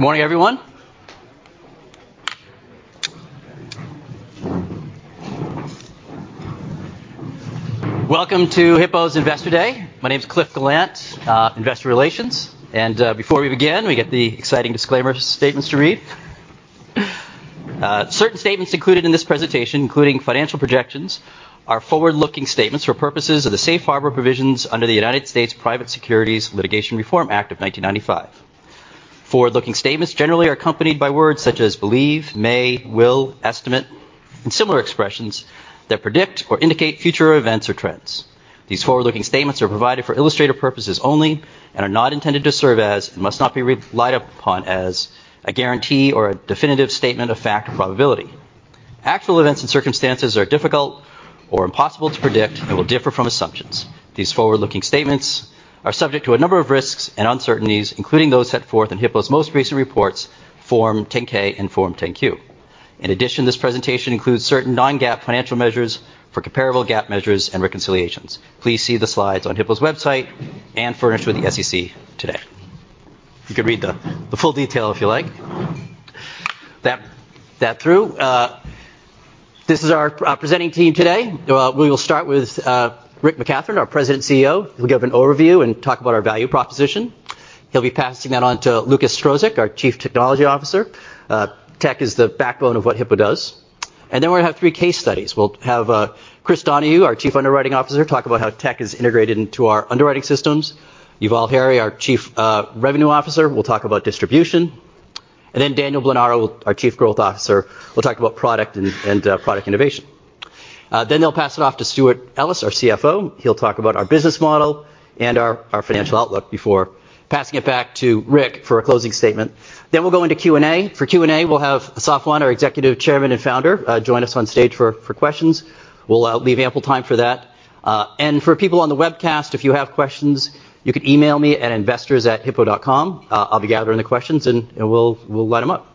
Good morning, everyone. Welcome to Hippo's Investor Day. My name is Cliff Gallant, Investor Relations. Before we begin, we got the exciting disclaimer statements to read. Certain statements included in this presentation, including financial projections, are forward-looking statements for purposes of the safe harbor provisions under the Private Securities Litigation Reform Act of 1995. Forward-looking statements generally are accompanied by words such as believe, may, will, estimate, and similar expressions that predict or indicate future events or trends. These forward-looking statements are provided for illustrative purposes only and are not intended to serve as, and must not be relied upon as, a guarantee or a definitive statement of fact or probability. Actual events and circumstances are difficult or impossible to predict and will differ from assumptions. These forward-looking statements are subject to a number of risks and uncertainties, including those set forth in Hippo's most recent reports, Form 10-K and Form 10-Q. In addition, this presentation includes certain non-GAAP financial measures for comparable GAAP measures and reconciliations. Please see the slides on Hippo's website and furnished with the SEC today. You can read the full detail if you like. This is our presenting team today. We will start with Rick McCathron, our President & CEO, who'll give an overview and talk about our value proposition. He'll be passing that on to Lukasz Strozek, our Chief Technology Officer. Tech is the backbone of what Hippo does. Then we're gonna have three case studies. We'll have Chris Donahue, our Chief Underwriting Officer, talk about how tech is integrated into our underwriting systems. Yuval Harry, our Chief Revenue Officer, will talk about distribution. Daniel Blanaru, our Chief Growth Officer, will talk about product and product innovation. They'll pass it off to Stewart Ellis, our CFO. He'll talk about our business model and our financial outlook before passing it back to Rick for a closing statement. We'll go into Q&A. For Q&A, we'll have Assaf Wand, our Executive Chairman and Founder, join us on stage for questions. We'll leave ample time for that. For people on the webcast, if you have questions, you can email me at investors@hippo.com. I'll be gathering the questions, and we'll light 'em up.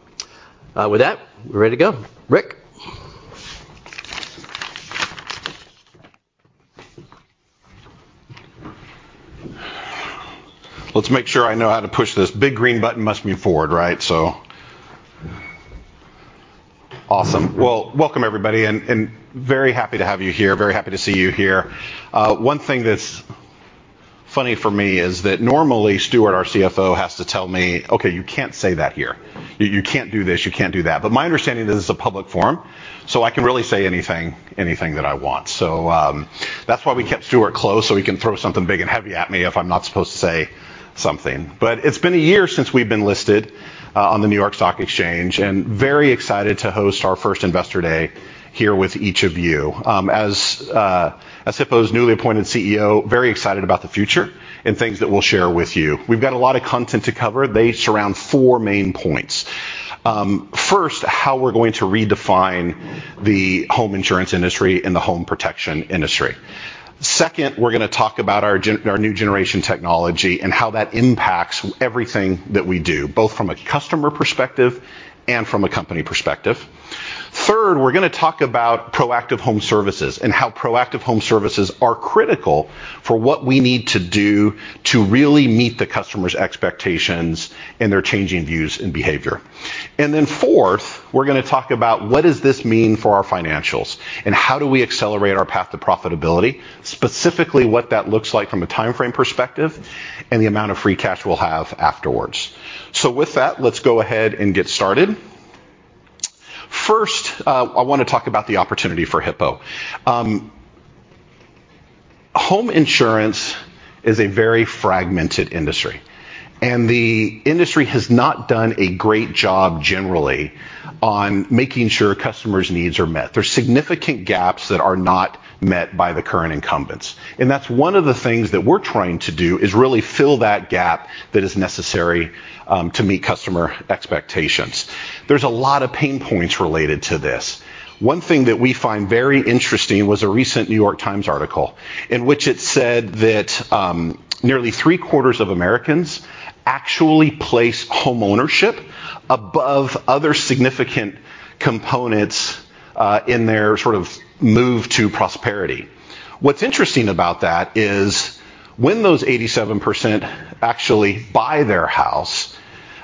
With that, we're ready to go. Rick. Let's make sure I know how to push this. Big green button must mean forward, right? Awesome. Well, welcome everybody, and very happy to have you here. Very happy to see you here. One thing that's funny for me is that normally Stewart, our CFO, has to tell me, "Okay, you can't say that here. You can't do this. You can't do that." But my understanding that this is a public forum, so I can really say anything that I want. That's why we kept Stewart close, so he can throw something big and heavy at me if I'm not supposed to say something. But it's been a year since we've been listed on the New York Stock Exchange, and very excited to host our first Investor Day here with each of you. As Hippo's newly appointed CEO, very excited about the future and things that we'll share with you. We've got a lot of content to cover. They surround four main points. First, how we're going to redefine the home insurance industry and the home protection industry. Second, we're gonna talk about our new generation technology and how that impacts everything that we do, both from a customer perspective and from a company perspective. Third, we're gonna talk about proactive home services and how proactive home services are critical for what we need to do to really meet the customer's expectations and their changing views and behavior. Then fourth, we're gonna talk about what does this mean for our financials, and how do we accelerate our path to profitability, specifically what that looks like from a timeframe perspective and the amount of free cash we'll have afterwards. With that, let's go ahead and get started. First, I wanna talk about the opportunity for Hippo. Home insurance is a very fragmented industry, and the industry has not done a great job generally on making sure customers' needs are met. There's significant gaps that are not met by the current incumbents, and that's one of the things that we're trying to do, is really fill that gap that is necessary, to meet customer expectations. There's a lot of pain points related to this. One thing that we find very interesting was a recent New York Times article in which it said that nearly 3/4 of Americans actually place homeownership above other significant components in their sort of move to prosperity. What's interesting about that is when those 87% actually buy their house,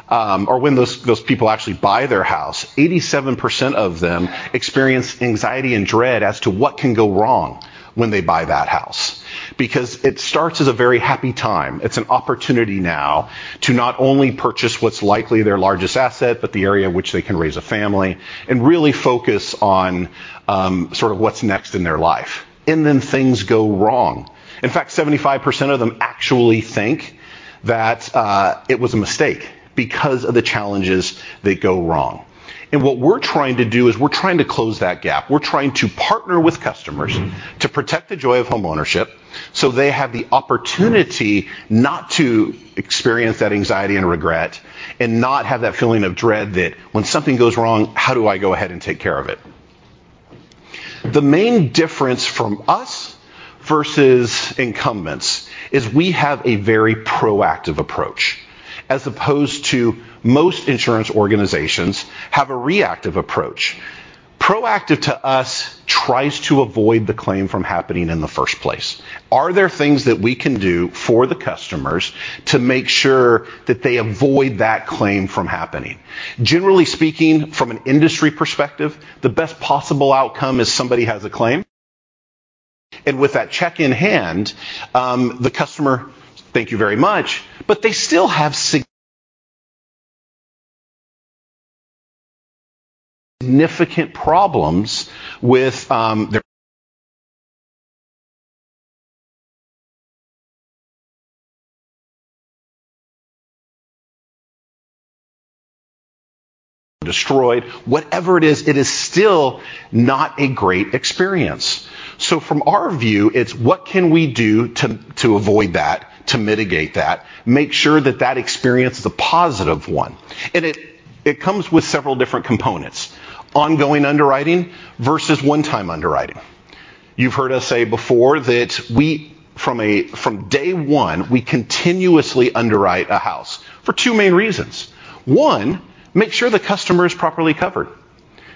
or when those people actually buy their house, 87% of them experience anxiety and dread as to what can go wrong when they buy that house. Because it starts as a very happy time. It's an opportunity now to not only purchase what's likely their largest asset, but the area in which they can raise a family and really focus on sort of what's next in their life, and then things go wrong. In fact, 75% of them actually think that it was a mistake because of the challenges that go wrong. What we're trying to do is close that gap. We're trying to partner with customers to protect the joy of homeownership, so they have the opportunity not to experience that anxiety and regret and not have that feeling of dread that when something goes wrong, how do I go ahead and take care of it? The main difference from us versus incumbents is we have a very proactive approach as opposed to most insurance organizations have a reactive approach. Proactive to us tries to avoid the claim from happening in the first place. Are there things that we can do for the customers to make sure that they avoid that claim from happening? Generally speaking, from an industry perspective, the best possible outcome is somebody has a claim, and with that check in hand, the customer, "Thank you very much," but they still have significant problems with their destroyed whatever it is. It is still not a great experience. From our view, it's what can we do to avoid that, to mitigate that, make sure that that experience is a positive one. It comes with several different components, ongoing underwriting versus one-time underwriting. You've heard us say before that from day one, we continuously underwrite a house for two main reasons. One, make sure the customer is properly covered.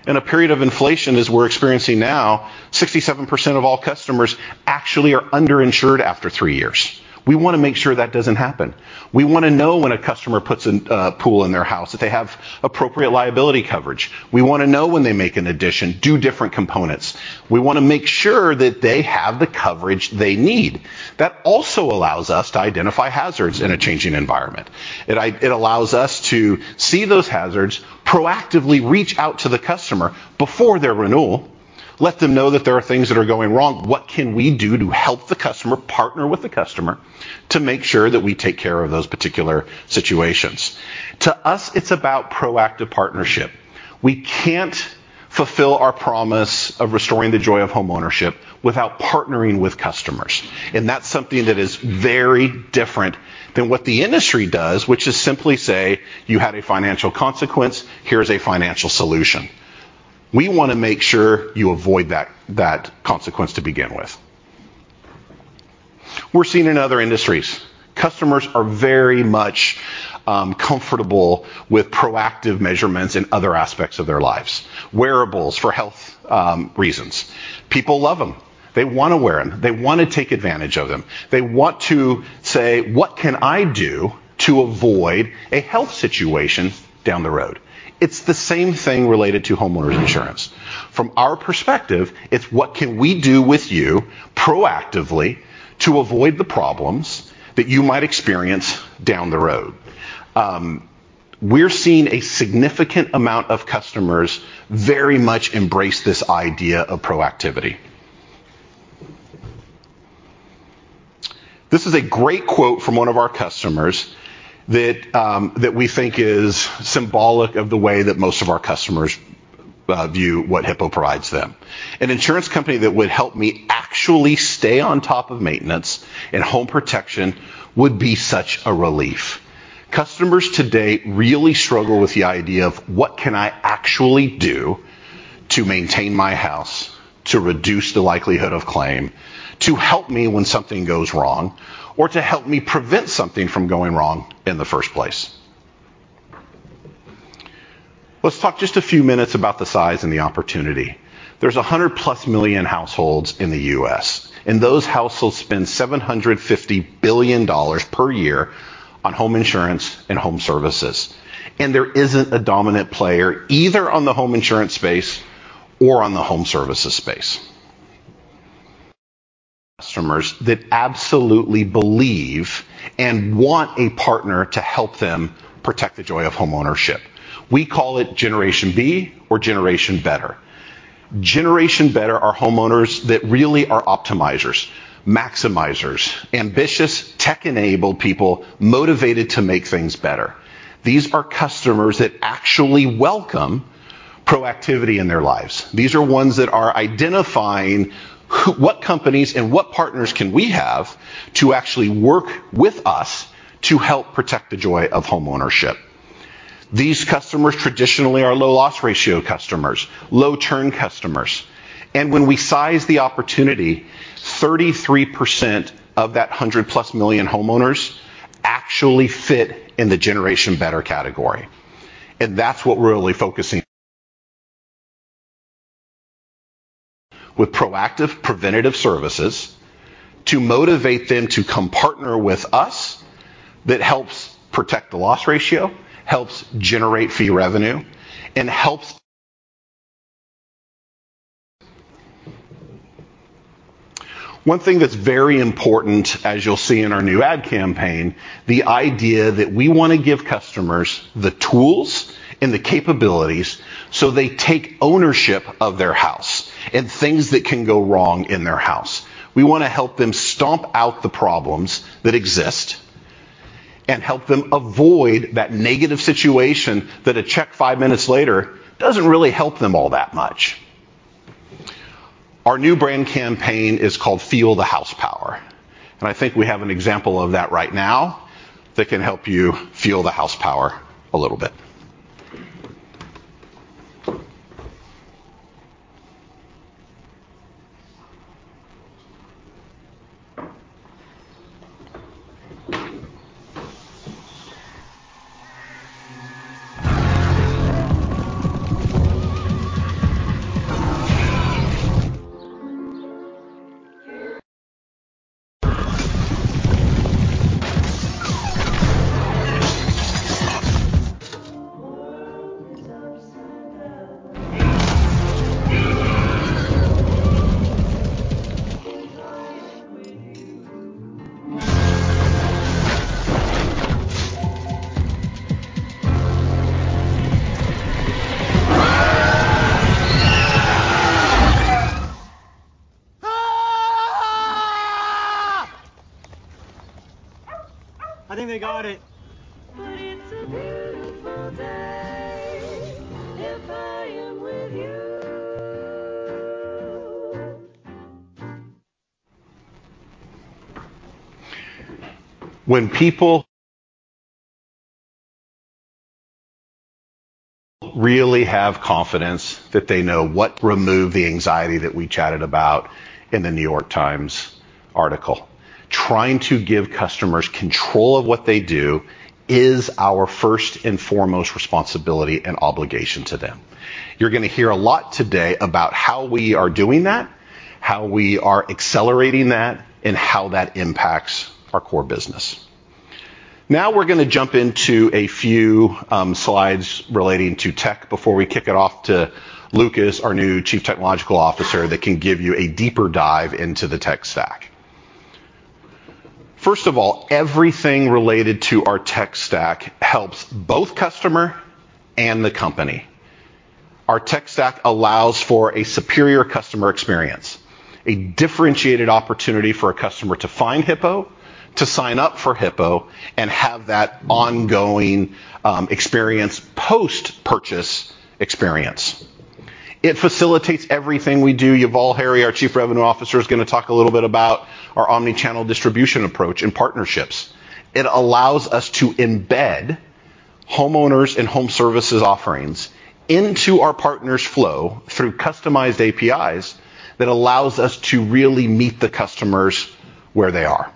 In a period of inflation as we're experiencing now, 67% of all customers actually are underinsured after three years. We wanna make sure that doesn't happen. We wanna know when a customer puts in a pool in their house, that they have appropriate liability coverage. We wanna know when they make an addition, do different components. We wanna make sure that they have the coverage they need. That also allows us to identify hazards in a changing environment. It allows us to see those hazards, proactively reach out to the customer before their renewal, let them know that there are things that are going wrong. What can we do to help the customer, partner with the customer, to make sure that we take care of those particular situations? To us, it's about proactive partnership. We can't fulfill our promise of restoring the joy of homeownership without partnering with customers, and that's something that is very different than what the industry does, which is simply say, "You had a financial consequence, here's a financial solution." We wanna make sure you avoid that consequence to begin with. We're seeing in other industries customers are very much comfortable with proactive measurements in othr aspects of their lives. Wearables for health reasons. People love 'em. They wanna wear 'em. They want to take advantage of it. They want to say, "What can I do to avoid a health situation down the road?" It's the same thing related to homeowners insurance. From our perspective, it's what can we do with you proactively to avoid the problems that you might experience down the road? We're seeing a significant amount of customers very much embrace this idea of proactivity. This is a great quote from one of our customers that we think is symbolic of the way that most of our customers view what Hippo provides them "An insurance company that would help me actually stay on top of maintenance and home protection would be such a relief." Customers today really struggle with the idea of what can I actually do to maintain my house, to reduce the likelihood of claim, to help me when something goes wrong, or to help me prevent something from going wrong in the first place. Let's talk just a few minutes about the size and the opportunity. There's 100+ million households in the U.S., and those households spend $750 billion per year on home insurance and home services, and there isn't a dominant player either on the home insurance space or on the home services space. Customers that absolutely believe and want a partner to help them protect the joy of homeownership. We call it Generation B or Generation Better. Generation Better are homeowners that really are optimizers, maximizers, ambitious tech-enabled people motivated to make things better. These are customers that actually welcome proactivity in their lives. These are ones that are identifying what companies and what partners can we have to actually work with us to help protect the joy of homeownership. These customers traditionally are low loss ratio customers, low churn customers, and when we size the opportunity, 33% of that 100+ million homeowners actually fit in the Generation Better category, and that's what we're really focusing with proactive preventative services to motivate them to come partner with us that helps protect the loss ratio, helps generate fee revenue, and helps. One thing that's very important as you'll see in our new ad campaign, the idea that we wanna give customers the tools and the capabilities, so they take ownership of their house and things that can go wrong in their house. We wanna help them stomp out the problems that exist and help them avoid that negative situation that a check 5 minutes later doesn't really help them all that much. Our new brand campaign is called Feel the House Power, and I think we have an example of that right now that can help you feel the house power a little bit. I think they got it. It's a beautiful day if I am with you. When people really have confidence that they know what removed the anxiety that we chatted about in the New York Times article. Trying to give customers control of what they do is our first and foremost responsibility and obligation to them. You're gonna hear a lot today about how we are doing that, how we are accelerating that, and how that impacts our core business. Now we're gonna jump into a few slides relating to tech before we kick it off to Lukasz, our new Chief Technology Officer, that can give you a deeper dive into the tech stack. First of all, everything related to our tech stack helps both customer and the company. Our tech stack allows for a superior customer experience, a differentiated opportunity for a customer to find Hippo, to sign up for Hippo, and have that ongoing, experience post-purchase experience. It facilitates everything we do. Yuval Harry, our Chief Revenue Officer, is gonna talk a little bit about our omni-channel distribution approach and partnerships. It allows us to embed homeowners and home services offerings into our partners' flow through customized APIs that allows us to really meet the customers where they are.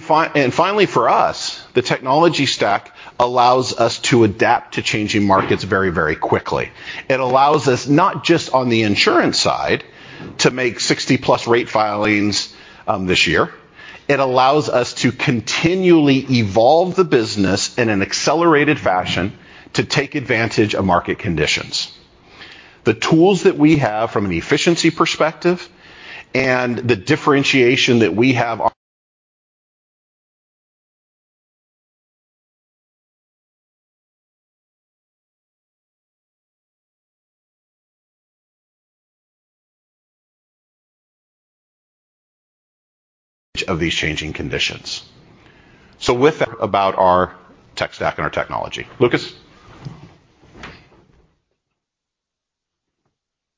Finally, for us, the technology stack allows us to adapt to changing markets very, very quickly. It allows us, not just on the insurance side, to make 60+ rate filings this year. It allows us to continually evolve the business in an accelerated fashion to take advantage of market conditions. The tools that we have from an efficiency perspective and the differentiation that we have of these changing conditions. With that about our tech stack and our technology. Lukasz?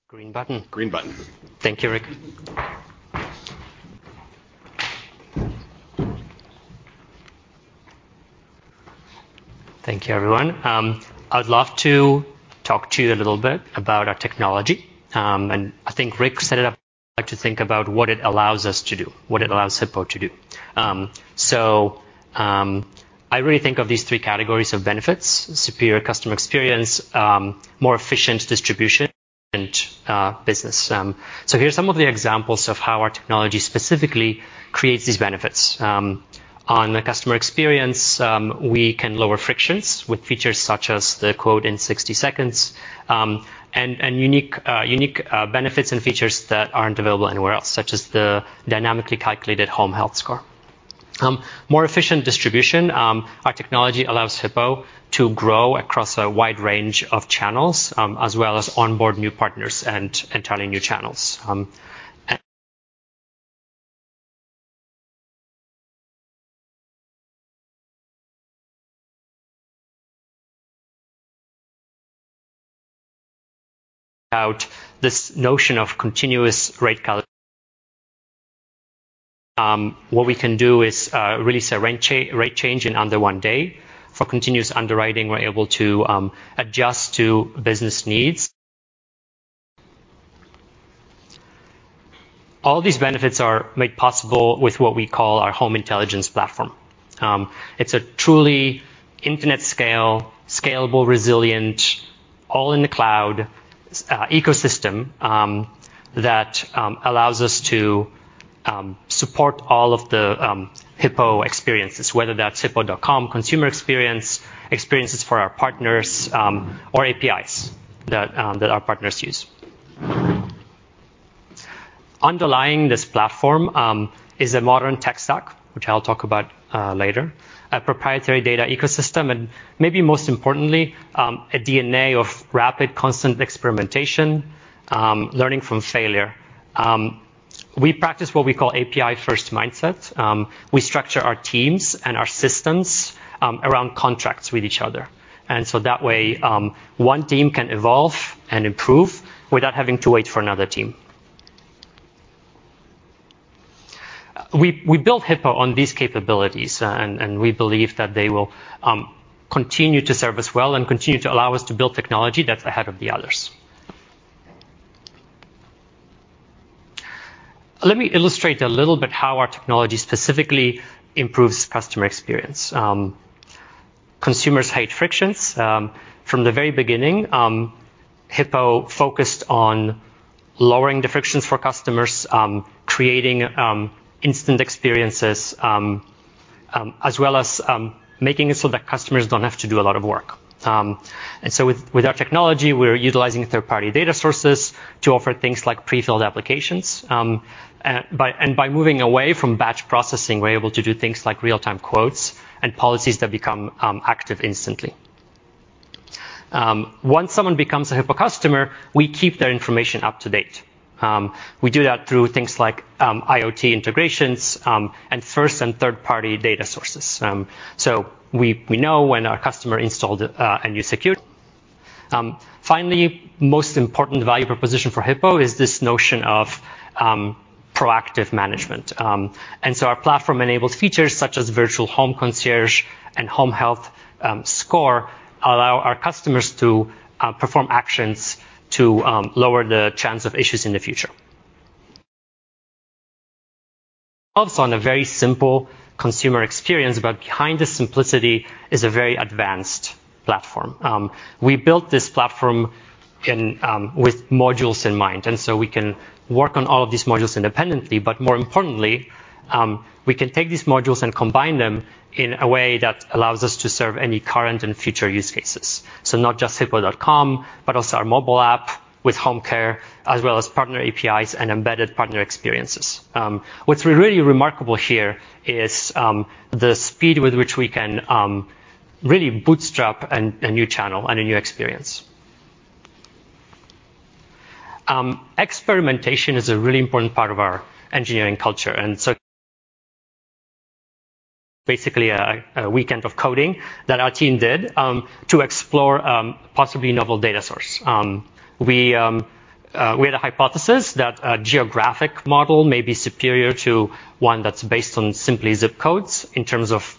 Green button. Green button. Thank you, Rick. Thank you, everyone. I would love to talk to you a little bit about our technology. I think Rick set it up to think about what it allows us to do, what it allows Hippo to do. I really think of these three categories of benefits: superior customer experience, more efficient distribution, and business. Here are some of the examples of how our technology specifically creates these benefits. On the customer experience, we can lower frictions with features such as the quote in 60 seconds, and unique benefits and features that aren't available anywhere else, such as the dynamically calculated home health score. More efficient distribution, our technology allows Hippo to grow across a wide range of channels, as well as onboard new partners and entirely new channels. What we can do is release a rate change in under one day. For continuous underwriting, we're able to adjust to business needs. All these benefits are made possible with what we call our home intelligence platform. It's a truly infinitely scalable, resilient, all in the cloud ecosystem that allows us to support all of the Hippo experiences, whether that's hippo.com, consumer experience, experiences for our partners, or APIs that our partners use. Underlying this platform is a modern tech stack, which I'll talk about later, a proprietary data ecosystem, and maybe most importantly, a DNA of rapid constant experimentation, learning from failure. We practice what we call API-first mindset. We structure our teams and our systems around contracts with each other. That way, one team can evolve and improve without having to wait for another team. We built Hippo on these capabilities, and we believe that they will continue to serve us well and continue to allow us to build technology that's ahead of the others. Let me illustrate a little bit how our technology specifically improves customer experience. Consumers hate frictions. From the very beginning, Hippo focused on lowering the frictions for customers, creating instant experiences, as well as making it so that customers don't have to do a lot of work. With our technology, we're utilizing third-party data sources to offer things like pre-filled applications, and by moving away from batch processing, we're able to do things like real-time quotes and policies that become active instantly. Once someone becomes a Hippo customer, we keep their information up to date. We do that through things like IoT integrations, and first and third-party data sources. We know when our customer installed a new security. Finally, most important value proposition for Hippo is this notion of proactive management. Our platform enables features such as virtual home concierge and home health score, allow our customers to perform actions to lower the chance of issues in the future. Also on a very simple consumer experience, but behind the simplicity is a very advanced platform. We built this platform with modules in mind, and so we can work on all of these modules independently, but more importantly, we can take these modules and combine them in a way that allows us to serve any current and future use cases. Not just hippo.com, but also our mobile app with home care as well as partner APIs and embedded partner experiences. What's really remarkable here is the speed with which we can really bootstrap a new channel and a new experience. Experimentation is a really important part of our engineering culture. Basically, a weekend of coding that our team did to explore possibly novel data source. We had a hypothesis that a geographic model may be superior to one that's based on simply zip codes in terms of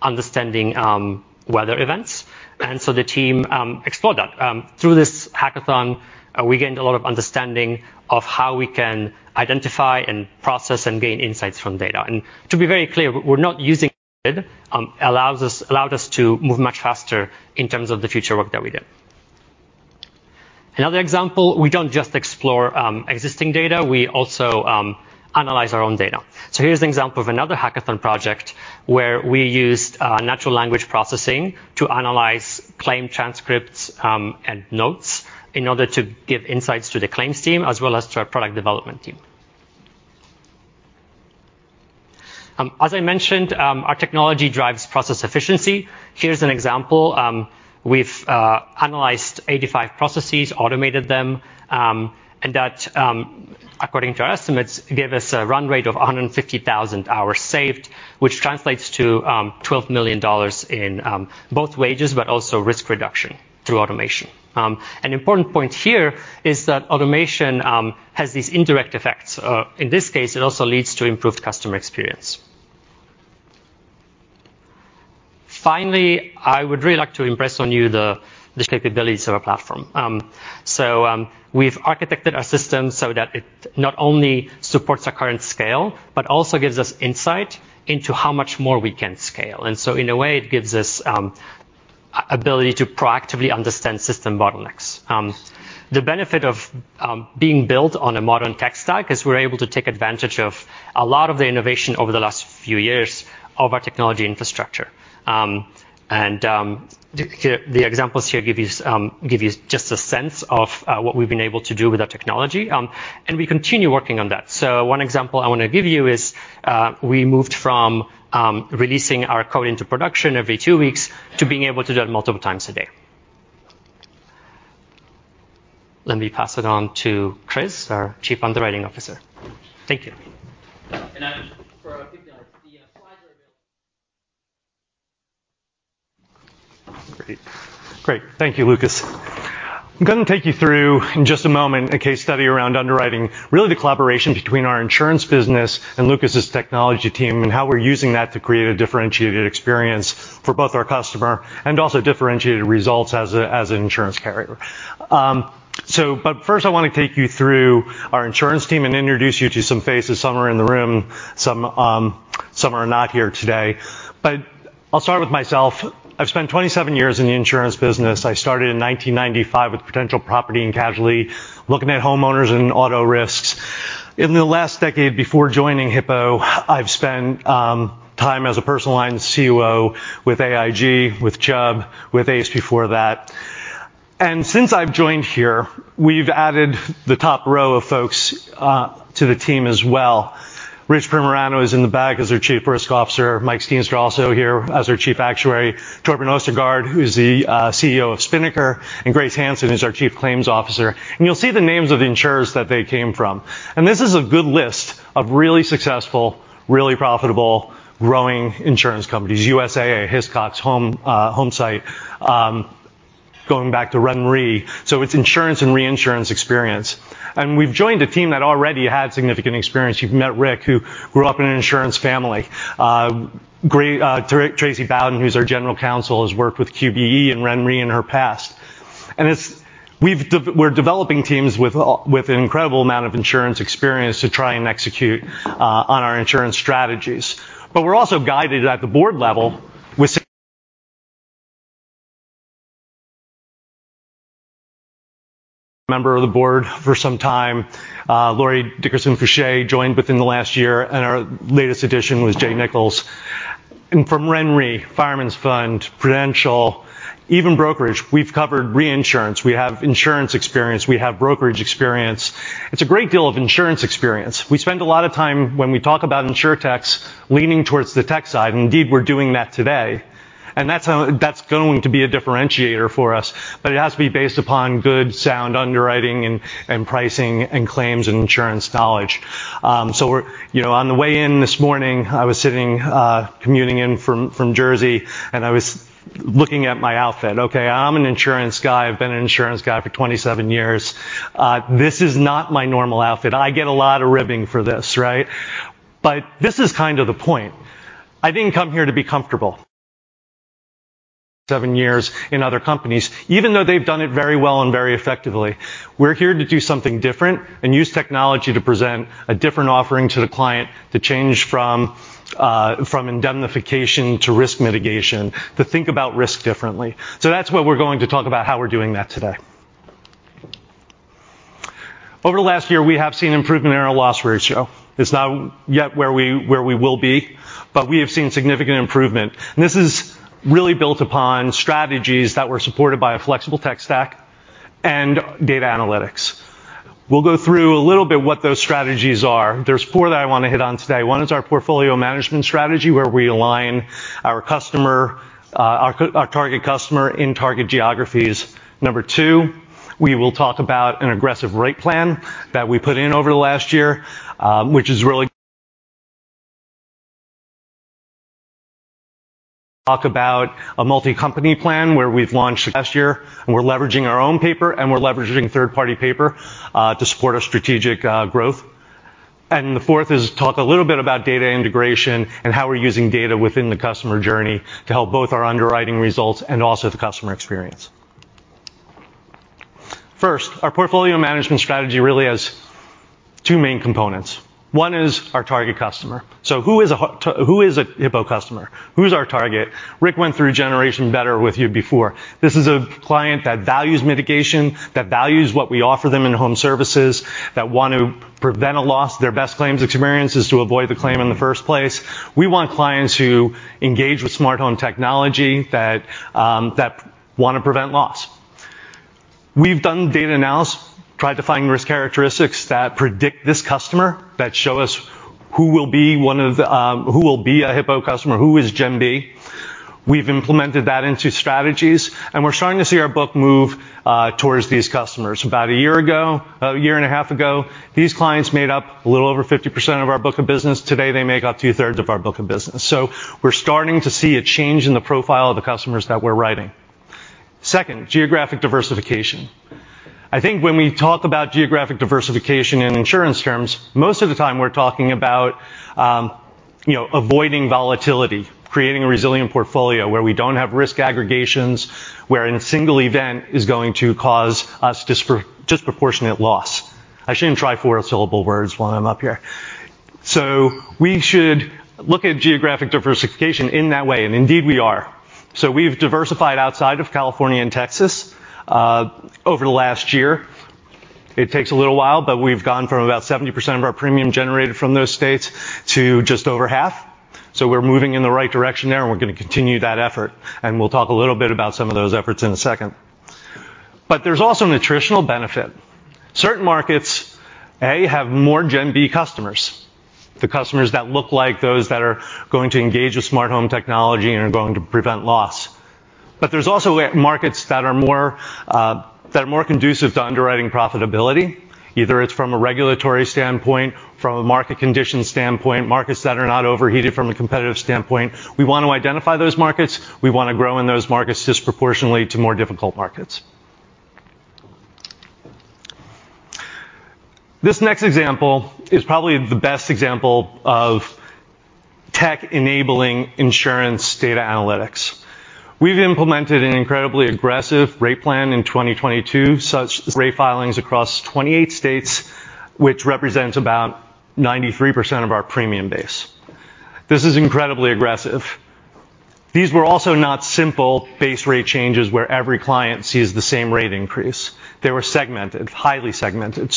understanding weather events, and so the team explored that. Through this hackathon, we gained a lot of understanding of how we can identify and process and gain insights from data. To be very clear, it allowed us to move much faster in terms of the future work that we did. Another example, we don't just explore existing data, we also analyze our own data. Here's an example of another hackathon project where we used natural language processing to analyze claim transcripts and notes in order to give insights to the claims team as well as to our product development team. As I mentioned, our technology drives process efficiency. Here's an example. We've analyzed 85 processes, automated them, and that, according to our estimates, gave us a run rate of 150,000 hours saved, which translates to $12 million in both wages, but also risk reduction through automation. An important point here is that automation has these indirect effects. In this case, it also leads to improved customer experience. Finally, I would really like to impress on you the capabilities of our platform. We've architected our system so that it not only supports our current scale, but also gives us insight into how much more we can scale. In a way, it gives us ability to proactively understand system bottlenecks. The benefit of being built on a modern tech stack is we're able to take advantage of a lot of the innovation over the last few years of our technology infrastructure. The examples here give you just a sense of what we've been able to do with our technology, and we continue working on that. One example I wanna give you is we moved from releasing our code into production every two weeks to being able to do it multiple times a day. Let me pass it on to Chris, our Chief Underwriting Officer. Thank you. For our attendees, the slides are available. Great. Thank you, Lukasz. I'm gonna take you through, in just a moment, a case study around underwriting, really the collaboration between our insurance business and Lukasz's technology team, and how we're using that to create a differentiated experience for both our customer and also differentiated results as an insurance carrier. First, I wanna take you through our insurance team and introduce you to some faces. Some are in the room, some are not here today. I'll start with myself. I've spent 27 years in the insurance business. I started in 1995 with Prudential Property and Casualty, looking at homeowners and auto risks. In the last decade before joining Hippo, I've spent time as a personal line COO with AIG, with Chubb, with ACE before that. Since I've joined here, we've added the top row of folks to the team as well. Rich Primerano is in the back as our Chief Risk Officer. Mike Stienstra also here as our Chief Actuary. Torben Ostergaard, who is the CEO of Spinnaker, and Grace Hanson, who's our Chief Claims Officer. You'll see the names of the insurers that they came from. This is a good list of really successful, really profitable, growing insurance companies. USAA, Hiscox, Homesite, going back to RenRe. It's insurance and reinsurance experience. We've joined a team that already had significant experience. You've met Rick, who grew up in an insurance family. Tracy Bowden, who's our General Counsel, has worked with QBE and RenRe in her past. It's... We're developing teams with an incredible amount of insurance experience to try and execute on our insurance strategies. We're also guided at the board level with some member of the board for some time. Lori Dickerson-Fouché joined within the last year, and our latest addition was John Nichols Jr. From RenaissanceRe, Fireman's Fund, Prudential, even brokerage, we've covered reinsurance, we have insurance experience, we have brokerage experience. It's a great deal of insurance experience. We spend a lot of time when we talk about InsurTechs leaning towards the tech side, and indeed we're doing that today. That's how that's going to be a differentiator for us, but it has to be based upon good, sound underwriting and pricing and claims and insurance knowledge. We're... You know, on the way in this morning, I was sitting, commuting in from Jersey, and I was looking at my outfit. Okay, I'm an insurance guy, I've been an insurance guy for 27 years. This is not my normal outfit. I get a lot of ribbing for this, right? But this is kind of the point. I didn't come here to be comfortable. Seven years in other companies, even though they've done it very well and very effectively, we're here to do something different and use technology to present a different offering to the client to change from indemnification to risk mitigation, to think about risk differently. That's what we're going to talk about how we're doing that today. Over the last year, we have seen improvement in our loss ratio. It's not yet where we will be, but we have seen significant improvement. This is really built upon strategies that were supported by a flexible tech stack and data analytics. We'll go through a little bit what those strategies are. There's four that I wanna hit on today. One is our portfolio management strategy, where we align our target customer in target geographies. Number two, we will talk about an aggressive rate plan that we put in over the last year, which is really to talk about a multi-company plan where we've launched last year, and we're leveraging our own paper, and we're leveraging third-party paper to support our strategic growth. The fourth is talk a little bit about data integration and how we're using data within the customer journey to help both our underwriting results and also the customer experience. First, our portfolio management strategy really has two main components. One is our target customer. So who is a Hippo customer? Who's our target? Rick went through Generation Better with you before. This is a client that values mitigation, that values what we offer them in home services, that want to prevent a loss. Their best claims experience is to avoid the claim in the first place. We want clients who engage with smart home technology, that wanna prevent loss. We've done data analysis, tried to find risk characteristics that predict this customer, that show us who will be one of the... Who will be a Hippo customer, who is Gen B. We've implemented that into strategies, and we're starting to see our book move towards these customers. About a year ago, a year and a half ago, these clients made up a little over 50% of our book of business. Today, they make up 2/3 of our book of business. We're starting to see a change in the profile of the customers that we're writing. Second, geographic diversification. I think when we talk about geographic diversification in insurance terms, most of the time we're talking about, you know, avoiding volatility, creating a resilient portfolio where we don't have risk aggregations, where a single event is going to cause us disproportionate loss. I shouldn't try four-syllable words while I'm up here. We should look at geographic diversification in that way, and indeed we are. We've diversified outside of California and Texas over the last year. It takes a little while, but we've gone from about 70% of our premium generated from those states to just over half. We're moving in the right direction there, and we're gonna continue that effort, and we'll talk a little bit about some of those efforts in a second. There's also additional benefit. Certain markets have more Gen B customers, the customers that look like those that are going to engage with smart home technology and are going to prevent loss. There's also markets that are more conducive to underwriting profitability. Either it's from a regulatory standpoint, from a market condition standpoint, markets that are not overheated from a competitive standpoint. We want to identify those markets. We want to grow in those markets disproportionately to more difficult markets. This next example is probably the best example of tech enabling insurance data analytics. We've implemented an incredibly aggressive rate plan in 2022, such rate filings across 28 states, which represents about 93% of our premium base. This is incredibly aggressive. These were also not simple base rate changes where every client sees the same rate increase. They were segmented, highly segmented.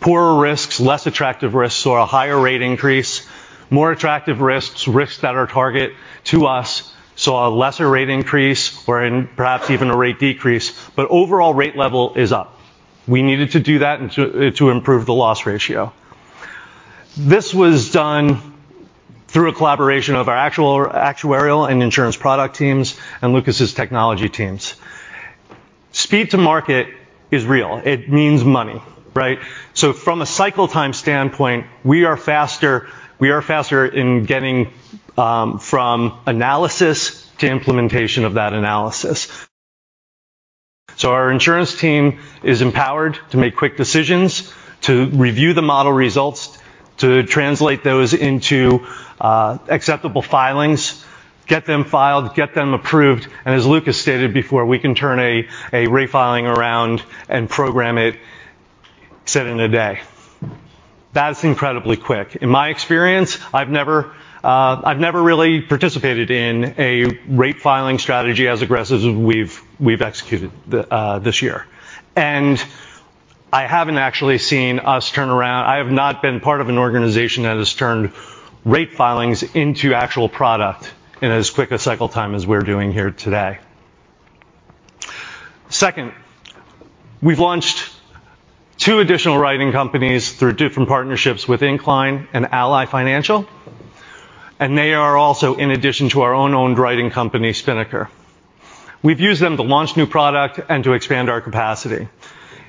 Poorer risks, less attractive risks saw a higher rate increase. More attractive risks that are target to us, saw a lesser rate increase or even perhaps a rate decrease. Overall rate level is up. We needed to do that to improve the loss ratio. This was done through a collaboration of our actuarial and insurance product teams and Lukasz's technology teams. Speed to market is real. It means money, right? From a cycle time standpoint, we are faster in getting from analysis to implementation of that analysis. Our insurance team is empowered to make quick decisions, to review the model results, to translate those into acceptable filings. Get them filed, get them approved, and as Lukasz stated before, we can turn a refiling around and program it, say, in a day. That's incredibly quick. In my experience, I've never really participated in a rate filing strategy as aggressive as we've executed this year. I have not been part of an organization that has turned rate filings into actual product in as quick a cycle time as we're doing here today. Second, we've launched two additional writing companies through different partnerships with Incline and Ally Financial, and they are also in addition to our own owned writing company, Spinnaker. We've used them to launch new product and to expand our capacity.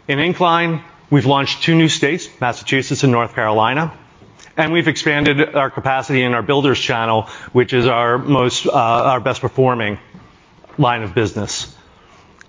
In Incline, we've launched two new states, Massachusetts and North Carolina, and we've expanded our capacity in our builders channel, which is our best performing line of business.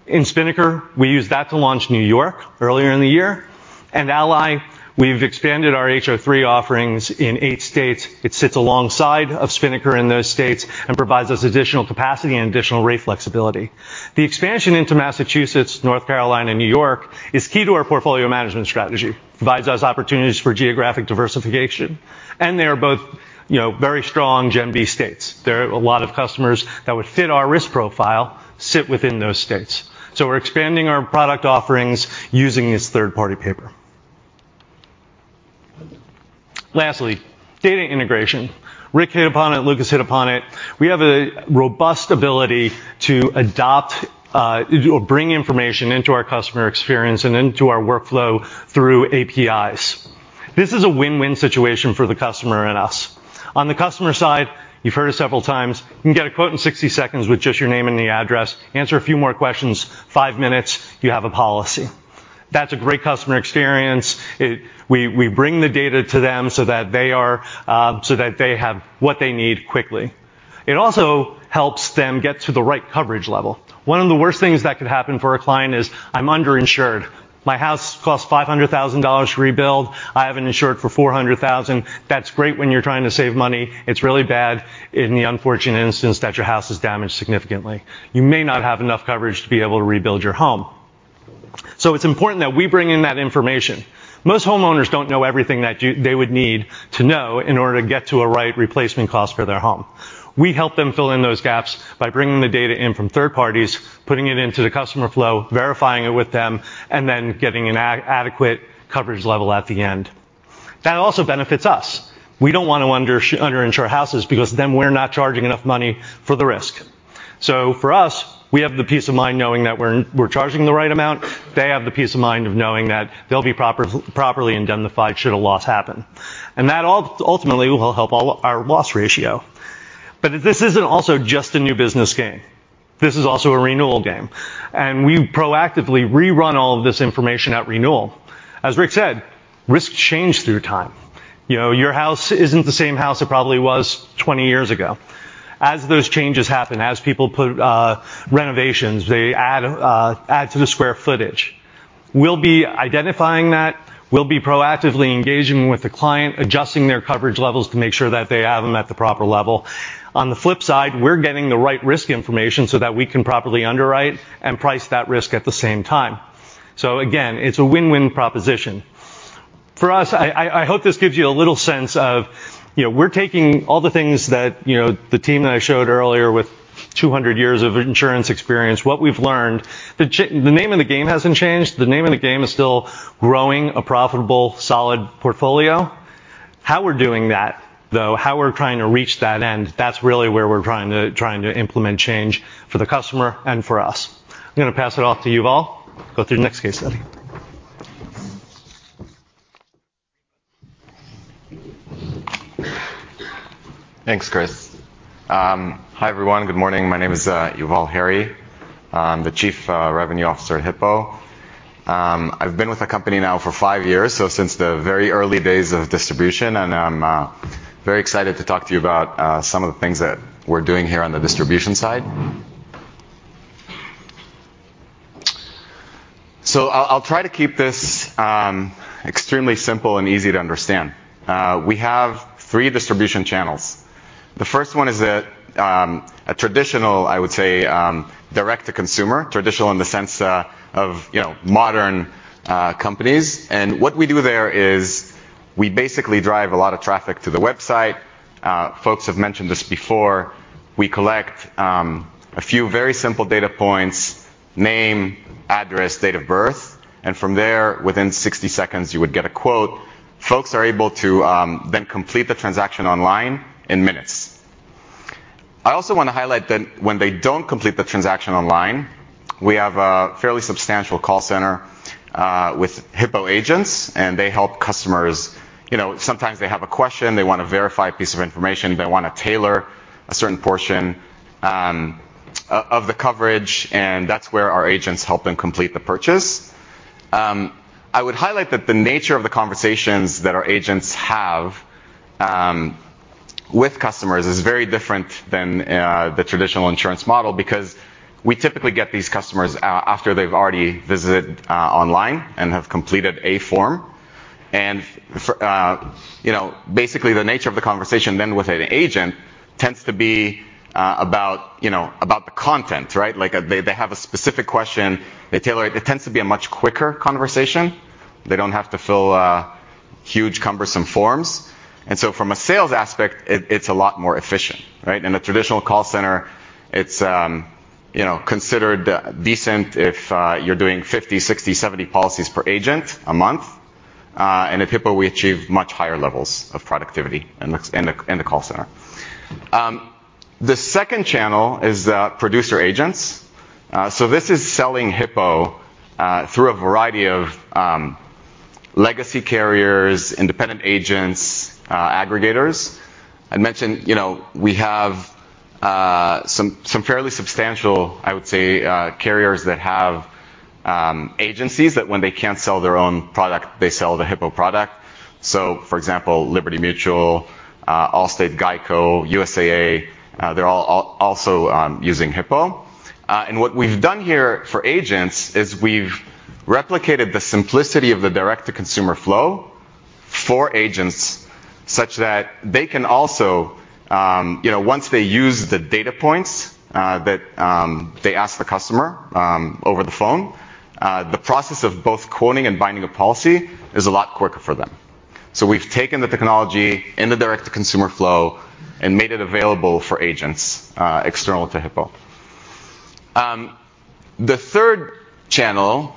In Spinnaker, we used that to launch New York earlier in the year, and Ally, we've expanded our HO3 offerings in eight states. It sits alongside of Spinnaker in those states and provides us additional capacity and additional rate flexibility. The expansion into Massachusetts, North Carolina and New York is key to our portfolio management strategy, provides us opportunities for geographic diversification, and they are both, you know, very strong Gen B states. There are a lot of customers that would fit our risk profile sit within those states. We're expanding our product offerings using this third-party paper. Lastly, data integration. Rick hit upon it, Lukasz hit upon it. We have a robust ability to adopt or bring information into our customer experience and into our workflow through APIs. This is a win-win situation for the customer and us. On the customer side, you've heard it several times, you can get a quote in 60 seconds with just your name and the address. Answer a few more questions, five minutes, you have a policy. That's a great customer experience. We bring the data to them so that they have what they need quickly. It also helps them get to the right coverage level. One of the worst things that could happen for a client is I'm underinsured. My house costs $500,000 to rebuild. I have it insured for $400,000. That's great when you're trying to save money. It's really bad in the unfortunate instance that your house is damaged significantly. You may not have enough coverage to be able to rebuild your home. It's important that we bring in that information. Most homeowners don't know everything that they would need to know in order to get to a right replacement cost for their home. We help them fill in those gaps by bringing the data in from third parties, putting it into the customer flow, verifying it with them, and then getting an adequate coverage level at the end. That also benefits us. We don't want to underinsure houses because then we're not charging enough money for the risk. For us, we have the peace of mind knowing that we're charging the right amount. They have the peace of mind of knowing that they'll be properly indemnified should a loss happen. That ultimately will help all our loss ratio. This isn't also just a new business game. This is also a renewal game, and we proactively rerun all of this information at renewal. As Rick said, risks change through time. You know, your house isn't the same house it probably was 20 years ago. As those changes happen, as people put renovations, they add to the square footage. We'll be identifying that. We'll be proactively engaging with the client, adjusting their coverage levels to make sure that they have them at the proper level. On the flip side, we're getting the right risk information so that we can properly underwrite and price that risk at the same time. Again, it's a win-win proposition. For us, I hope this gives you a little sense of, you know, we're taking all the things that, you know, the team that I showed earlier with 200 years of insurance experience, what we've learned. The name of the game hasn't changed. The name of the game is still growing a profitable, solid portfolio. How we're doing that, though, how we're trying to reach that end, that's really where we're trying to implement change for the customer and for us. I'm gonna pass it off to Yuval. Go through the next case study. Thanks, Chris. Hi, everyone. Good morning. My name is Yuval Harry. I'm the Chief Revenue Officer at Hippo. I've been with the company now for five years, so since the very early days of distribution, and I'm very excited to talk to you about some of the things that we're doing here on the distribution side. I'll try to keep this extremely simple and easy to understand. We have three distribution channels. The first one is a traditional, I would say, direct-to-consumer, traditional in the sense of you know modern companies. What we do there is we basically drive a lot of traffic to the website. Folks have mentioned this before. We collect a few very simple data points: name, address, date of birth, and from there, within 60 seconds, you would get a quote. Folks are able to then complete the transaction online in minutes. I also want to highlight that when they don't complete the transaction online, we have a fairly substantial call center with Hippo agents, and they help customers. You know, sometimes they have a question, they want to verify a piece of information, they want to tailor a certain portion of the coverage, and that's where our agents help them complete the purchase. I would highlight that the nature of the conversations that our agents have with customers is very different than the traditional insurance model because we typically get these customers after they've already visited online and have completed a form. You know, basically the nature of the conversation then with an agent tends to be about the content, right? Like, they have a specific question, they tailor it. It tends to be a much quicker conversation. They don't have to fill huge cumbersome forms. From a sales aspect, it's a lot more efficient, right? In a traditional call center, it's you know, considered decent if you're doing 50, 60, 70 policies per agent a month. At Hippo, we achieve much higher levels of productivity in the call center. The second channel is producer agents. This is selling Hippo through a variety of legacy carriers, independent agents, aggregators. I mentioned, you know, we have some fairly substantial, I would say, carriers that have agencies that when they can't sell their own product, they sell the Hippo product. For example, Liberty Mutual, Allstate, GEICO, USAA, they're all also using Hippo. What we've done here for agents is we've replicated the simplicity of the direct-to-consumer flow for agents such that they can also, you know, once they use the data points that they ask the customer over the phone, the process of both quoting and binding a policy is a lot quicker for them. We've taken the technology in the direct-to-consumer flow and made it available for agents external to Hippo. The third channel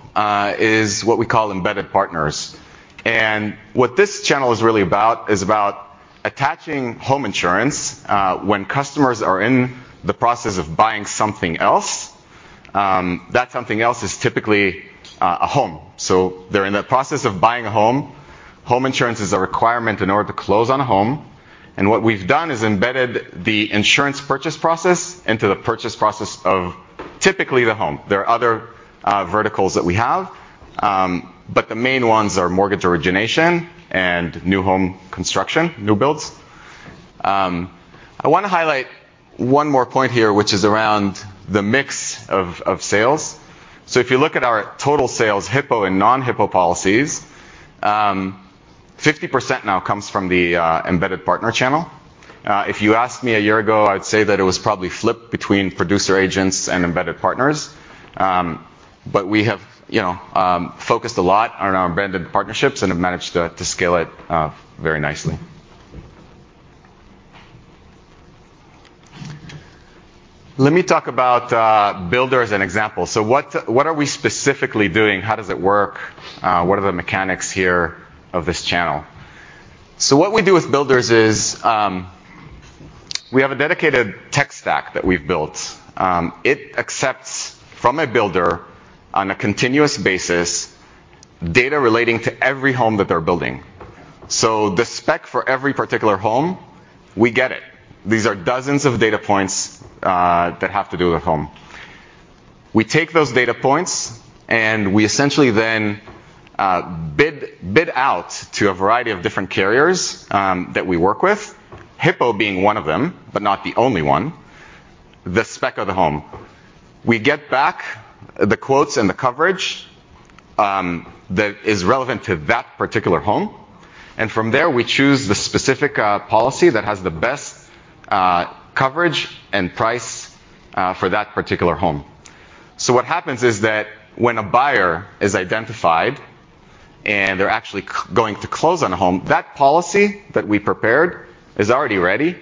is what we call embedded partners. What this channel is really about is attaching home insurance when customers are in the process of buying something else. That something else is typically a home. They're in the process of buying a home. Home insurance is a requirement in order to close on a home. What we've done is embedded the insurance purchase process into the purchase process of typically the home. There are other verticals that we have, but the main ones are mortgage origination and new home construction, new builds. I wanna highlight one more point here, which is around the mix of sales. If you look at our total sales, Hippo and non-Hippo policies, 50% now comes from the embedded partner channel. If you asked me a year ago, I'd say that it was probably flipped between producer agents and embedded partners. We have, you know, focused a lot on our embedded partnerships and have managed to scale it very nicely. Let me talk about builders as an example. What are we specifically doing? How does it work? What are the mechanics here of this channel? What we do with builders is, we have a dedicated tech stack that we've built. It accepts from a builder on a continuous basis data relating to every home that they're building. The spec for every particular home, we get it. These are dozens of data points that have to do with the home. We take those data points, and we essentially then bid out to a variety of different carriers that we work with, Hippo being one of them, but not the only one, the spec of the home. We get back the quotes and the coverage that is relevant to that particular home. From there, we choose the specific policy that has the best coverage and price for that particular home. What happens is that when a buyer is identified and they're actually going to close on a home, that policy that we prepared is already ready.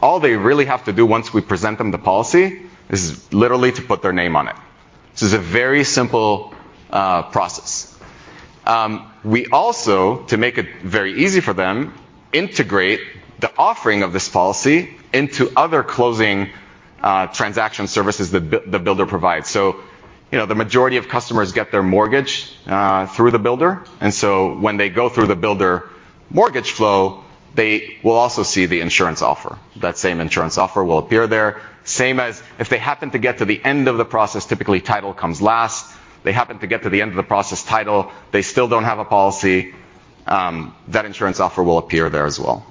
All they really have to do once we present them the policy is literally to put their name on it. This is a very simple process. We also, to make it very easy for them, integrate the offering of this policy into other closing transaction services the builder provides. You know, the majority of customers get their mortgage through the builder, and so when they go through the builder mortgage flow, they will also see the insurance offer. That same insurance offer will appear there, same as if they happen to get to the end of the process, typically title comes last. They happen to get to the end of the process title, they still don't have a policy, that insurance offer will appear there as well.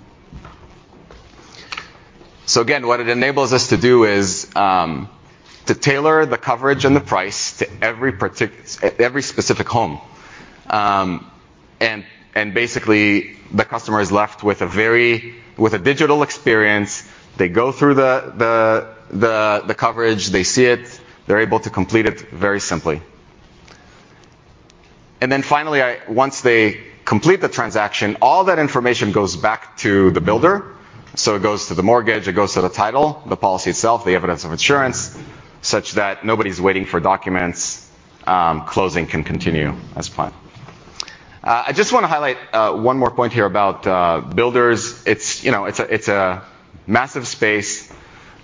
Again, what it enables us to do is to tailor the coverage and the price to every specific home. Basically the customer is left with a digital experience. They go through the coverage, they see it, they're able to complete it very simply. Then finally, once they complete the transaction, all that information goes back to the builder. It goes to the mortgage, it goes to the title, the policy itself, the evidence of insurance, such that nobody's waiting for documents. Closing can continue as planned. I just wanna highlight one more point here about builders. It's, you know, it's a massive space.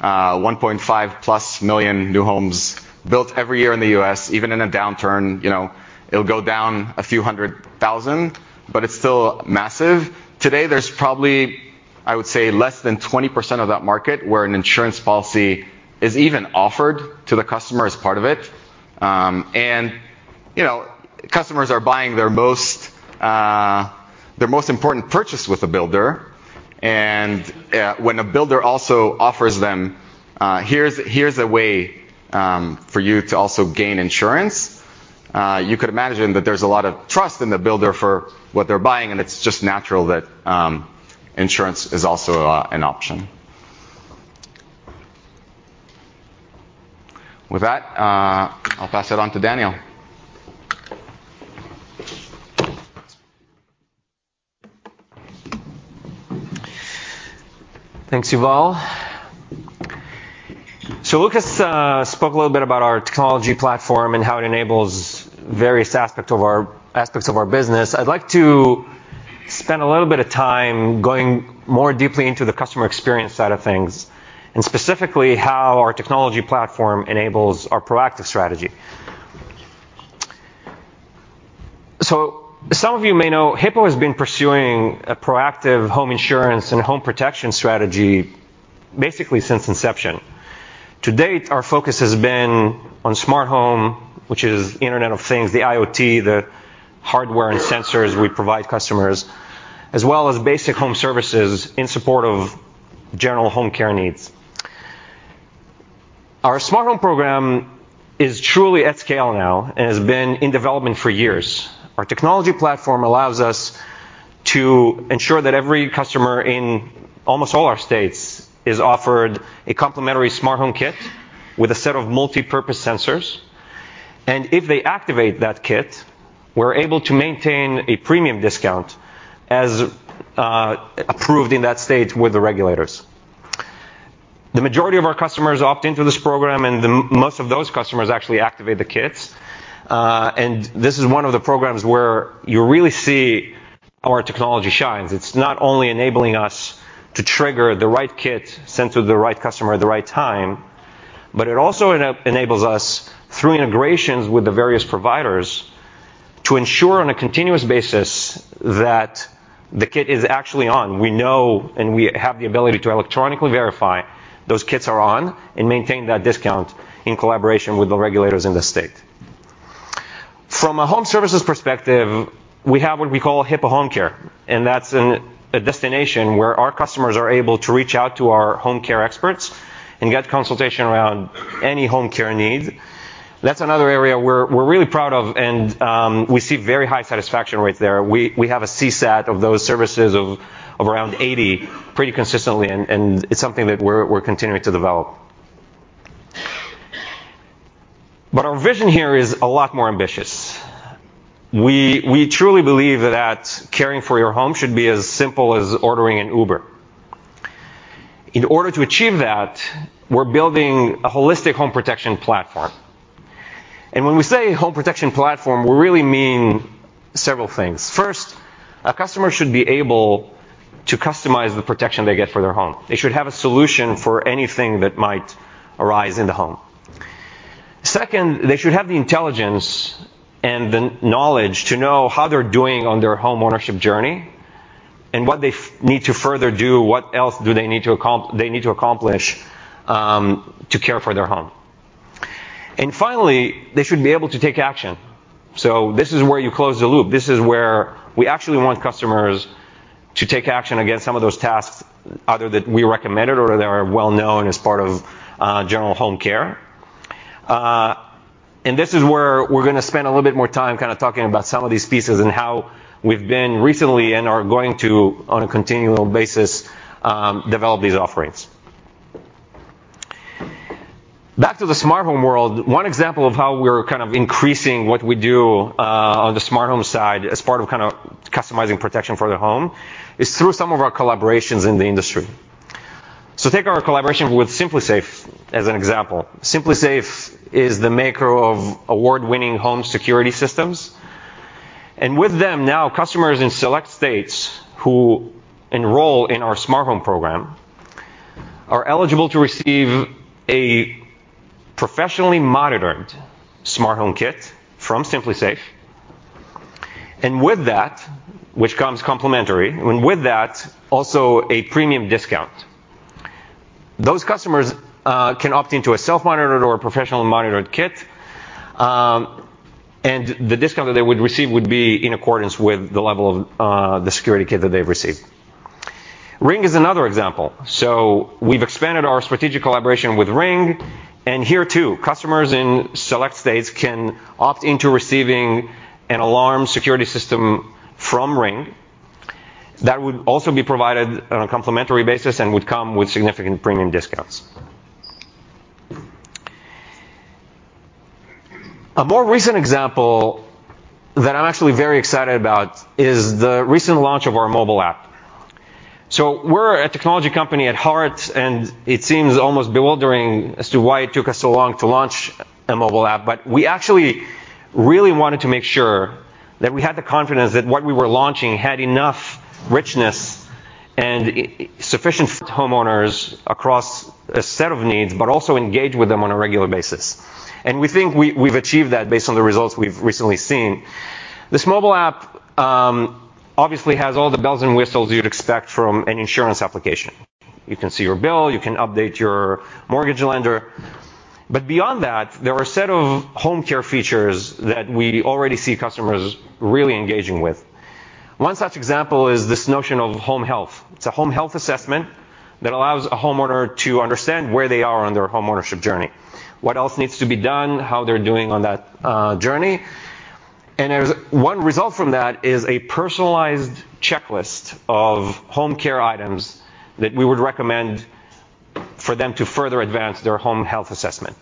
1.5+ million new homes built every year in the U.S. Even in a downturn, you know, it'll go down a few hundred thousand, but it's still massive. Today, there's probably, I would say, less than 20% of that market where an insurance policy is even offered to the customer as part of it. You know, customers are buying their most important purchase with a builder. When a builder also offers them, here's a way for you to also gain insurance. You could imagine that there's a lot of trust in the builder for what they're buying, and it's just natural that insurance is also an option. With that, I'll pass it on to Daniel. Thanks, Yuval. Lukasz spoke a little bit about our technology platform and how it enables various aspects of our business. I'd like to spend a little bit of time going more deeply into the customer experience side of things, and specifically how our technology platform enables our proactive strategy. Some of you may know Hippo has been pursuing a proactive home insurance and home protection strategy basically since inception. To date, our focus has been on smart home, which is Internet of Things, the IoT, the hardware and sensors we provide customers, as well as basic home services in support of general home care needs. Our smart home program is truly at scale now and has been in development for years. Our technology platform allows us to ensure that every customer in almost all our states is offered a complimentary smart home kit with a set of multipurpose sensors. If they activate that kit, we're able to maintain a premium discount as approved in that state with the regulators. The majority of our customers opt into this program, most of those customers actually activate the kits. This is one of the programs where you really see our technology shines. It's not only enabling us to trigger the right kit sent to the right customer at the right time, but it also enables us through integrations with the various providers to ensure on a continuous basis that the kit is actually on. We know, and we have the ability to electronically verify those kits are on and maintain that discount in collaboration with the regulators in the state. From a home services perspective, we have what we call Hippo Home Care, and that's a destination where our customers are able to reach out to our home care experts and get consultation around any home care need. That's another area we're really proud of, and we see very high satisfaction rates there. We have a CSAT of those services of around 80% pretty consistently, and it's something that we're continuing to develop. Our vision here is a lot more ambitious. We truly believe that caring for your home should be as simple as ordering an Uber. In order to achieve that, we're building a holistic home protection platform. When we say home protection platform, we really mean several things. First, a customer should be able to customize the protection they get for their home. They should have a solution for anything that might arise in the home. Second, they should have the intelligence and the knowledge to know how they're doing on their homeownership journey and what they need to further do, what else do they need to accomplish to care for their home. Finally, they should be able to take action. This is where you close the loop. This is where we actually want customers to take action against some of those tasks, either that we recommended or that are well-known as part of general home care. This is where we're gonna spend a little bit more time kind of talking about some of these pieces and how we've been recently and are going to, on a continual basis, develop these offerings. Back to the smart home world, one example of how we're kind of increasing what we do, on the smart home side as part of kinda customizing protection for the home is through some of our collaborations in the industry. Take our collaboration with SimpliSafe as an example. SimpliSafe is the maker of award-winning home security systems. With them now, customers in select states who enroll in our smart home program are eligible to receive a professionally monitored smart home kit from SimpliSafe. With that, which comes complimentary, and with that, also a premium discount. Those customers can opt into a self-monitored or a professionally monitored kit, and the discount that they would receive would be in accordance with the level of the security kit that they've received. Ring is another example. We've expanded our strategic collaboration with Ring, and here too, customers in select states can opt into receiving an alarm security system from Ring that would also be provided on a complimentary basis and would come with significant premium discounts. A more recent example that I'm actually very excited about is the recent launch of our mobile app. We're a technology company at heart, and it seems almost bewildering as to why it took us so long to launch a mobile app. We actually really wanted to make sure that we had the confidence that what we were launching had enough richness and sufficient homeowners across a set of needs, but also engage with them on a regular basis. We think we've achieved that based on the results we've recently seen. This mobile app obviously has all the bells and whistles you'd expect from an insurance application. You can see your bill, you can update your mortgage lender. But beyond that, there are a set of home care features that we already see customers really engaging with. One such example is this notion of home health. It's a home health assessment that allows a homeowner to understand where they are on their homeownership journey, what else needs to be done, how they're doing on that journey. There's one result from that is a personalized checklist of home care items that we would recommend for them to further advance their home health assessment.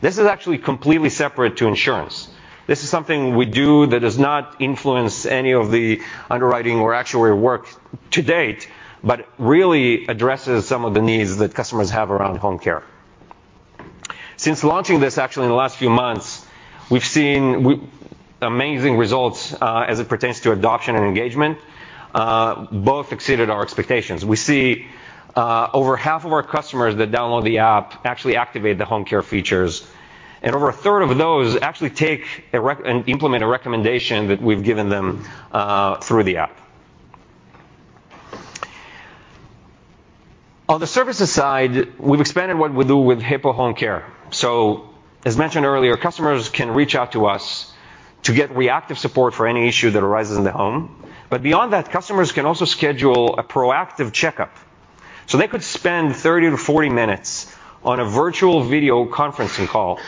This is actually completely separate to insurance. This is something we do that does not influence any of the underwriting or actuarial work to date, but really addresses some of the needs that customers have around home care. Since launching this actually in the last few months, we've seen amazing results, as it pertains to adoption and engagement, both exceeded our expectations. We see, over half of our customers that download the app actually activate the home care features, and over a third of those actually take and implement a recommendation that we've given them, through the app. On the services side, we've expanded what we do with Hippo Home Care. As mentioned earlier, customers can reach out to us to get reactive support for any issue that arises in the home. Beyond that, customers can also schedule a proactive checkup. They could spend 30-40 minutes on a virtual video conferencing call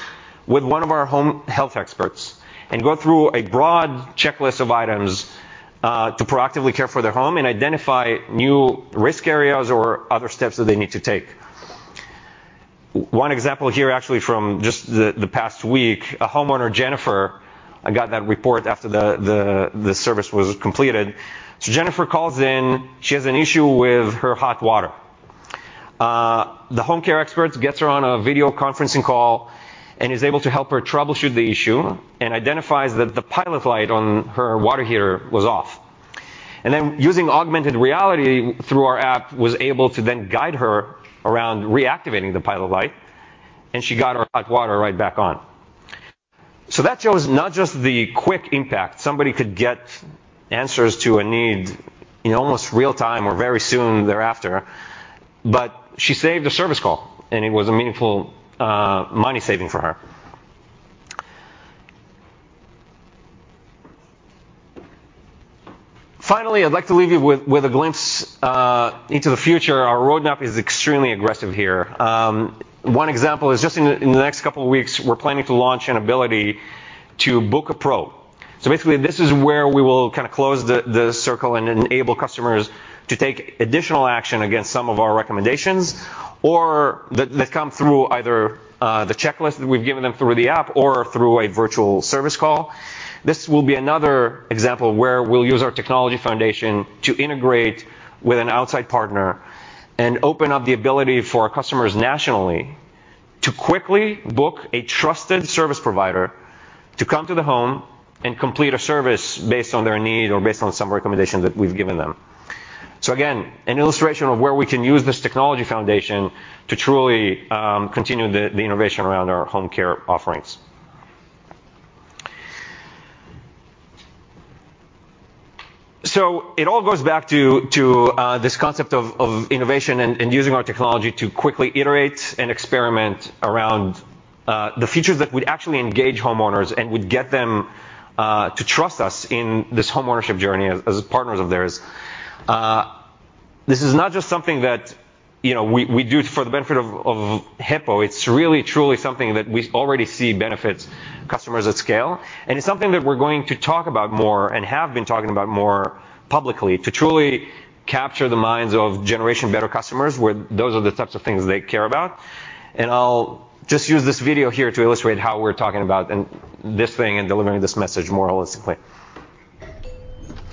with one of our home health experts and go through a broad checklist of items to proactively care for their home and identify new risk areas or other steps that they need to take. One example here actually from just the past week, a homeowner, Jennifer. I got that report after the service was completed. Jennifer calls in. She has an issue with her hot water. The home care expert gets her on a video conferencing call and is able to help her troubleshoot the issue and identifies that the pilot light on her water heater was off. Using augmented reality through our app, was able to then guide her around reactivating the pilot light, and she got her hot water right back on. That shows not just the quick impact. Somebody could get answers to a need in almost real time or very soon thereafter, but she saved a service call, and it was a meaningful money saving for her. Finally, I'd like to leave you with a glimpse into the future. Our roadmap is extremely aggressive here. One example is just in the next couple of weeks, we're planning to launch an ability to Book a Pro. Basically, this is where we will kind of close the circle and enable customers to take additional action against some of our recommendations or that come through either the checklist that we've given them through the app or through a virtual service call. This will be another example where we'll use our technology foundation to integrate with an outside partner and open up the ability for our customers nationally to quickly book a trusted service provider to come to the home and complete a service based on their need or based on some recommendation that we've given them. Again, an illustration of where we can use this technology foundation to truly continue the innovation around our home care offerings. It all goes back to this concept of innovation and using our technology to quickly iterate and experiment around the features that would actually engage homeowners and would get them to trust us in this homeownership journey as partners of theirs. This is not just something that, you know, we do for the benefit of Hippo. It's really truly something that we already see benefits customers at scale, and it's something that we're going to talk about more and have been talking about more publicly to truly capture the minds of Generation Better customers, where those are the types of things they care about. I'll just use this video here to illustrate how we're talking about this thing and delivering this message more holistically.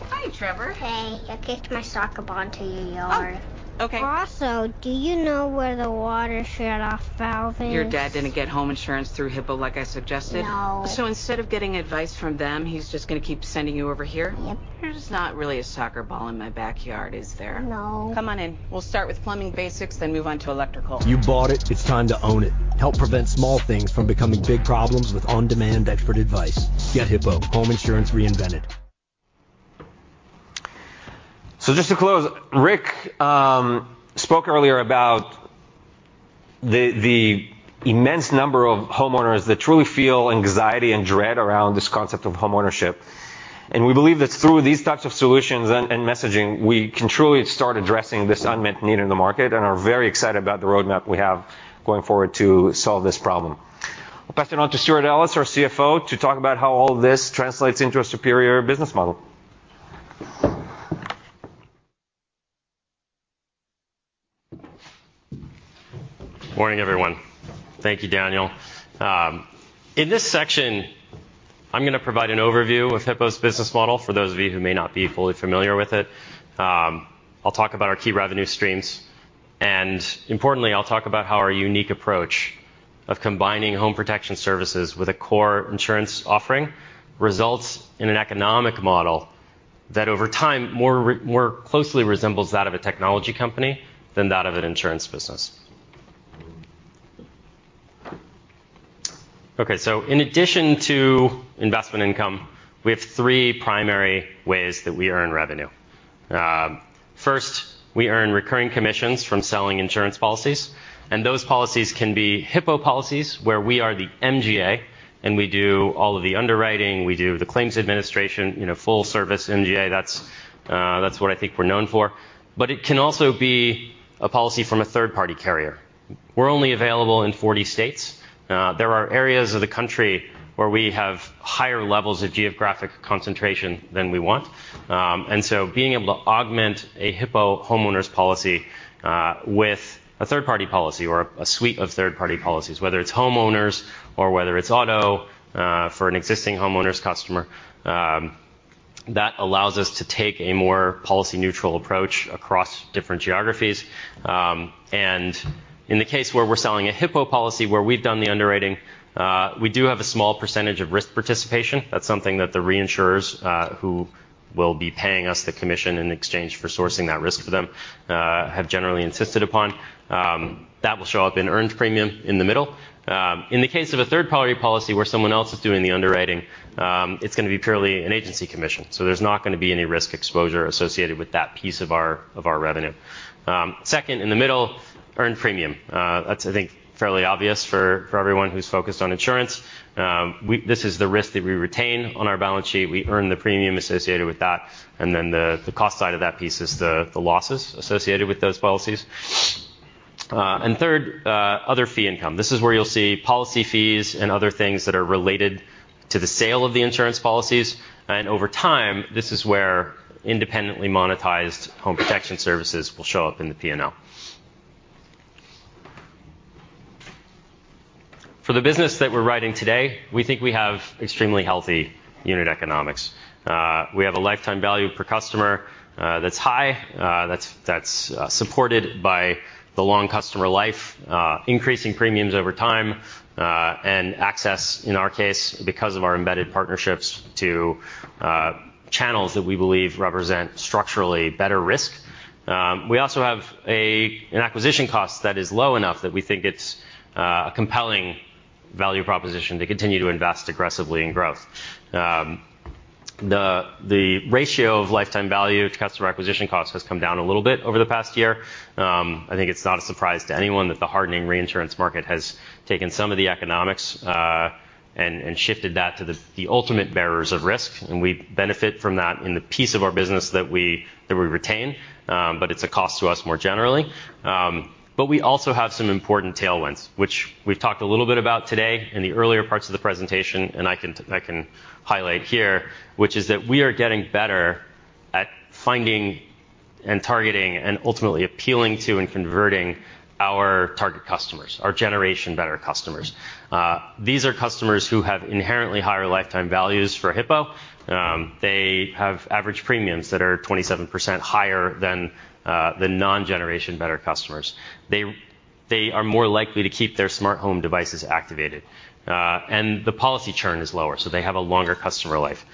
Hi, Trevor. Hey. I kicked my soccer ball into your yard. Oh, okay. Also, do you know where the water shut off valve is? Your dad didn't get home insurance through Hippo like I suggested? No. So instead of getting advice from them, he's just gonna keep sending you over here? Yep. There's not really a soccer ball in my backyard, is there? No. Come on in. We'll start with plumbing basics, then move on to electrical. You bought it. It's time to own it. Help prevent small things from becoming big problems with on-demand expert advice. Get Hippo, Home Insurance Reinvented. Just to close, Rick, spoke earlier about the immense number of homeowners that truly feel anxiety and dread around this concept of homeownership. We believe that through these types of solutions and messaging, we can truly start addressing this unmet need in the market and are very excited about the roadmap we have going forward to solve this problem. I'll pass it on to Stewart Ellis, our CFO, to talk about how all this translates into a superior business model. Morning, everyone. Thank you, Daniel. In this section, I'm gonna provide an overview of Hippo's business model for those of you who may not be fully familiar with it. I'll talk about our key revenue streams, and importantly, I'll talk about how our unique approach of combining home protection services with a core insurance offering results in an economic model that over time more closely resembles that of a technology company than that of an insurance business. Okay, so in addition to investment income, we have three primary ways that we earn revenue. First, we earn recurring commissions from selling insurance policies, and those policies can be Hippo policies, where we are the MGA, and we do all of the underwriting, we do the claims administration, you know, full service MGA. That's what I think we're known for. It can also be a policy from a third-party carrier. We're only available in 40 states. There are areas of the country where we have higher levels of geographic concentration than we want. Being able to augment a Hippo homeowners policy with a third-party policy or a suite of third-party policies, whether it's homeowners or whether it's auto, for an existing homeowners customer, that allows us to take a more policy neutral approach across different geographies. In the case where we're selling a Hippo policy where we've done the underwriting, we do have a small percentage of risk participation. That's something that the reinsurers, who will be paying us the commission in exchange for sourcing that risk for them, have generally insisted upon. That will show up in earned premium in the middle. In the case of a third-party policy where someone else is doing the underwriting, it's gonna be purely an agency commission. There's not gonna be any risk exposure associated with that piece of our revenue. Second, in the middle, earned premium. That's, I think, fairly obvious for everyone who's focused on insurance. This is the risk that we retain on our balance sheet. We earn the premium associated with that, and then the cost side of that piece is the losses associated with those policies. Third, other fee income. This is where you'll see policy fees and other things that are related to the sale of the insurance policies. Over time, this is where independently monetized home protection services will show up in the P&L. For the business that we're writing today, we think we have extremely healthy unit economics. We have a lifetime value per customer that's high, that's supported by the long customer life, increasing premiums over time, and access, in our case, because of our embedded partnerships to channels that we believe represent structurally better risk. We also have an acquisition cost that is low enough that we think it's a compelling value proposition to continue to invest aggressively in growth. The ratio of lifetime value to customer acquisition cost has come down a little bit over the past year. I think it's not a surprise to anyone that the hardening reinsurance market has taken some of the economics, and shifted that to the ultimate bearers of risk, and we benefit from that in the piece of our business that we retain. It's a cost to us more generally. We also have some important tailwinds, which we've talked a little bit about today in the earlier parts of the presentation, and I can highlight here, which is that we are getting better at finding and targeting and ultimately appealing to and converting our target customers, our Generation Better customers. These are customers who have inherently higher lifetime values for Hippo. They have average premiums that are 27% higher than non-Generation Better customers. They are more likely to keep their smart home devices activated, and the policy churn is lower, so they have a longer customer life.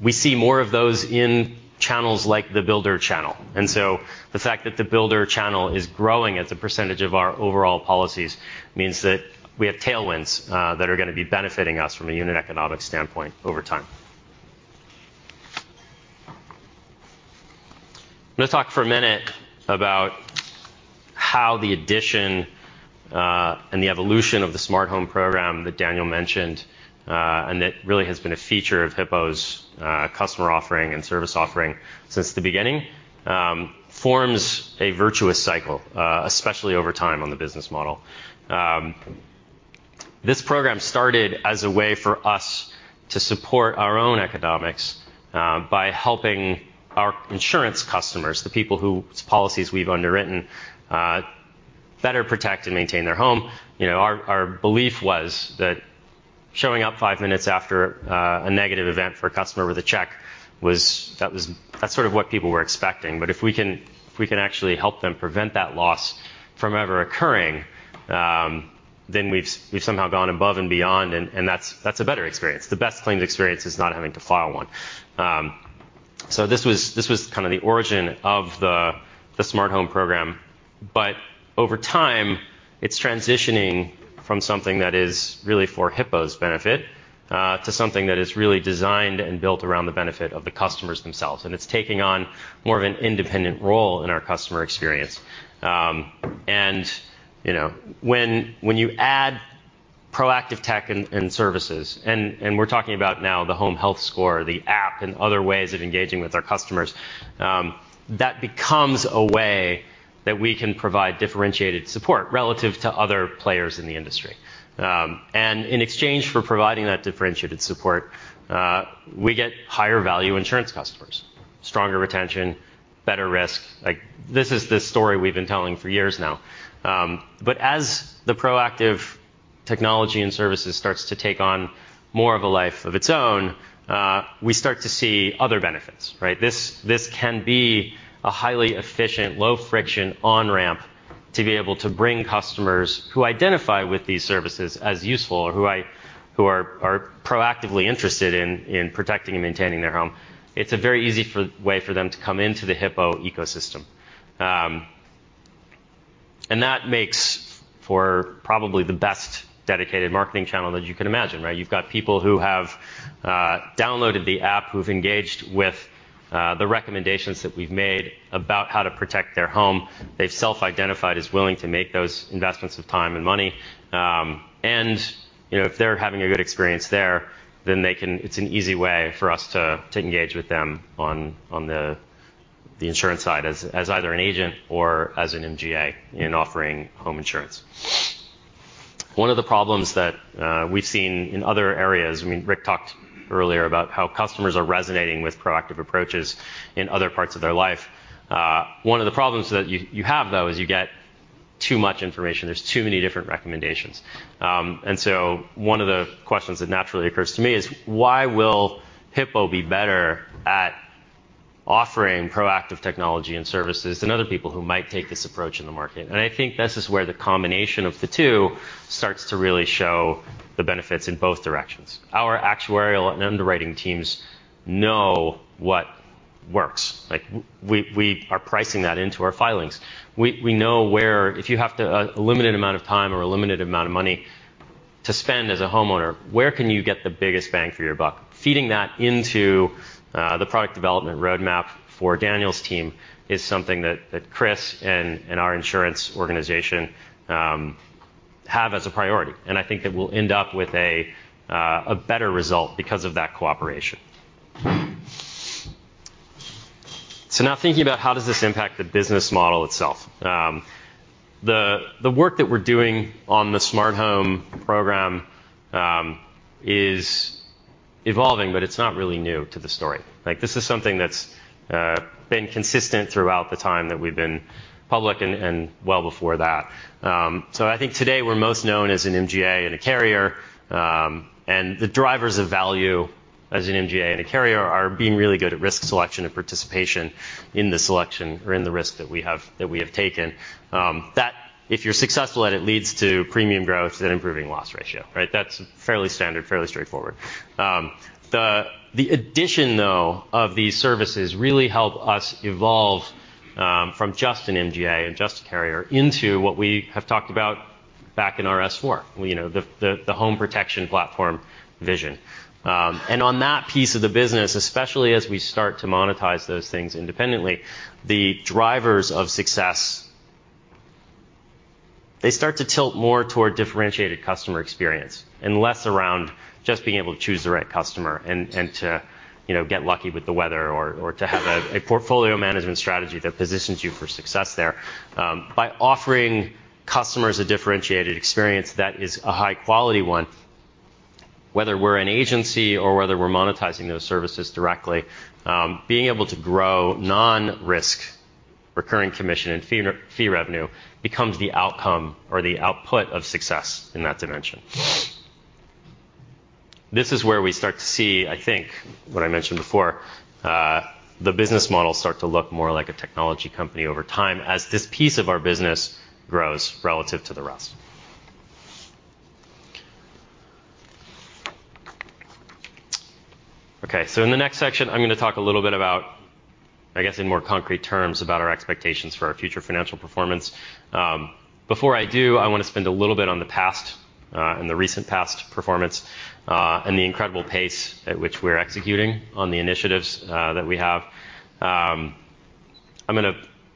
We see more of those in channels like the builder channel. The fact that the builder channel is growing as a percentage of our overall policies means that we have tailwinds that are gonna be benefiting us from a unit economics standpoint over time. I'm gonna talk for a minute about how the addition and the evolution of the smart home program that Daniel mentioned and that really has been a feature of Hippo's customer offering and service offering since the beginning forms a virtuous cycle, especially over time on the business model. This program started as a way for us to support our own economics by helping our insurance customers, the people whose policies we've underwritten, better protect and maintain their home. You know, our belief was that showing up five minutes after a negative event for a customer with a check. That's sort of what people were expecting. But if we can actually help them prevent that loss from ever occurring, then we've somehow gone above and beyond, and that's a better experience. The best claims experience is not having to file one. This was kind of the origin of the smart home program. Over time, it's transitioning from something that is really for Hippo's benefit, to something that is really designed and built around the benefit of the customers themselves, and it's taking on more of an independent role in our customer experience. You know, when you add proactive tech and services, and we're talking about now the home health score, the app, and other ways of engaging with our customers, that becomes a way that we can provide differentiated support relative to other players in the industry. In exchange for providing that differentiated support, we get higher value insurance customers, stronger retention, better risk. Like, this is the story we've been telling for years now. As the proactive technology and services starts to take on more of a life of its own, we start to see other benefits, right? This can be a highly efficient, low friction on-ramp to be able to bring customers who identify with these services as useful or who are proactively interested in protecting and maintaining their home. It's a very easy way for them to come into the Hippo ecosystem. And that makes for probably the best dedicated marketing channel that you can imagine, right? You've got people who have downloaded the app, who've engaged with the recommendations that we've made about how to protect their home. They've self-identified as willing to make those investments of time and money. You know, if they're having a good experience there, then they can. It's an easy way for us to engage with them on the insurance side as either an agent or as an MGA in offering home insurance. One of the problems that we've seen in other areas, I mean, Rick talked earlier about how customers are resonating with proactive approaches in other parts of their life. One of the problems that you have, though, is you get too much information. There's too many different recommendations. One of the questions that naturally occurs to me is why will Hippo be better at offering proactive technology and services than other people who might take this approach in the market? I think this is where the combination of the two starts to really show the benefits in both directions. Our actuarial and underwriting teams know what works. We are pricing that into our filings. We know where, if you have a limited amount of time or a limited amount of money to spend as a homeowner, where can you get the biggest bang for your buck? Feeding that into the product development roadmap for Daniel's team is something that Chris and our insurance organization have as a priority. I think it will end up with a better result because of that cooperation. Now thinking about how does this impact the business model itself. The work that we're doing on the smart home program is evolving, but it's not really new to the story. This is something that's been consistent throughout the time that we've been public and well before that. I think today we're most known as an MGA and a carrier. The drivers of value as an MGA and a carrier are being really good at risk selection and participation in the selection or in the risk that we have taken. That if you're successful and it leads to premium growth and improving loss ratio, right? That's fairly standard, fairly straightforward. The addition, though, of these services really help us evolve from just an MGA and just a carrier into what we have talked about back in our S-4, you know, the home protection platform vision. On that piece of the business, especially as we start to monetize those things independently, the drivers of success, they start to tilt more toward differentiated customer experience and less around just being able to choose the right customer and to, you know, get lucky with the weather or to have a portfolio management strategy that positions you for success there. By offering customers a differentiated experience that is a high quality one, whether we're an agency or whether we're monetizing those services directly, being able to grow non-risk recurring commission and fee revenue becomes the outcome or the output of success in that dimension. This is where we start to see, I think, what I mentioned before, the business model start to look more like a technology company over time as this piece of our business grows relative to the rest. Okay. In the next section I'm gonna talk a little bit about, I guess, in more concrete terms about our expectations for our future financial performance. Before I do, I wanna spend a little bit on the past, and the recent past performance, and the incredible pace at which we're executing on the initiatives that we have.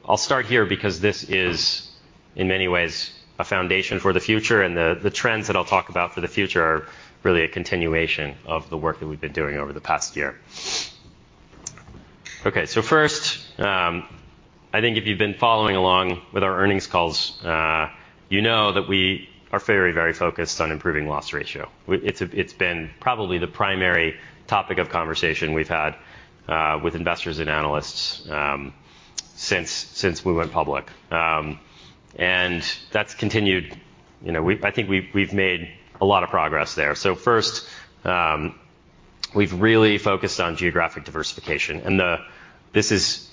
I'll start here because this is in many ways a foundation for the future, and the trends that I'll talk about for the future are really a continuation of the work that we've been doing over the past year. Okay. First, I think if you've been following along with our earnings calls, you know that we are very, very focused on improving loss ratio. It's been probably the primary topic of conversation we've had with investors and analysts since we went public. That's continued. You know, I think we've made a lot of progress there. First, we've really focused on geographic diversification and this is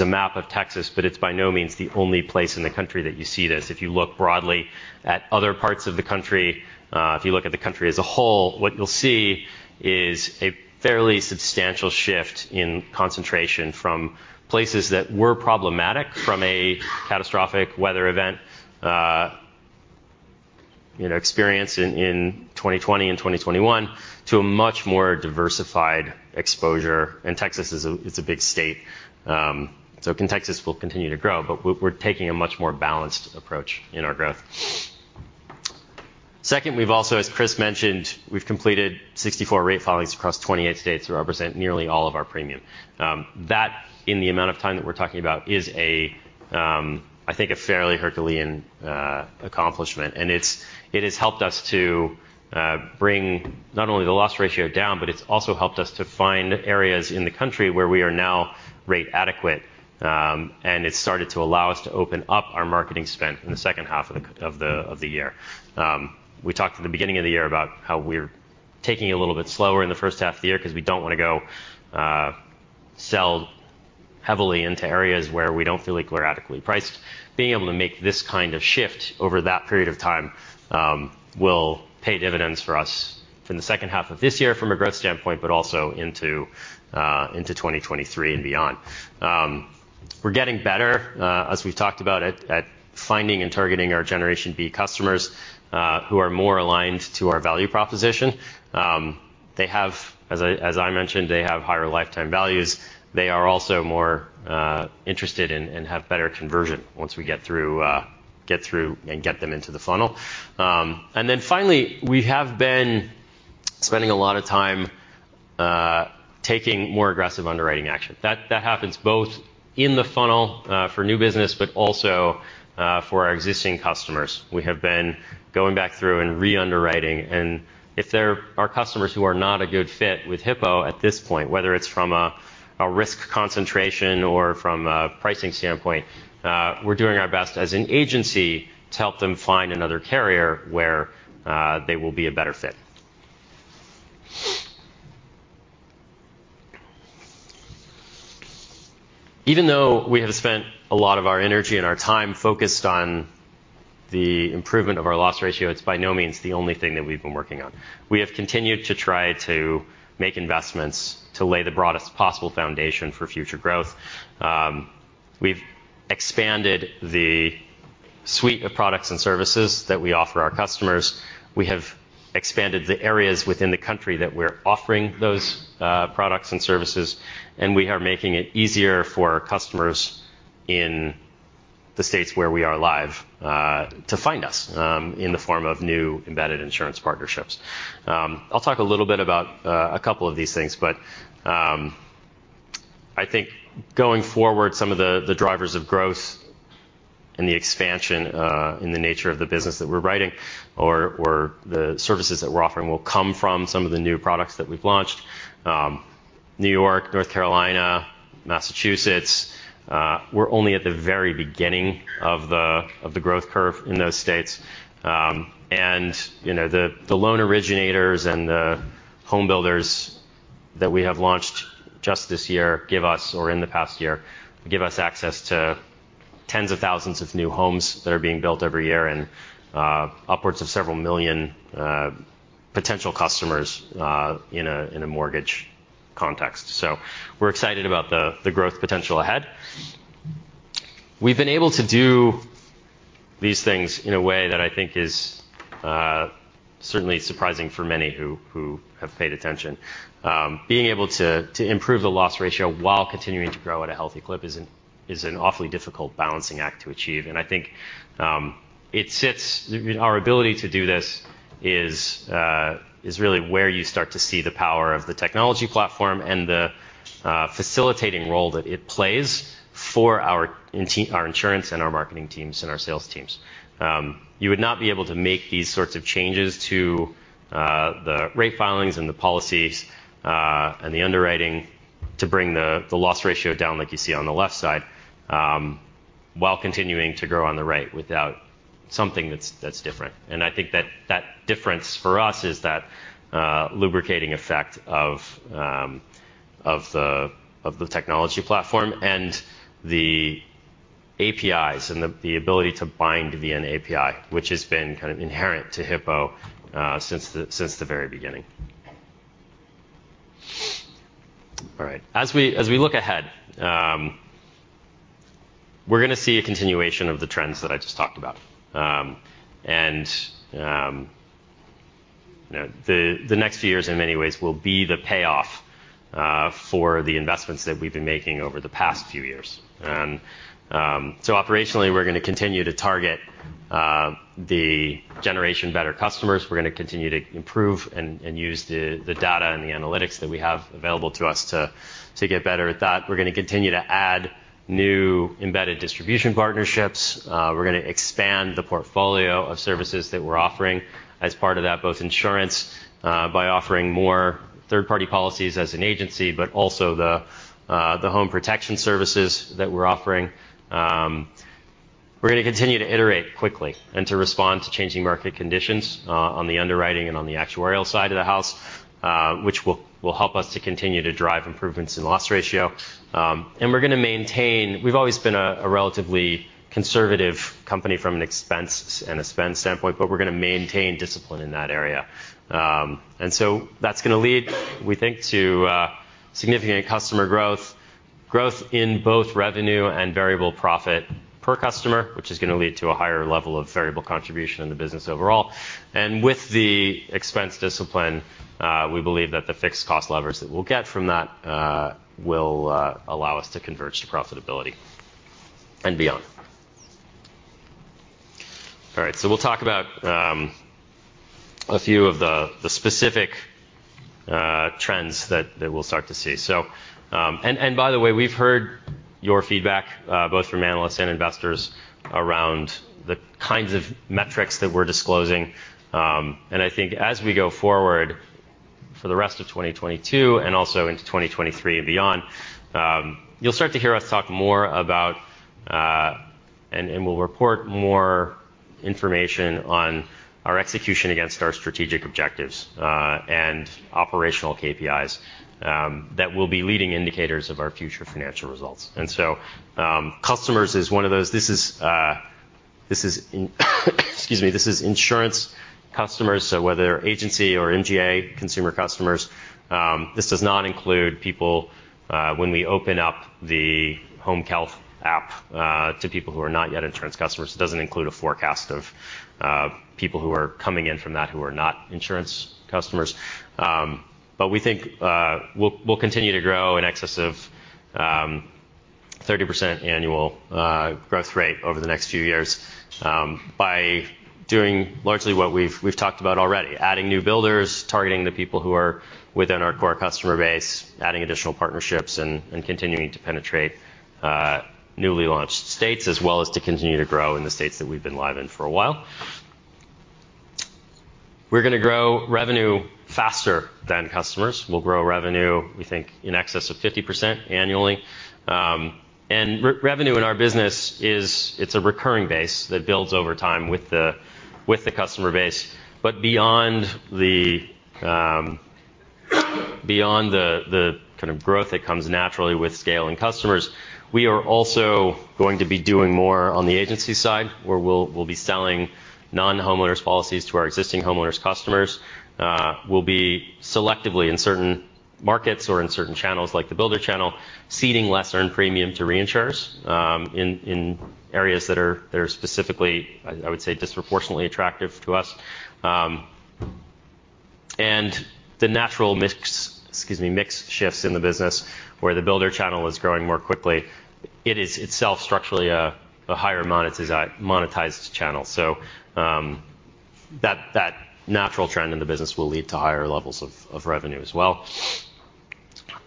a map of Texas, but it's by no means the only place in the country that you see this. If you look broadly at other parts of the country, if you look at the country as a whole, what you'll see is a fairly substantial shift in concentration from places that were problematic from a catastrophic weather event, you know, experience in 2020 and 2021 to a much more diversified exposure. Texas is a big state. Texas will continue to grow, but we're taking a much more balanced approach in our growth. Second, we've also, as Chris mentioned, we've completed 64 rate filings across 28 states that represent nearly all of our premium. That, in the amount of time that we're talking about is, I think a fairly Herculean accomplishment. It has helped us to bring not only the loss ratio down, but it's also helped us to find areas in the country where we are now rate adequate. It's started to allow us to open up our marketing spend in the second half of the year. We talked at the beginning of the year about how we're taking it a little bit slower in the first half of the year because we don't wanna go sell heavily into areas where we don't feel like we're adequately priced. Being able to make this kind of shift over that period of time will pay dividends for us from the second half of this year from a growth standpoint, but also into 2023 and beyond. We're getting better, as we've talked about at finding and targeting our Generation B customers, who are more aligned to our value proposition. They have, as I mentioned, higher lifetime values. They are also more interested and have better conversion once we get through and get them into the funnel. Finally, we have been spending a lot of time taking more aggressive underwriting action. That happens both in the funnel for new business, but also for our existing customers. We have been going back through and re-underwriting, and if there are customers who are not a good fit with Hippo at this point, whether it's from a risk concentration or from a pricing standpoint, we're doing our best as an agency to help them find another carrier where they will be a better fit. Even though we have spent a lot of our energy and our time focused on the improvement of our loss ratio, it's by no means the only thing that we've been working on. We have continued to try to make investments to lay the broadest possible foundation for future growth. We've expanded the suite of products and services that we offer our customers. We have expanded the areas within the country that we're offering those products and services, and we are making it easier for customers in the states where we are live to find us in the form of new embedded insurance partnerships. I'll talk a little bit about a couple of these things, but I think going forward, some of the drivers of growth and the expansion in the nature of the business that we're writing or the services that we're offering will come from some of the new products that we've launched. New York, North Carolina, Massachusetts, we're only at the very beginning of the growth curve in those states. You know, the loan originators and the home builders that we have launched just this year or in the past year give us access to tens of thousands of new homes that are being built every year and upwards of several million potential customers in a mortgage context. We're excited about the growth potential ahead. We've been able to do these things in a way that I think is certainly surprising for many who have paid attention. Being able to improve the loss ratio while continuing to grow at a healthy clip is an awfully difficult balancing act to achieve. I think our ability to do this is really where you start to see the power of the technology platform and the facilitating role that it plays for our insurance and our marketing teams and our sales teams. You would not be able to make these sorts of changes to the rate filings and the policies and the underwriting to bring the loss ratio down like you see on the left side while continuing to grow on the right without something that's different. I think that difference for us is that lubricating effect of the technology platform and the APIs and the ability to bind via an API, which has been kind of inherent to Hippo since the very beginning. All right. As we look ahead, we're gonna see a continuation of the trends that I just talked about. You know, the next few years in many ways will be the payoff for the investments that we've been making over the past few years. Operationally we're gonna continue to target the Generation Better customers. We're gonna continue to improve and use the data and the analytics that we have available to us to get better at that. We're gonna continue to add new embedded distribution partnerships. We're gonna expand the portfolio of services that we're offering as part of that, both insurance by offering more third-party policies as an agency, but also the home protection services that we're offering. We're gonna continue to iterate quickly and to respond to changing market conditions on the underwriting and on the actuarial side of the house, which will help us to continue to drive improvements in loss ratio. We're gonna maintain. We've always been a relatively conservative company from an expense and a spend standpoint, but we're gonna maintain discipline in that area. That's gonna lead, we think, to significant customer growth in both revenue and variable profit per customer, which is gonna lead to a higher level of variable contribution in the business overall. With the expense discipline, we believe that the fixed cost levers that we'll get from that will allow us to converge to profitability and beyond. All right. We'll talk about a few of the specific trends that we'll start to see. By the way, we've heard your feedback both from analysts and investors around the kinds of metrics that we're disclosing. I think as we go forward for the rest of 2022 and also into 2023 and beyond, you'll start to hear us talk more about, and we'll report more information on our execution against our strategic objectives and operational KPIs that will be leading indicators of our future financial results. Customers is one of those. Excuse me, this is insurance customers, so whether agency or MGA consumer customers. This does not include people when we open up the home health app to people who are not yet insurance customers. It doesn't include a forecast of people who are coming in from that who are not insurance customers. We think we'll continue to grow in excess of 30% annual growth rate over the next few years by doing largely what we've talked about already, adding new builders, targeting the people who are within our core customer base, adding additional partnerships and continuing to penetrate newly launched states as well as to continue to grow in the states that we've been live in for a while. We're gonna grow revenue faster than customers. We'll grow revenue, we think, in excess of 50% annually. Revenue in our business is a recurring base that builds over time with the customer base. Beyond the kind of growth that comes naturally with scaling customers, we are also going to be doing more on the agency side, where we'll be selling non-homeowners policies to our existing homeowners customers. We'll be selectively in certain markets or in certain channels, like the builder channel, ceding less earned premium to reinsurers in areas that are specifically, I would say, disproportionately attractive to us. The natural mix shifts in the business where the builder channel is growing more quickly. It is itself structurally a higher monetized channel. That natural trend in the business will lead to higher levels of revenue as well.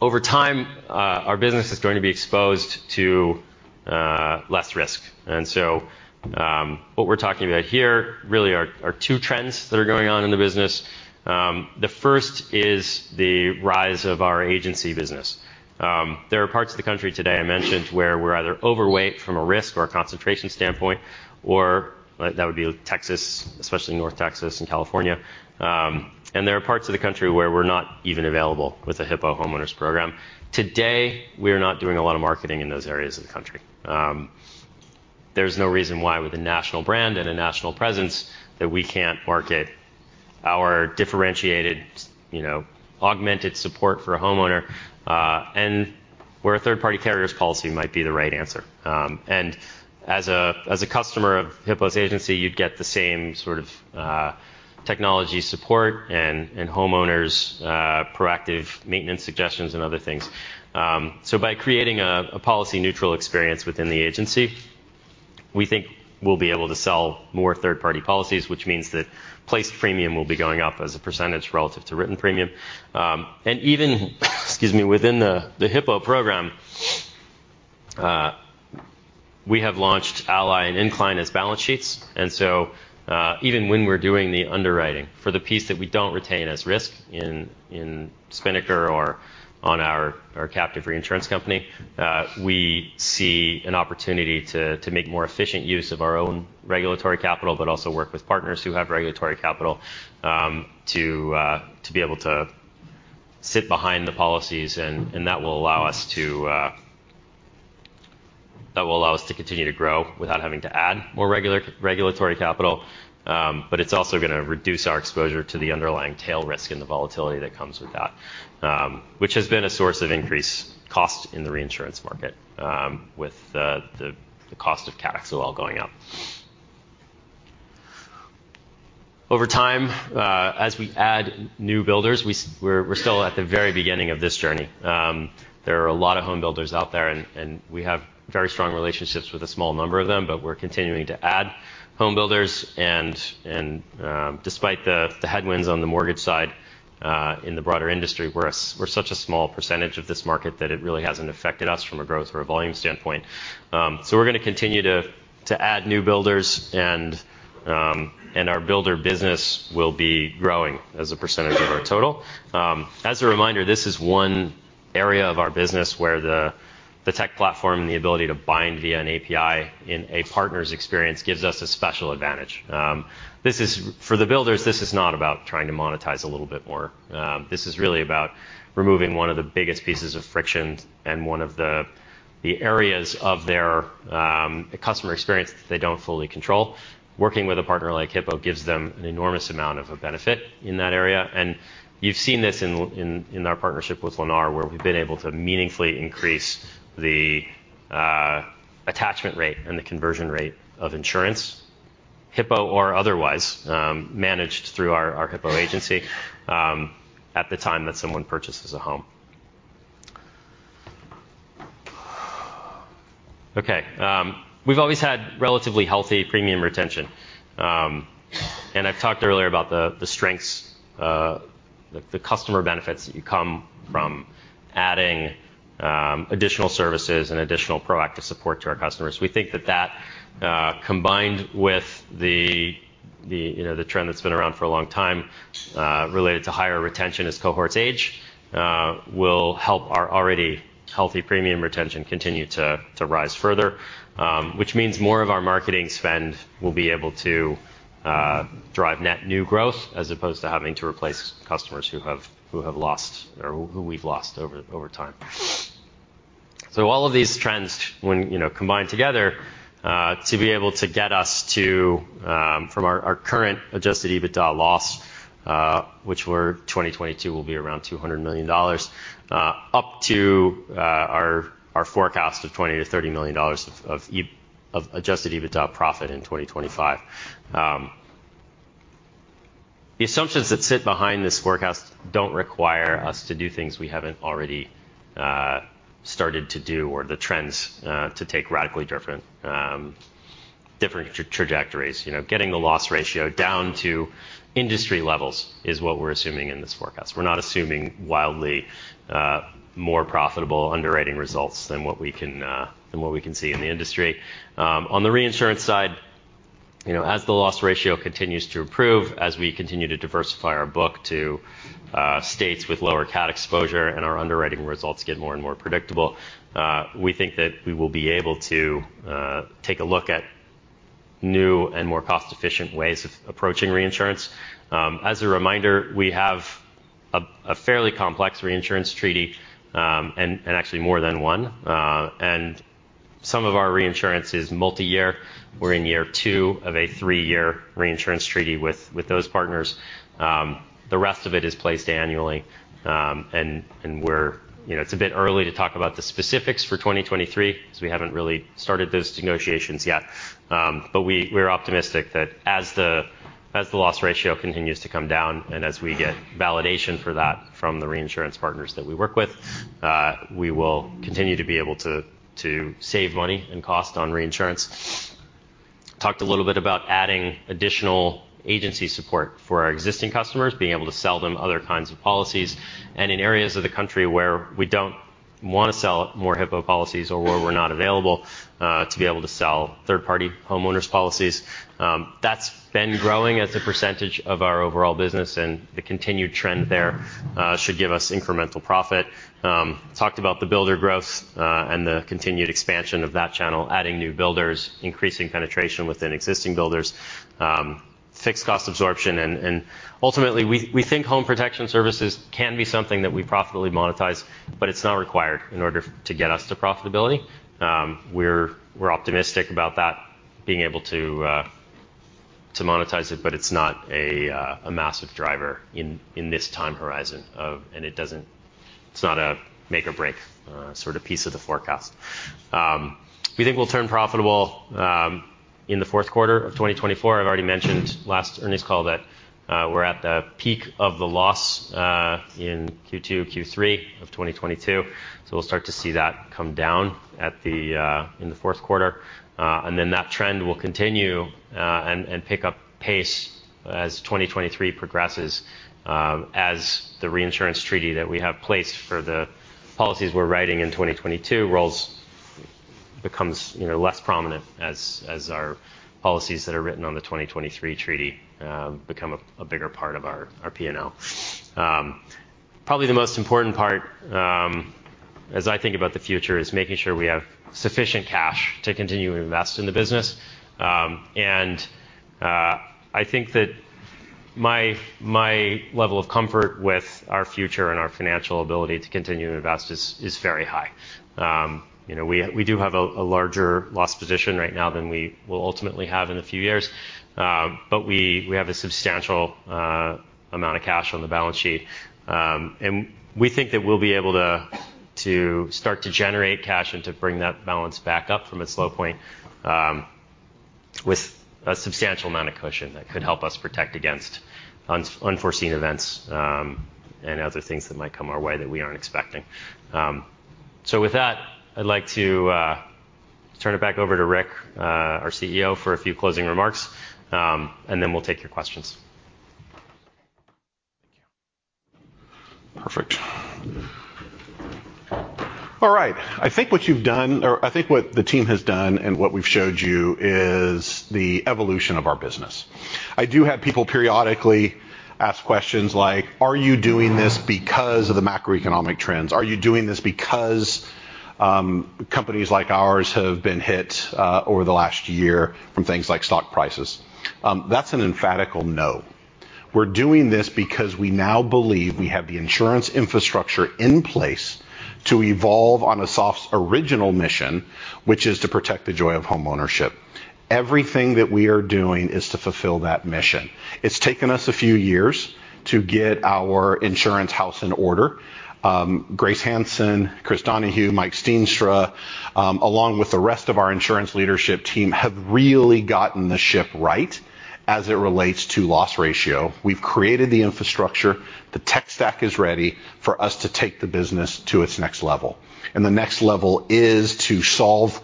Over time, our business is going to be exposed to less risk. What we're talking about here really are two trends that are going on in the business. The first is the rise of our agency business. There are parts of the country today I mentioned where we're either overweight from a risk or a concentration standpoint, or that would be Texas, especially North Texas and California. There are parts of the country where we're not even available with a Hippo homeowners program. Today, we are not doing a lot of marketing in those areas of the country. There's no reason why with a national brand and a national presence that we can't market our differentiated, you know, augmented support for a homeowner, and where a third-party carrier's policy might be the right answer. As a customer of Hippo's agency, you'd get the same sort of, technology support and homeowners proactive maintenance suggestions and other things. By creating a policy-neutral experience within the agency, we think we'll be able to sell more third-party policies, which means that placed premium will be going up as a percentage relative to written premium. Even, excuse me, within the Hippo program, we have launched Ally and Incline as balance sheets. Even when we're doing the underwriting for the piece that we don't retain as risk in Spinnaker or on our captive reinsurance company, we see an opportunity to make more efficient use of our own regulatory capital, but also work with partners who have regulatory capital to be able to sit behind the policies and that will allow us to continue to grow without having to add more regulatory capital. But it's also gonna reduce our exposure to the underlying tail risk and the volatility that comes with that, which has been a source of increased cost in the reinsurance market, with the cost of CAT XOL going up. Over time, as we add new builders, we're still at the very beginning of this journey. There are a lot of home builders out there, and we have very strong relationships with a small number of them, but we're continuing to add home builders. Despite the headwinds on the mortgage side in the broader industry, we're such a small percentage of this market that it really hasn't affected us from a growth or a volume standpoint. We're gonna continue to add new builders, and our builder business will be growing as a percentage of our total. As a reminder, this is one area of our business where the tech platform, the ability to bind via an API in a partner's experience gives us a special advantage. For the builders, this is not about trying to monetize a little bit more. This is really about removing one of the biggest pieces of friction and one of the areas of their customer experience that they don't fully control. Working with a partner like Hippo gives them an enormous amount of a benefit in that area, and you've seen this in our partnership with Lennar, where we've been able to meaningfully increase the attachment rate and the conversion rate of insurance, Hippo or otherwise, managed through our Hippo agency, at the time that someone purchases a home. We've always had relatively healthy premium retention. I've talked earlier about the strengths, the customer benefits that come from adding additional services and additional proactive support to our customers. We think that, combined with, you know, the trend that's been around for a long time related to higher retention as cohorts age, will help our already healthy premium retention continue to rise further. Which means more of our marketing spend will be able to drive net new growth as opposed to having to replace customers who have lost or who we've lost over time. All of these trends when, you know, combined together to be able to get us to from our current adjusted EBITDA loss, 2022 will be around $200 million, up to our forecast of $20-$30 million of adjusted EBITDA profit in 2025. The assumptions that sit behind this forecast don't require us to do things we haven't already started to do or the trends to take radically different trajectories. You know, getting the loss ratio down to industry levels is what we're assuming in this forecast. We're not assuming wildly more profitable underwriting results than what we can see in the industry. On the reinsurance side, you know, as the loss ratio continues to improve, as we continue to diversify our book to states with lower cat exposure and our underwriting results get more and more predictable, we think that we will be able to take a look at new and more cost-efficient ways of approaching reinsurance. As a reminder, we have a fairly complex reinsurance treaty, and actually more than one. Some of our reinsurance is multiyear. We're in year two of a three-year reinsurance treaty with those partners. The rest of it is placed annually. You know, it's a bit early to talk about the specifics for 2023 'cause we haven't really started those negotiations yet. We're optimistic that as the loss ratio continues to come down and as we get validation for that from the reinsurance partners that we work with, we will continue to be able to save money and cost on reinsurance. Talked a little bit about adding additional agency support for our existing customers, being able to sell them other kinds of policies, and in areas of the country where we don't wanna sell more Hippo policies or where we're not available, to be able to sell third-party homeowners policies. That's been growing as a percentage of our overall business, and the continued trend there should give us incremental profit. Talked about the builder growth and the continued expansion of that channel, adding new builders, increasing penetration within existing builders, fixed cost absorption. Ultimately, we think home protection services can be something that we profitably monetize, but it's not required in order to get us to profitability. We're optimistic about that being able to monetize it, but it's not a massive driver in this time horizon, and it's not a make or break sort of piece of the forecast. We think we'll turn profitable in the fourth quarter of 2024. I've already mentioned last earnings call that we're at the peak of the loss in Q2, Q3 of 2022. We'll start to see that come down in the fourth quarter. That trend will continue and pick up pace as 2023 progresses, as the reinsurance treaty that we have placed for the policies we're writing in 2022 becomes, you know, less prominent as our policies that are written on the 2023 treaty become a bigger part of our P&L. Probably the most important part, as I think about the future, is making sure we have sufficient cash to continue to invest in the business. I think that my level of comfort with our future and our financial ability to continue to invest is very high. You know, we do have a larger loss position right now than we will ultimately have in a few years. We have a substantial amount of cash on the balance sheet. We think that we'll be able to start to generate cash and to bring that balance back up from its low point, with a substantial amount of cushion that could help us protect against unforeseen events, and other things that might come our way that we aren't expecting. With that, I'd like to turn it back over to Rick, our CEO, for a few closing remarks, and then we'll take your questions. Thank you. Perfect. All right. I think what you've done, or I think what the team has done and what we've showed you is the evolution of our business. I do have people periodically ask questions like, "Are you doing this because of the macroeconomic trends? Are you doing this because, companies like ours have been hit, over the last year from things like stock prices?" That's an emphatically no. We're doing this because we now believe we have the insurance infrastructure in place to evolve on Assaf's original mission, which is to protect the joy of homeownership. Everything that we are doing is to fulfill that mission. It's taken us a few years to get our insurance house in order. Grace Hanson, Chris Donahue, Mike Stienstra, along with the rest of our insurance leadership team, have really gotten the ship right as it relates to loss ratio. We've created the infrastructure. The tech stack is ready for us to take the business to its next level, and the next level is to solve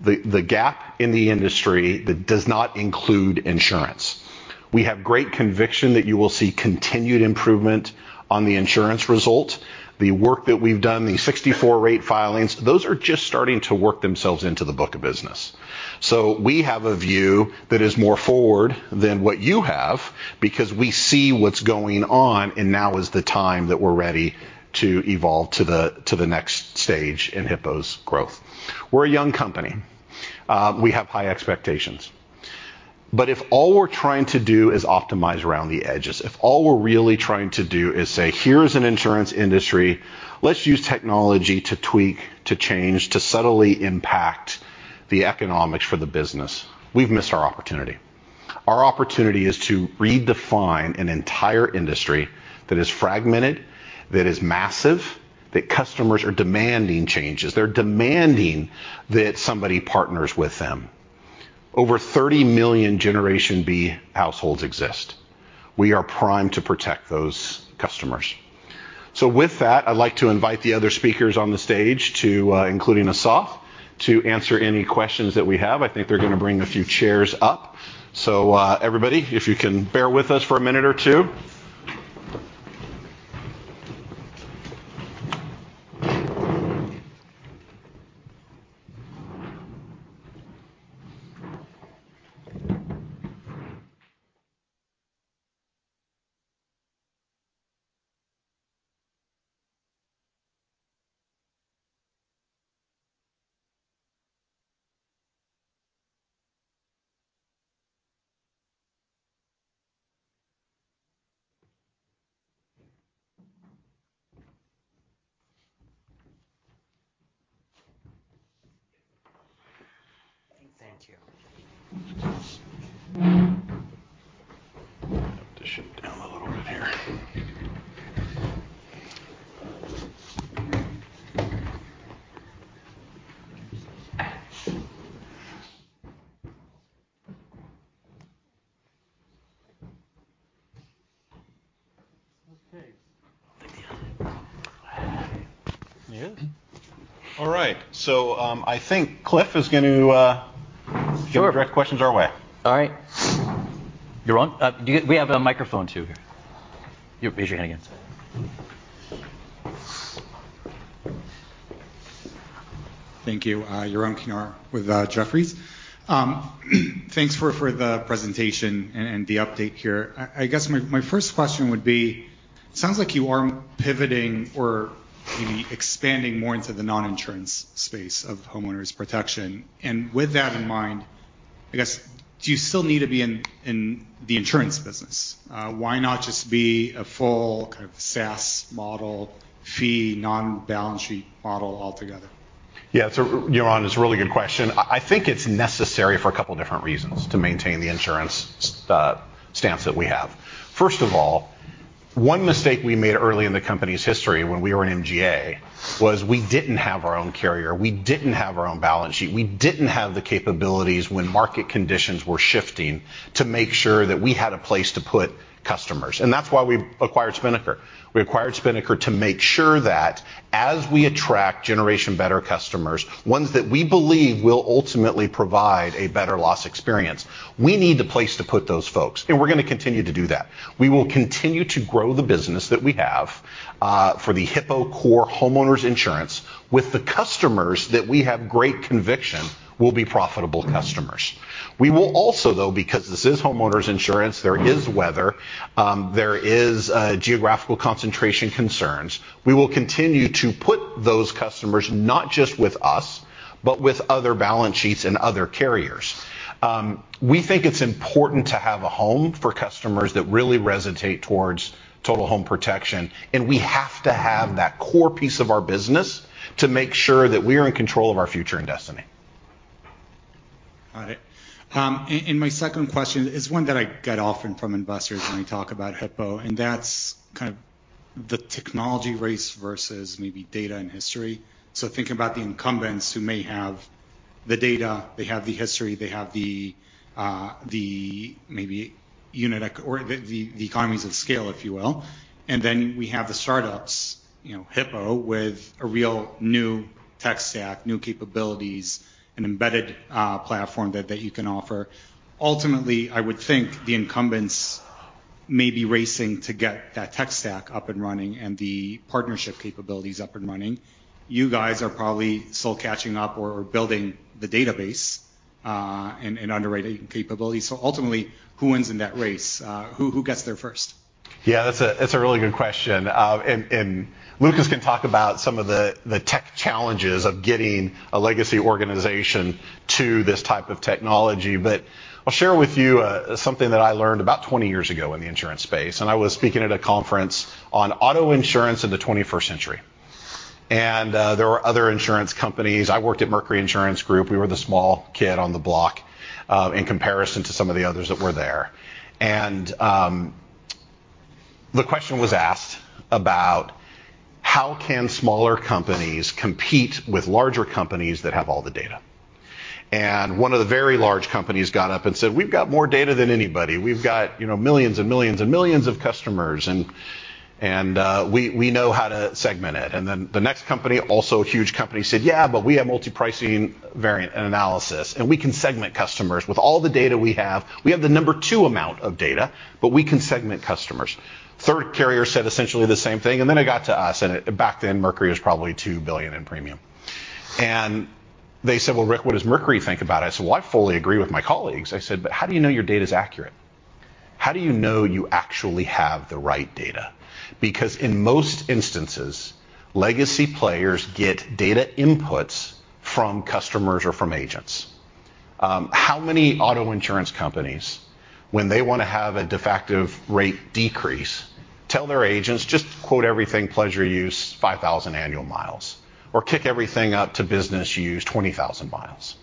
the gap in the industry that does not include insurance. We have great conviction that you will see continued improvement on the insurance result. The work that we've done, the 64 rate filings, those are just starting to work themselves into the book of business. We have a view that is more forward than what you have because we see what's going on, and now is the time that we're ready to evolve to the next stage in Hippo's growth. We're a young company. We have high expectations. If all we're trying to do is optimize around the edges, if all we're really trying to do is say, "Here's an insurance industry. Let's use technology to tweak, to change, to subtly impact the economics for the business," we've missed our opportunity. Our opportunity is to redefine an entire industry that is fragmented, that is massive, that customers are demanding changes. They're demanding that somebody partners with them. Over 30 million Generation B households exist. We are primed to protect those customers. With that, I'd like to invite the other speakers on the stage to, including Assaf, to answer any questions that we have. I think they're gonna bring a few chairs up. Everybody, if you can bear with us for a minute or two. Thank you. Have to shift down a little bit here. Okay. Yeah. All right. I think Cliff is going to Sure. Direct questions our way. All right. Yaron, we have a microphone too here. You raise your hand, yeah. Thank you. Yaron Kinar with Jefferies. Thanks for the presentation and the update here. I guess my first question would be, sounds like you are pivoting or maybe expanding more into the non-insurance space of homeowners protection. With that in mind, I guess, do you still need to be in the insurance business? Why not just be a full kind of SaaS model fee, non-balance sheet model altogether? Yaron, it's a really good question. I think it's necessary for a couple different reasons to maintain the insurance stance that we have. First of all, one mistake we made early in the company's history when we were an MGA was we didn't have our own carrier. We didn't have our own balance sheet. We didn't have the capabilities when market conditions were shifting to make sure that we had a place to put customers, and that's why we acquired Spinnaker. We acquired Spinnaker to make sure that as we attract Generation Better customers, ones that we believe will ultimately provide a better loss experience, we need the place to put those folks, and we're gonna continue to do that. We will continue to grow the business that we have for the Hippo core homeowners insurance with the customers that we have great conviction will be profitable customers. We will also though, because this is homeowners insurance, there is weather, there is geographical concentration concerns. We will continue to put those customers not just with us, but with other balance sheets and other carriers. We think it's important to have a home for customers that really resonate towards total home protection, and we have to have that core piece of our business to make sure that we are in control of our future and destiny. All right. My second question is one that I get often from investors when I talk about Hippo, and that's kind of the technology race versus maybe data and history. Thinking about the incumbents who may have the data, they have the history, they have the maybe unit economics or the economies of scale, if you will, and then we have the startups, you know, Hippo with a real new tech stack, new capabilities, an embedded platform that you can offer. Ultimately, I would think the incumbents may be racing to get that tech stack up and running and the partnership capabilities up and running. You guys are probably still catching up or building the database and underwriting capabilities. Ultimately, who wins in that race? Who gets there first? Yeah, that's a really good question. Lukasz Strozek can talk about some of the tech challenges of getting a legacy organization to this type of technology. I'll share with you something that I learned about 20 years ago in the insurance space, and I was speaking at a conference on auto insurance in the 21st century. There were other insurance companies. I worked at Mercury Insurance Group. We were the small kid on the block in comparison to some of the others that were there. The question was asked about how can smaller companies compete with larger companies that have all the data. One of the very large companies got up and said, "We've got more data than anybody. We've got, you know, millions and millions and millions of customers, and we know how to segment it." Then the next company, also a huge company, said, "Yeah, but we have multi-pricing variant analysis, and we can segment customers. With all the data we have, we have the number two amount of data, but we can segment customers." Third carrier said essentially the same thing, and then it got to us, and back then Mercury was probably $2 billion in premium. They said, "Well, Rick, what does Mercury think about it?" I said, "Well, I fully agree with my colleagues." I said, "But how do you know your data's accurate?" "How do you know you actually have the right data? Because in most instances, legacy players get data inputs from customers or from agents. How many auto insurance companies, when they want to effect a rate decrease, tell their agents, "Just quote everything pleasure use 5,000 annual miles, or kick everything up to business use 20,000 miles."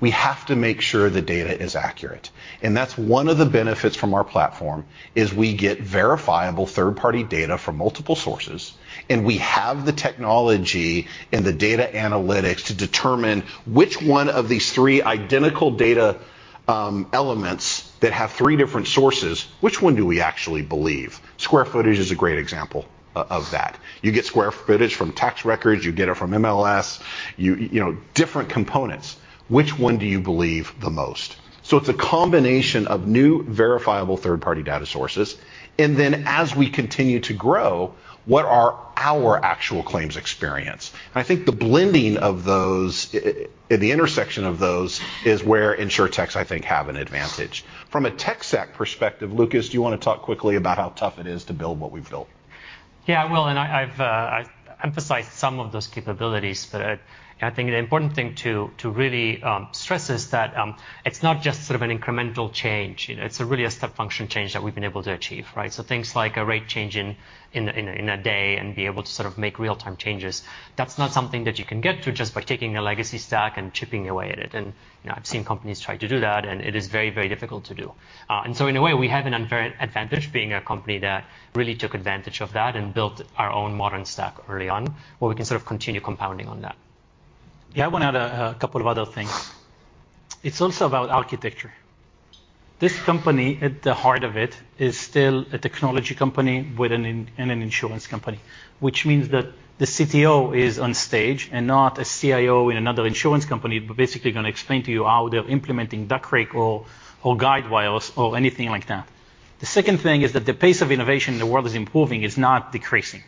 We have to make sure the data is accurate. That's one of the benefits from our platform, is we get verifiable third-party data from multiple sources, and we have the technology and the data analytics to determine which one of these three identical data elements that have three different sources, which one do we actually believe? Square footage is a great example of that. You get square footage from tax records, you get it from MLS, you know, different components. Which one do you believe the most? It's a combination of new verifiable third-party data sources. Then as we continue to grow, what are our actual claims experience? I think the blending of those, the intersection of those is where InsurTechs I think have an advantage. From a tech stack perspective, Lukasz, do you wanna talk quickly about how tough it is to build what we've built? Yeah, I will. I've emphasized some of those capabilities, but I think the important thing to really stress is that it's not just sort of an incremental change. You know, it's really a step function change that we've been able to achieve, right? Things like a rate change in a day and be able to sort of make real-time changes, that's not something that you can get to just by taking a legacy stack and chipping away at it. You know, I've seen companies try to do that, and it is very, very difficult to do. In a way, we have an advantage being a company that really took advantage of that and built our own modern stack early on, where we can sort of continue compounding on that. Yeah. I want to add a couple of other things. It's also about architecture. This company, at the heart of it, is still a technology company with an insurance company, which means that the CTO is on stage and not a CIO in another insurance company, but basically gonna explain to you how they're implementing Duck Creek or Guidewire or anything like that. The second thing is that the pace of innovation in the world is improving, it's not decreasing.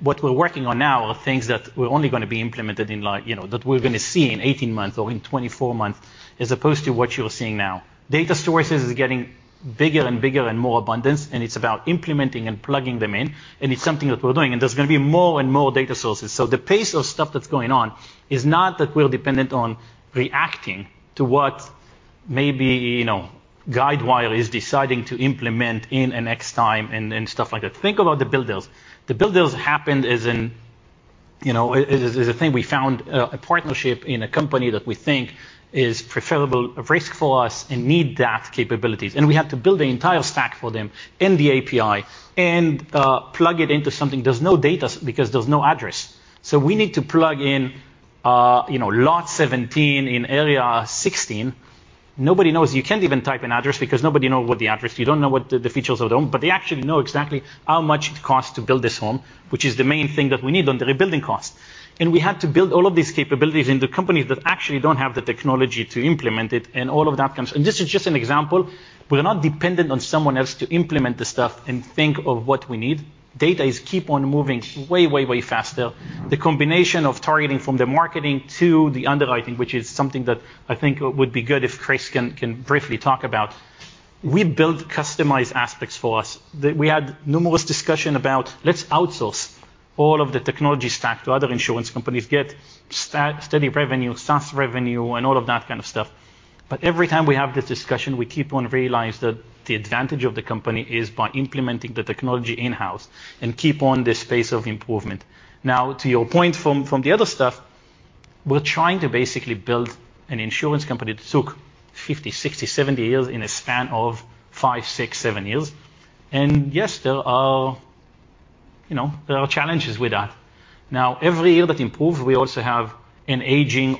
What we're working on now are things that we're only gonna be implemented in like, you know, that we're gonna see in 18 months or in 24 months, as opposed to what you're seeing now. Data sources is getting bigger and bigger and more abundance, and it's about implementing and plugging them in, and it's something that we're doing. There's gonna be more and more data sources. The pace of stuff that's going on is not that we're dependent on reacting to what maybe, you know, Guidewire is deciding to implement in an X time and stuff like that. Think about the builders. The builders happened as in, you know, it is, it's a thing we found a partnership in a company that we think is preferable of risk for us and need that capabilities. We had to build the entire stack for them in the API and plug it into something. There's no data because there's no address. We need to plug in, you know, lot 17 in area 16. Nobody knows. You can't even type an address because nobody know what the address. You don't know what the features of the home, but they actually know exactly how much it costs to build this home, which is the main thing that we need on the rebuilding cost. We had to build all of these capabilities into companies that actually don't have the technology to implement it, and all of that comes. This is just an example. We're not dependent on someone else to implement this stuff and think of what we need. Data keeps on moving way, way faster. The combination of targeting from the marketing to the underwriting, which is something that I think would be good if Chris can briefly talk about. We build customized aspects for us. We had numerous discussions about, let's outsource all of the technology stack to other insurance companies, get steady revenue, SaaS revenue, and all of that kind of stuff. But every time we have this discussion, we keep on realize that the advantage of the company is by implementing the technology in-house and keep on this pace of improvement. Now, to your point from the other stuff, we're trying to basically build an insurance company that took 50, 60, 70 years in a span of 5, 6, 7 years. Yes, there are, you know, challenges with that. Now, every year that improve, we also have an aging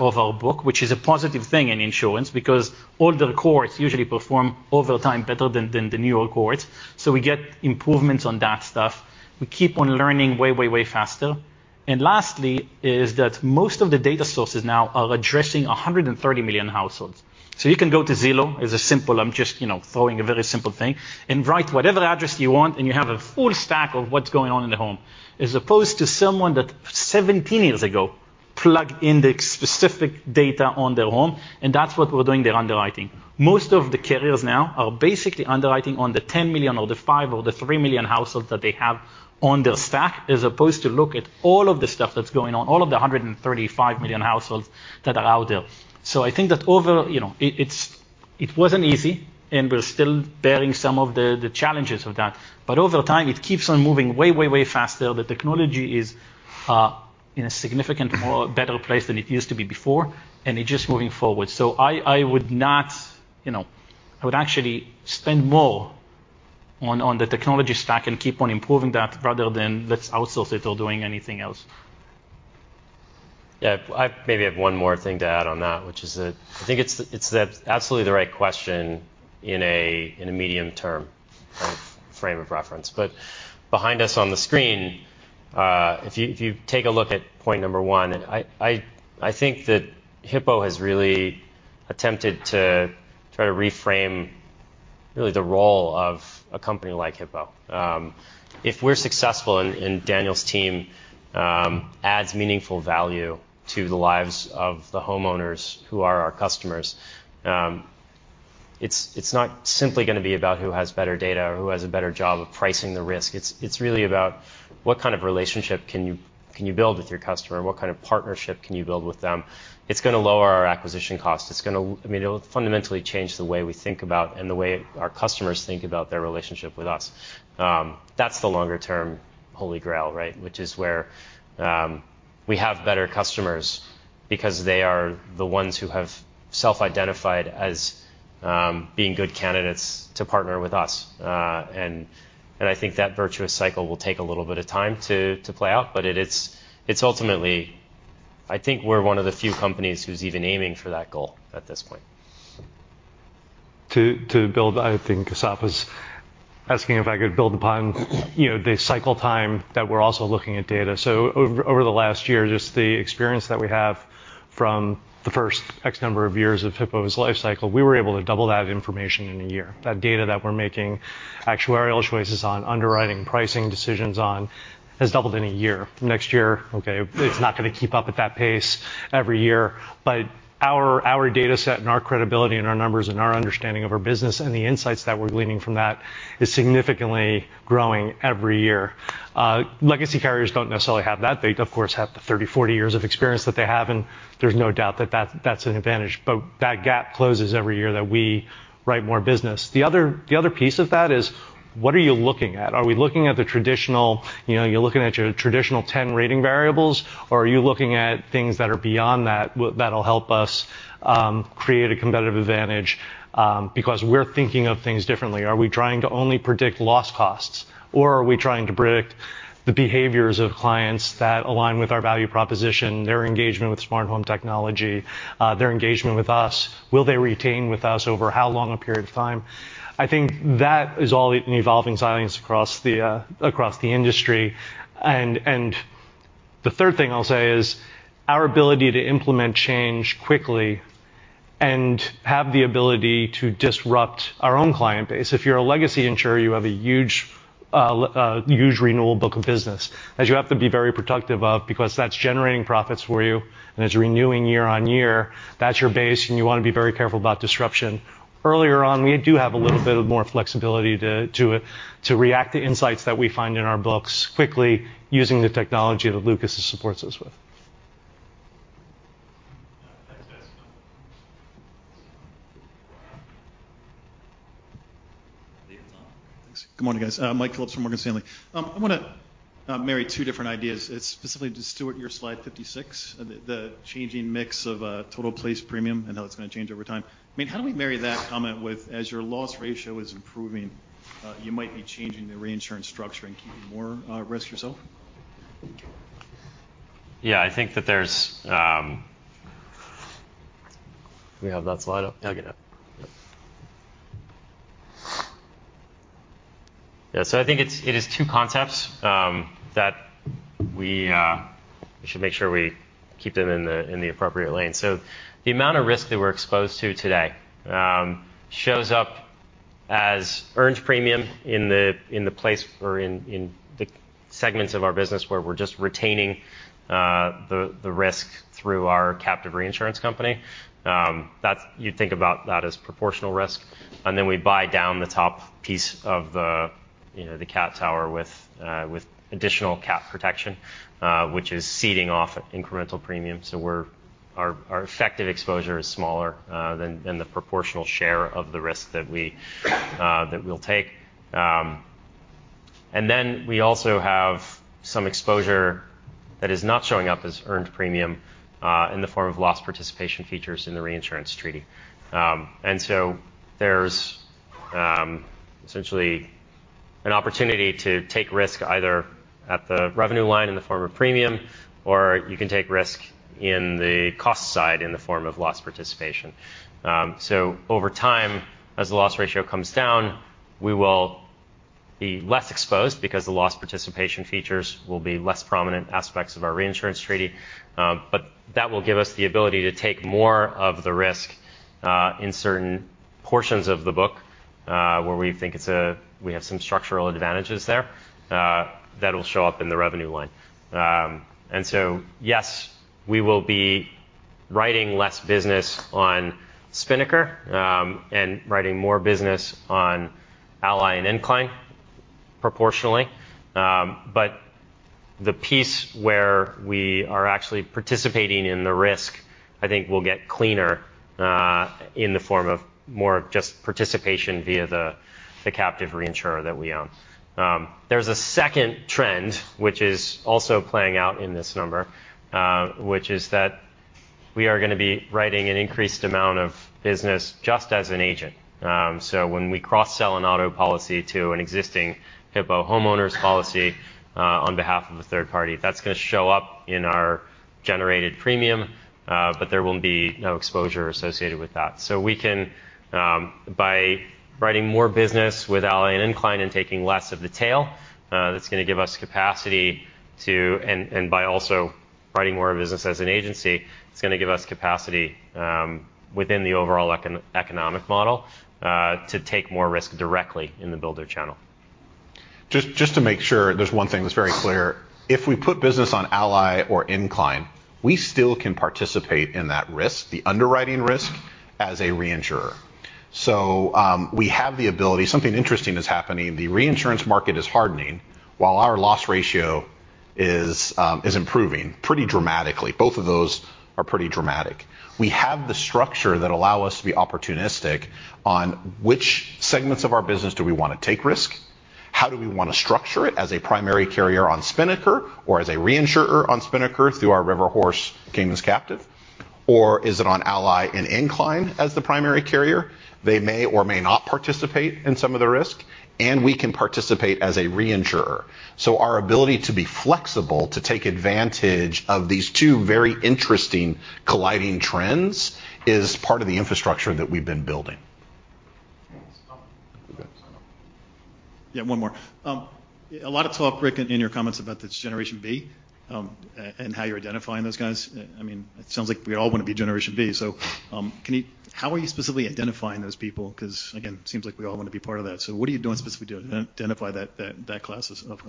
of our book, which is a positive thing in insurance because older cohorts usually perform over time better than the newer cohorts. We get improvements on that stuff. We keep on learning way, way faster. Lastly is that most of the data sources now are addressing 130 million households. You can go to Zillow as a simple, I'm just, you know, throwing a very simple thing, and write whatever address you want, and you have a full stack of what's going on in the home, as opposed to someone that 17 years ago plugged in the specific data on their home, and that's what we're doing their underwriting. Most of the carriers now are basically underwriting on the 10 million or the 5 or the 3 million households that they have on their stack, as opposed to look at all of the stuff that's going on, all of the 135 million households that are out there. I think that over, you know, it's. It wasn't easy, and we're still bearing some of the challenges of that. Over time, it keeps on moving way, way faster. The technology is in a significant, more better place than it used to be before, and it's just moving forward. I would not, you know, I would actually spend more on the technology stack and keep on improving that rather than let's outsource it or doing anything else. Yeah. I maybe have one more thing to add on that, which is that I think it's absolutely the right question in a medium-term kind of frame of reference. Behind us on the screen, if you take a look at point number one, I think that Hippo has really attempted to try to reframe really the role of a company like Hippo. If we're successful and Daniel's team adds meaningful value to the lives of the homeowners who are our customers, It's not simply gonna be about who has better data or who has a better job of pricing the risk. It's really about what kind of relationship can you build with your customer. What kind of partnership can you build with them? It's gonna lower our acquisition cost. It's gonna, I mean, it will fundamentally change the way we think about and the way our customers think about their relationship with us. That's the longer term holy grail, right? Which is where we have better customers because they are the ones who have self-identified as being good candidates to partner with us. And I think that virtuous cycle will take a little bit of time to play out, but it's ultimately. I think we're one of the few companies who's even aiming for that goal at this point. To build. I think Asaf was asking if I could build upon, you know, the cycle time that we're also looking at data. Over the last year, just the experience that we have from the first X number of years of Hippo's lifecycle, we were able to double that information in a year. That data that we're making actuarial choices on, underwriting pricing decisions on has doubled in a year. Next year, okay, it's not gonna keep up at that pace every year. Our dataset and our credibility and our numbers and our understanding of our business and the insights that we're gleaning from that is significantly growing every year. Legacy carriers don't necessarily have that. They, of course, have the 30, 40 years of experience that they have, and there's no doubt that that's an advantage. That gap closes every year that we write more business. The other piece of that is what are you looking at? Are we looking at the traditional, you know, you're looking at your traditional 10 rating variables, or are we looking at things that are beyond that that'll help us create a competitive advantage because we're thinking of things differently. Are we trying to only predict loss costs, or are we trying to predict the behaviors of clients that align with our value proposition, their engagement with smart home technology, their engagement with us? Will they retain with us over how long a period of time? I think that is all an evolving science across the industry. The third thing I'll say is our ability to implement change quickly and have the ability to disrupt our own client base. If you're a legacy insurer, you have a huge renewable book of business that you have to be very protective of because that's generating profits for you, and it's renewing year-on-year. That's your base, and you wanna be very careful about disruption. Earlier on, we do have a little bit more flexibility to react to insights that we find in our books quickly using the technology that Lukasz supports us with. Thanks, guys. I think it's on. Thanks. Good morning, guys. Mike Phillips from Morgan Stanley. I wanna marry two different ideas. It's specifically to Stewart, your slide 56, the changing mix of total placed premium and how that's gonna change over time. I mean, how do we marry that comment with, as your loss ratio is improving, you might be changing the reinsurance structure and keeping more risk yourself? Yeah, I think that there's. Do we have that slide up? Yeah, I'll get it. Yeah, I think it's, it is two concepts that we should make sure we keep them in the appropriate lane. The amount of risk that we're exposed to today shows up as earned premium in the place or in the segments of our business where we're just retaining the risk through our captive reinsurance company. That's what you'd think about as proportional risk. Then we buy down the top piece of the, you know, the cat tower with additional cat protection, which is ceding off incremental premium. Our effective exposure is smaller than the proportional share of the risk that we'll take. We also have some exposure that is not showing up as earned premium in the form of loss participation features in the reinsurance treaty. There's essentially an opportunity to take risk either at the revenue line in the form of premium, or you can take risk in the cost side in the form of loss participation. Over time, as the loss ratio comes down, we will be less exposed because the loss participation features will be less prominent aspects of our reinsurance treaty. That will give us the ability to take more of the risk in certain portions of the book where we think we have some structural advantages there that'll show up in the revenue line. Yes, we will be writing less business on Spinnaker, and writing more business on Ally and Incline proportionally. The piece where we are actually participating in the risk, I think will get cleaner in the form of more just participation via the captive reinsurer that we own. There's a second trend, which is also playing out in this number, which is that we are gonna be writing an increased amount of business just as an agent. When we cross-sell an auto policy to an existing Hippo homeowners policy, on behalf of a third party, that's gonna show up in our generated premium, but there will be no exposure associated with that. We can, by writing more business with Ally and Incline and taking less of the tail, that's gonna give us capacity to. By also writing more business as an agency, it's gonna give us capacity within the overall economic model to take more risk directly in the builder channel. Just to make sure, there's one thing that's very clear. If we put business on Ally or Incline, we still can participate in that risk, the underwriting risk as a reinsurer. We have the ability. Something interesting is happening. The reinsurance market is hardening while our loss ratio is improving pretty dramatically. Both of those are pretty dramatic. We have the structure that allow us to be opportunistic on which segments of our business do we wanna take risk? How do we wanna structure it as a primary carrier on Spinnaker or as a reinsurer on Spinnaker through our RH Solutions Insurance (Cayman) Ltd. captive? Or is it on Ally and Incline as the primary carrier? They may or may not participate in some of the risk, and we can participate as a reinsurer. Our ability to be flexible to take advantage of these two very interesting colliding trends is part of the infrastructure that we've been building. Thanks. Go ahead. Yeah, one more. A lot of talk, Rick, in your comments about this Generation B, and how you're identifying those guys. I mean, it sounds like we all wanna be Generation B. How are you specifically identifying those people? Because again, seems like we all wanna be part of that. What are you doing specifically to identify that class of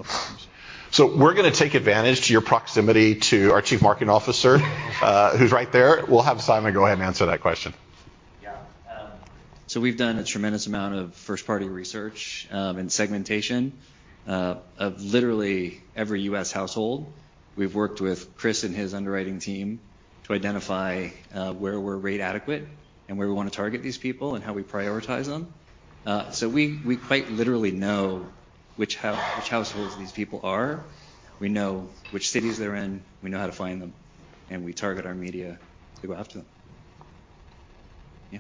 customers? We're gonna take advantage to your proximity to our Chief Marketing Officer, who's right there. We'll have Simon go ahead and answer that question. Yeah, we've done a tremendous amount of first-party research and segmentation of literally every U.S. household. We've worked with Chris and his underwriting team to identify where we're rate adequate and where we wanna target these people and how we prioritize them. We quite literally know which households these people are. We know which cities they're in, we know how to find them, and we target our media to go after them. Yeah.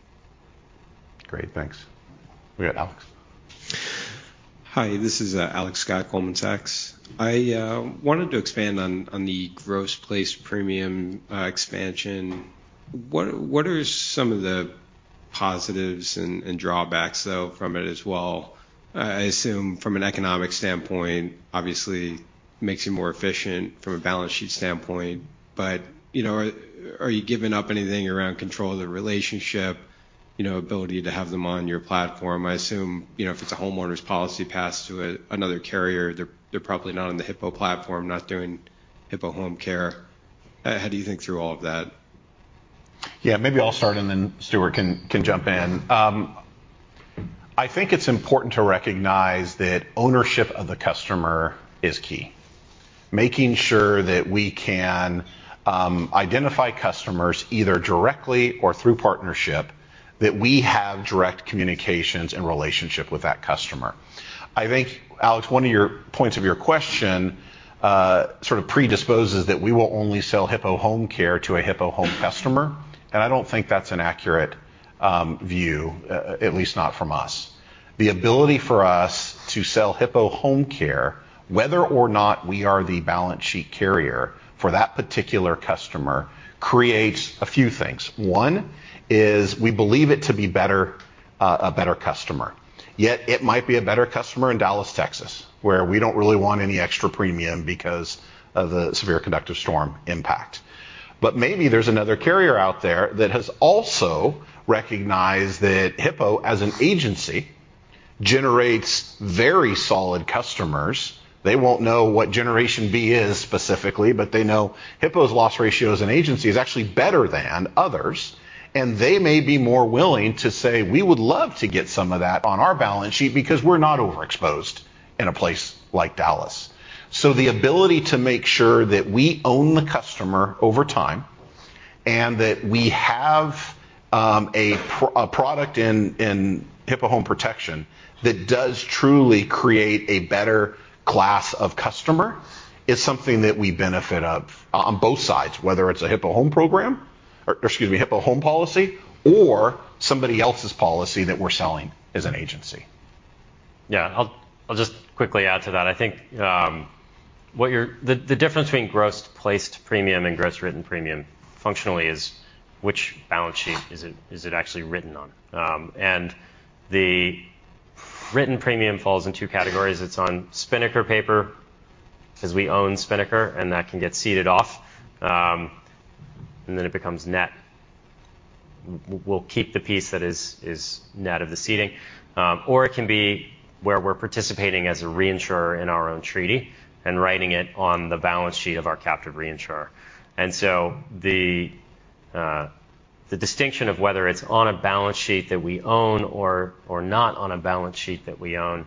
Great. Thanks. We got Alex. Hi, this is Alex Scott, Goldman Sachs. I wanted to expand on the gross placed premium expansion. What are some of the positives and drawbacks though from it as well? I assume from an economic standpoint, obviously makes you more efficient from a balance sheet standpoint, but you know, are you giving up anything around control of the relationship, you know, ability to have them on your platform? I assume, you know, if it's a homeowner's policy passed to another carrier, they're probably not on the Hippo platform, not doing Hippo Home Care. How do you think through all of that? Yeah, maybe I'll start and then Stewart can jump in. I think it's important to recognize that ownership of the customer is key. Making sure that we can identify customers either directly or through partnership, that we have direct communications and relationship with that customer. I think, Alex, one of your points of your question sort of predisposes that we will only sell Hippo Home Care to a Hippo Home customer, and I don't think that's an accurate view, at least not from us. The ability for us to sell Hippo Home Care, whether or not we are the balance sheet carrier for that particular customer, creates a few things. One is we believe it to be better, a better customer. It might be a better customer in Dallas, Texas, where we don't really want any extra premium because of the severe convective storm impact. Maybe there's another carrier out there that has also recognized that Hippo as an agency generates very solid customers. They won't know what Generation B is specifically, but they know Hippo's loss ratio as an agency is actually better than others. They may be more willing to say, "We would love to get some of that on our balance sheet because we're not overexposed in a place like Dallas." The ability to make sure that we own the customer over time, and that we have a product in Hippo Home Protection that does truly create a better class of customer is something that we benefit on both sides, whether it's a Hippo Home policy or somebody else's policy that we're selling as an agency. Yeah. I'll just quickly add to that. I think the difference between gross placed premium and gross written premium functionally is which balance sheet is it actually written on. The written premium falls in two categories. It's on Spinnaker paper 'cause we own Spinnaker and that can get ceded off, and then it becomes net. We'll keep the piece that is net of the ceding. Or it can be where we're participating as a reinsurer in our own treaty and writing it on the balance sheet of our captive reinsurer. The distinction of whether it's on a balance sheet that we own or not on a balance sheet that we own,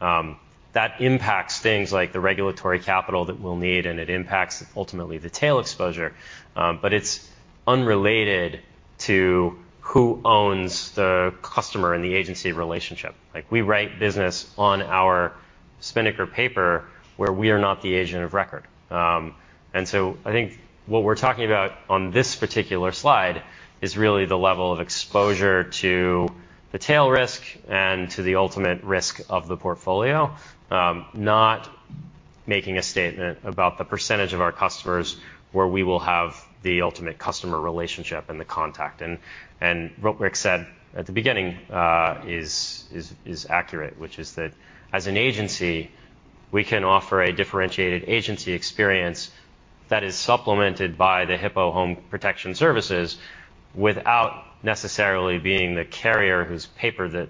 that impacts things like the regulatory capital that we'll need, and it impacts ultimately the tail exposure. It's unrelated to who owns the customer and the agency relationship. Like, we write business on our Spinnaker paper where we are not the agent of record. I think what we're talking about on this particular slide is really the level of exposure to the tail risk and to the ultimate risk of the portfolio, not making a statement about the percentage of our customers where we will have the ultimate customer relationship and the contact. What Rick said at the beginning is accurate, which is that as an agency, we can offer a differentiated agency experience that is supplemented by the Hippo Home Protection Services without necessarily being the carrier whose paper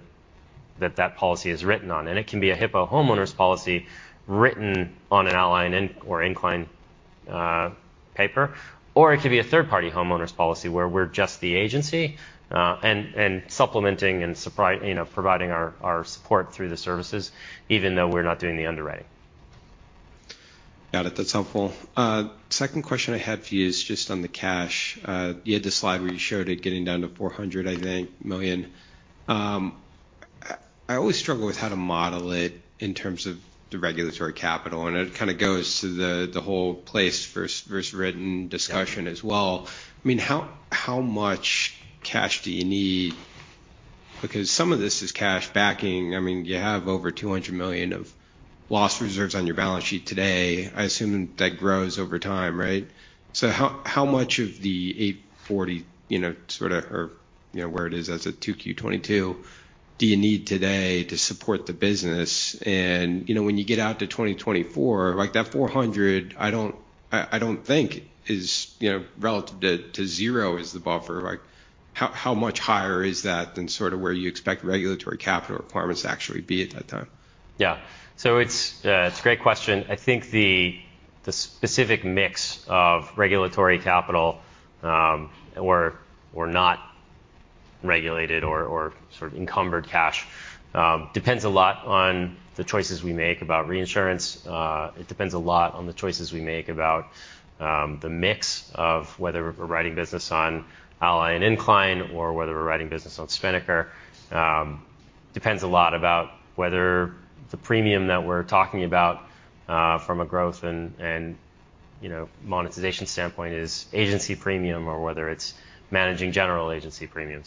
that policy is written on. It can be a Hippo homeowners policy written on an Ally and Incline paper, or it could be a third-party homeowners policy where we're just the agency, and supplementing, you know, providing our support through the services even though we're not doing the underwriting. Got it. That's helpful. Second question I had for you is just on the cash. You had the slide where you showed it getting down to $400 million, I think. I always struggle with how to model it in terms of the regulatory capital, and it kind of goes to the whole placed versus written discussion as well. I mean, how much cash do you need? Because some of this is cash backing. I mean, you have over $200 million of loss reserves on your balance sheet today. I assume that grows over time, right? So how much of the $840, you know, sort of or, you know, where it is as of 2Q 2022 do you need today to support the business? You know, when you get out to 2024, like, that 400, I don't think is, you know, relative to zero is the buffer. Like, how much higher is that than sort of where you expect regulatory capital requirements to actually be at that time? It's a great question. I think the specific mix of regulatory capital, or not regulated, or sort of encumbered cash, depends a lot on the choices we make about reinsurance. It depends a lot on the choices we make about the mix of whether we're writing business on Ally and Incline or whether we're writing business on Spinnaker. It depends a lot about whether the premium that we're talking about, from a growth and, you know, monetization standpoint is agency premium or whether it's managing general agency premium.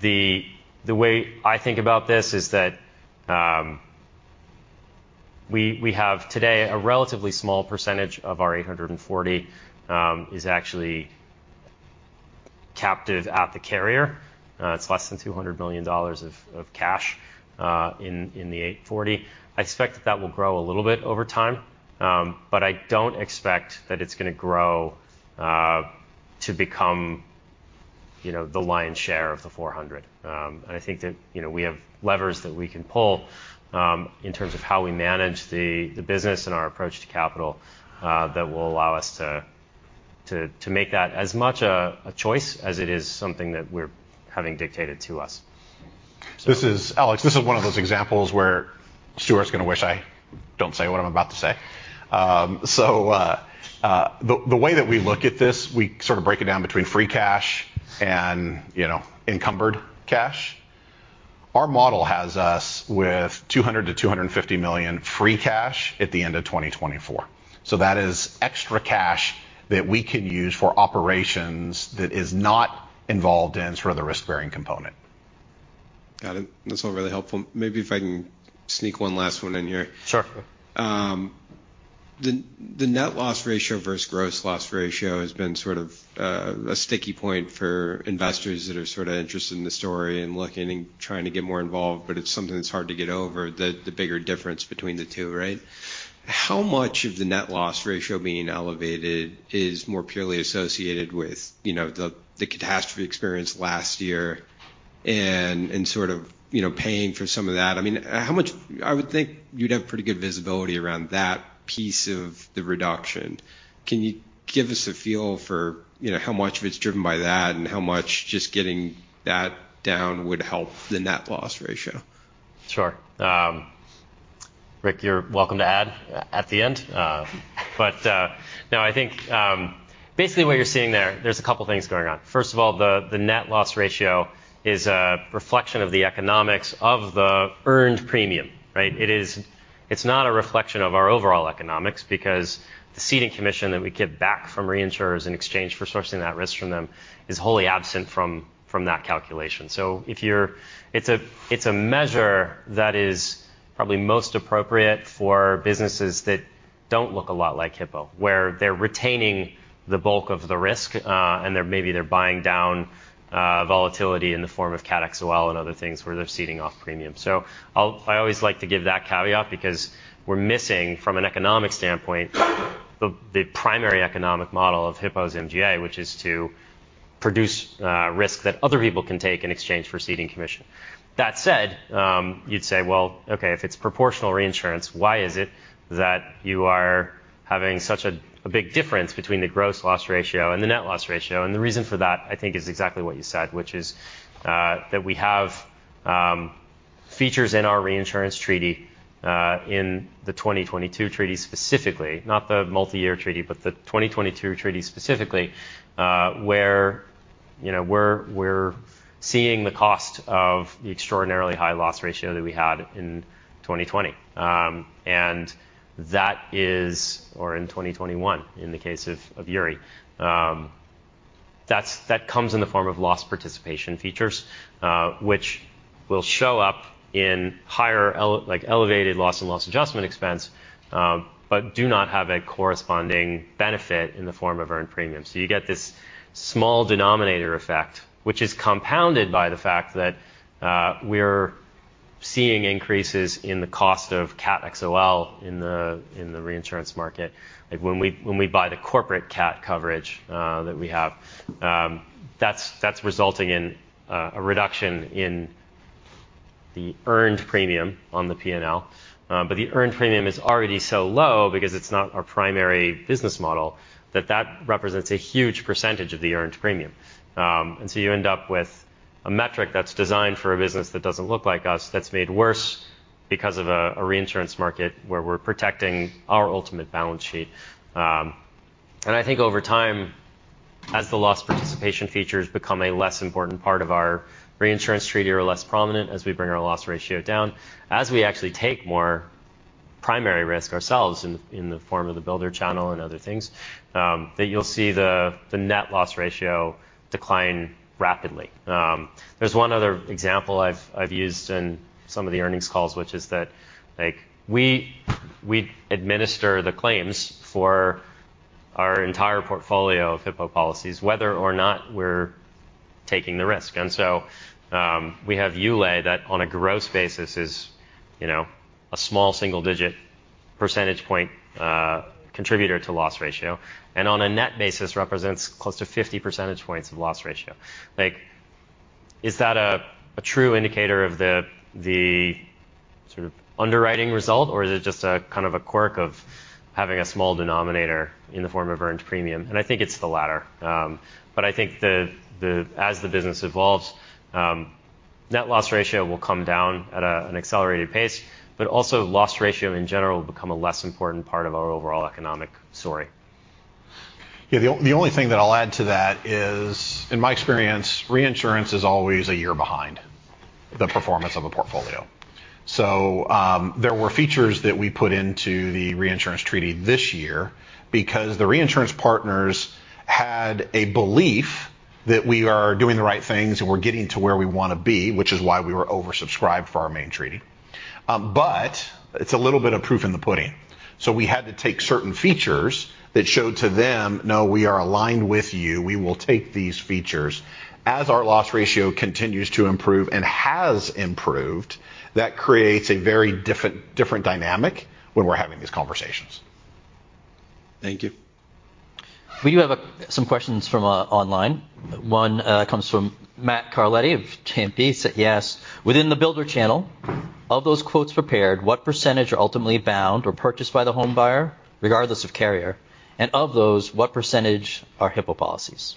The way I think about this is that we have today a relatively small percentage of our 840 is actually captive at the carrier. It's less than $200 million of cash in the 840. I expect that will grow a little bit over time. I don't expect that it's gonna grow to become, you know, the lion's share of the $400. I think that, you know, we have levers that we can pull in terms of how we manage the business and our approach to capital that will allow us to make that as much a choice as it is something that we're having dictated to us. This is Alex, this is one of those examples where Stewart's gonna wish I don't say what I'm about to say. The way that we look at this, we sort of break it down between free cash and, you know, encumbered cash. Our model has us with $200 million-$250 million free cash at the end of 2024. That is extra cash that we can use for operations that is not involved in sort of the risk-bearing component. Got it. That's all really helpful. Maybe if I can sneak one last one in here. Sure. The net loss ratio versus gross loss ratio has been sort of a sticky point for investors that are sort of interested in the story and looking and trying to get more involved, but it's something that's hard to get over, the bigger difference between the two, right? How much of the net loss ratio being elevated is more purely associated with, you know, the catastrophe experience last year and sort of, you know, paying for some of that? I mean, I would think you'd have pretty good visibility around that piece of the reduction. Can you give us a feel for, you know, how much of it's driven by that and how much just getting that down would help the net loss ratio? Sure. Rick, you're welcome to add at the end. But no, I think basically what you're seeing there's a couple things going on. First of all, the net loss ratio is a reflection of the economics of the earned premium, right? It's not a reflection of our overall economics because the ceding commission that we get back from reinsurers in exchange for sourcing that risk from them is wholly absent from that calculation. It's a measure that is probably most appropriate for businesses that don't look a lot like Hippo, where they're retaining the bulk of the risk, and they're maybe buying down volatility in the form of CAT XOL and other things where they're ceding off premium. I always like to give that caveat because we're missing, from an economic standpoint, the primary economic model of Hippo's MGA, which is to produce risk that other people can take in exchange for ceding commission. That said, you'd say, "Well, okay, if it's proportional reinsurance, why is it that you are having such a big difference between the gross loss ratio and the net loss ratio?" The reason for that, I think, is exactly what you said, which is that we have features in our reinsurance treaty in the 2022 treaty specifically. Not the multi-year treaty, but the 2022 treaty specifically, where you know, we're seeing the cost of the extraordinarily high loss ratio that we had in 2020. That is or in 2021 in the case of Uri. That comes in the form of loss participation features, which will show up in elevated loss and loss adjustment expense, but do not have a corresponding benefit in the form of earned premium. You get this small denominator effect, which is compounded by the fact that, we're seeing increases in the cost of CAT XOL in the reinsurance market. Like when we buy the corporate CAT coverage that we have, that's resulting in a reduction in the earned premium on the P&L. The earned premium is already so low because it's not our primary business model that represents a huge percentage of the earned premium. You end up with a metric that's designed for a business that doesn't look like us, that's made worse because of a reinsurance market where we're protecting our ultimate balance sheet. I think over time, as the loss participation features become a less important part of our reinsurance treaty or less prominent as we bring our loss ratio down, as we actually take more primary risk ourselves in the form of the builder channel and other things, that you'll see the net loss ratio decline rapidly. There's one other example I've used in some of the earnings calls, which is that, like we administer the claims for our entire portfolio of Hippo policies, whether or not we're taking the risk. We have ULAE that on a gross basis is, you know, a small single-digit percentage point contributor to loss ratio, and on a net basis represents close to 50 percentage points of loss ratio. Like, is that a true indicator of the sort of underwriting result, or is it just a kind of a quirk of having a small denominator in the form of earned premium? I think it's the latter. I think as the business evolves, net loss ratio will come down at an accelerated pace, but also loss ratio in general will become a less important part of our overall economic story. Yeah. The only thing that I'll add to that is, in my experience, reinsurance is always a year behind the performance of a portfolio. There were features that we put into the reinsurance treaty this year because the reinsurance partners had a belief that we are doing the right things and we're getting to where we want to be, which is why we were oversubscribed for our main treaty. It's a little bit of proof in the pudding. We had to take certain features that showed to them, "No, we are aligned with you. We will take these features." As our loss ratio continues to improve and has improved, that creates a very different dynamic when we're having these conversations. Thank you. We do have some questions from online. One comes from Matt Carletti of JMP. He asks, "Within the builder channel, of those quotes prepared, what percentage are ultimately bound or purchased by the home buyer regardless of carrier? And of those, what percentage are Hippo policies?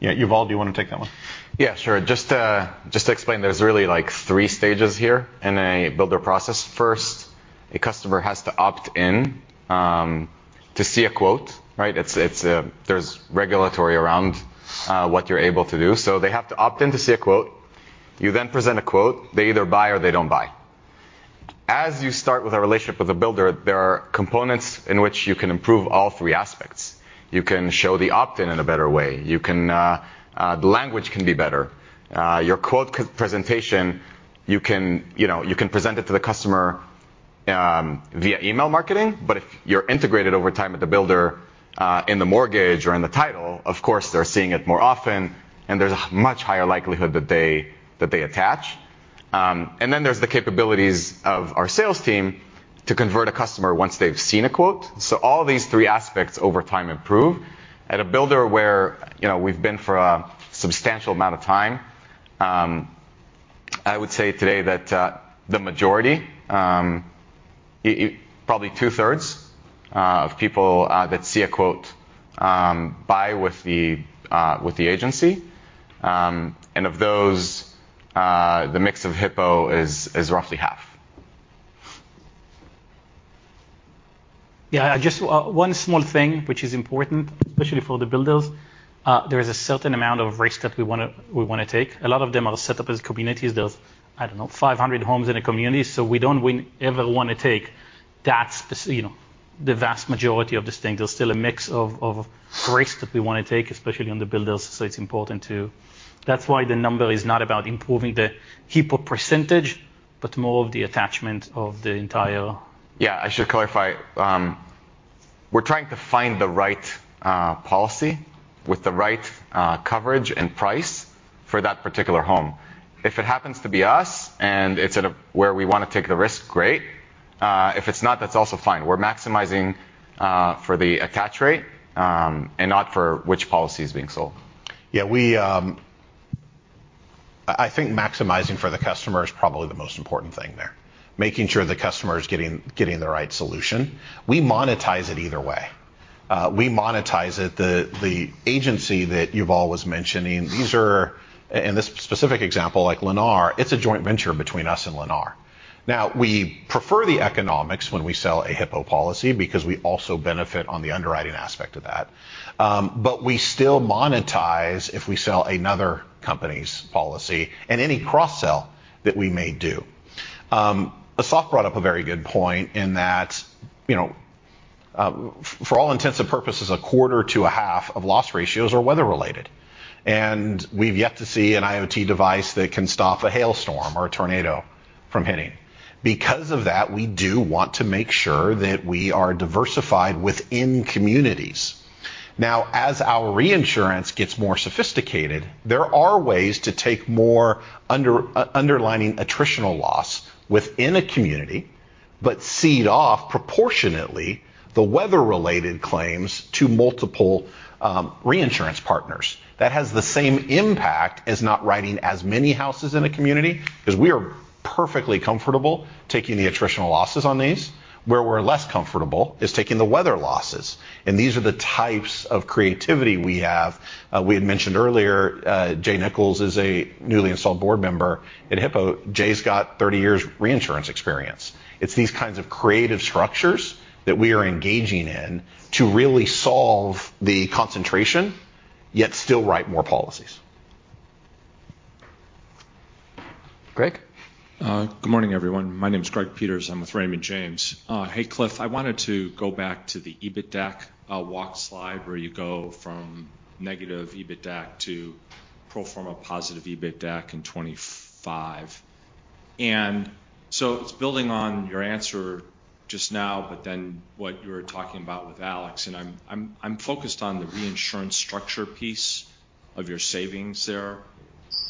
Yeah. Yuval, do you want to take that one? Yeah, sure. Just to explain, there's really like three stages here in a builder process. First, a customer has to opt in to see a quote, right? There's regulatory around what you're able to do, so they have to opt in to see a quote. You then present a quote. They either buy or they don't buy. As you start with a relationship with a builder, there are components in which you can improve all three aspects. You can show the opt-in in a better way. The language can be better. Your quote presentation, you can, you know, you can present it to the customer via email marketing, but if you're integrated over time with the builder in the mortgage or in the title, of course they're seeing it more often, and there's a much higher likelihood that they attach. There's the capabilities of our sales team to convert a customer once they've seen a quote. All these three aspects over time improve. At a builder where, you know, we've been for a substantial amount of time, I would say today that the majority probably two-thirds of people that see a quote buy with the agency. Of those, the mix of Hippo is roughly half. Yeah. Just one small thing which is important, especially for the builders, there is a certain amount of risk that we wanna take. A lot of them are set up as communities. There's, I don't know, 500 homes in a community, so we don't ever wanna take that, you know, the vast majority of this thing. There's still a mix of risk that we wanna take, especially on the builders. It's important to. That's why the number is not about improving the Hippo percentage, but more of the attachment of the entire. I should clarify. We're trying to find the right policy with the right coverage and price for that particular home. If it happens to be us and it's at a rate where we wanna take the risk, great. If it's not, that's also fine. We're maximizing for the attach rate and not for which policy is being sold. Yeah. I think maximizing for the customer is probably the most important thing there, making sure the customer is getting the right solution. We monetize it either way. We monetize it. The agency that Yuval was mentioning, these are, in this specific example, like Lennar, it's a joint venture between us and Lennar. Now, we prefer the economics when we sell a Hippo policy because we also benefit on the underwriting aspect of that. But we still monetize if we sell another company's policy and any cross-sell that we may do. Asaf brought up a very good point in that, you know, for all intents and purposes, a quarter to a half of loss ratios are weather related. We've yet to see an IoT device that can stop a hailstorm or a tornado from hitting. Because of that, we do want to make sure that we are diversified within communities. Now, as our reinsurance gets more sophisticated, there are ways to take more underwriting attritional loss within a community but cede off proportionately the weather-related claims to multiple reinsurance partners. That has the same impact as not writing as many houses in a community 'cause we are perfectly comfortable taking the attritional losses on these. Where we're less comfortable is taking the weather losses, and these are the types of creativity we have. We had mentioned earlier, John Nichols Jr. is a newly installed board member at Hippo. John Nichols Jr.'s got 30 years reinsurance experience. It's these kinds of creative structures that we are engaging in to really solve the concentration, yet still write more policies. Greg? Good morning, everyone. My name's Greg Peters. I'm with Raymond James. Hey, Cliff, I wanted to go back to the EBITDA walk slide where you go from negative EBITDA to pro forma positive EBITDA in 2025. It's building on your answer just now, but then what you were talking about with Alex, and I'm focused on the reinsurance structure piece of your savings there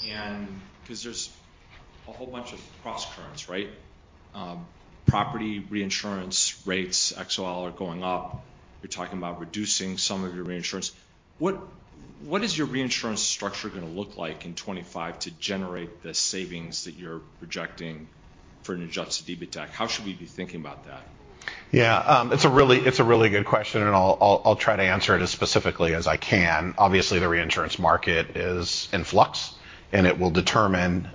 and 'cause there's a whole bunch of cross currents, right? Property reinsurance rates, XOL are going up. You're talking about reducing some of your reinsurance. What is your reinsurance structure gonna look like in 2025 to generate the savings that you're projecting for an adjusted EBITDA? How should we be thinking about that? Yeah. It's a really good question, and I'll try to answer it as specifically as I can. Obviously, the reinsurance market is in flux, and it will determine,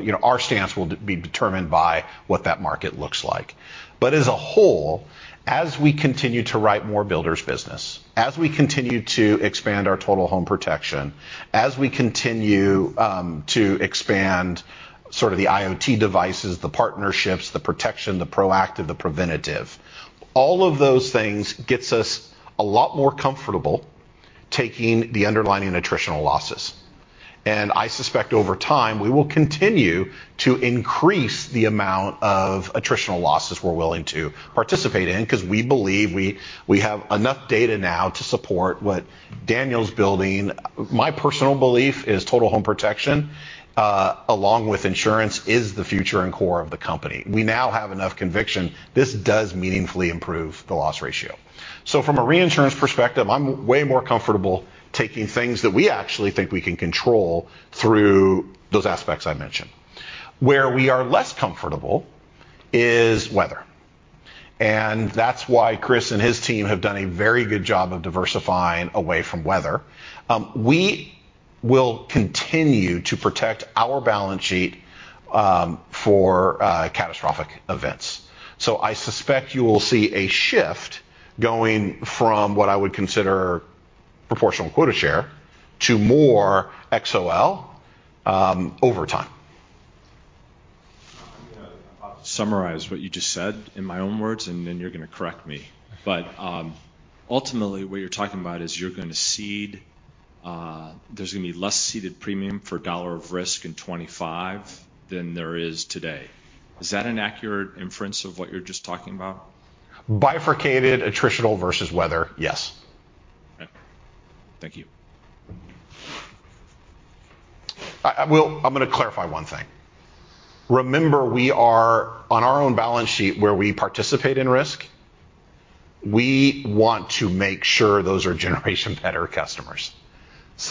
you know, our stance will be determined by what that market looks like. As a whole, as we continue to write more builders business, as we continue to expand our total home protection, as we continue to expand sort of the IoT devices, the partnerships, the protection, the proactive, the preventative, all of those things gets us a lot more comfortable taking the underlying attritional losses. I suspect over time, we will continue to increase the amount of attritional losses we're willing to participate in 'cause we believe we have enough data now to support what Daniel's building. My personal belief is total home protection along with insurance is the future and core of the company. We now have enough conviction this does meaningfully improve the loss ratio. From a reinsurance perspective, I'm way more comfortable taking things that we actually think we can control through those aspects I mentioned. Where we are less comfortable is weather, and that's why Chris and his team have done a very good job of diversifying away from weather. We will continue to protect our balance sheet for catastrophic events. I suspect you will see a shift going from what I would consider proportional quota share to more XOL over time. I'm gonna summarize what you just said in my own words, and then you're gonna correct me. Ultimately, what you're talking about is you're gonna cede, there's gonna be less ceded premium for dollar of risk in 2025 than there is today. Is that an accurate inference of what you're just talking about? Bifurcated attritional versus weather, yes. Okay. Thank you. I will, I'm gonna clarify one thing. Remember, we are on our own balance sheet where we participate in risk. We want to make sure those are Generation Better customers.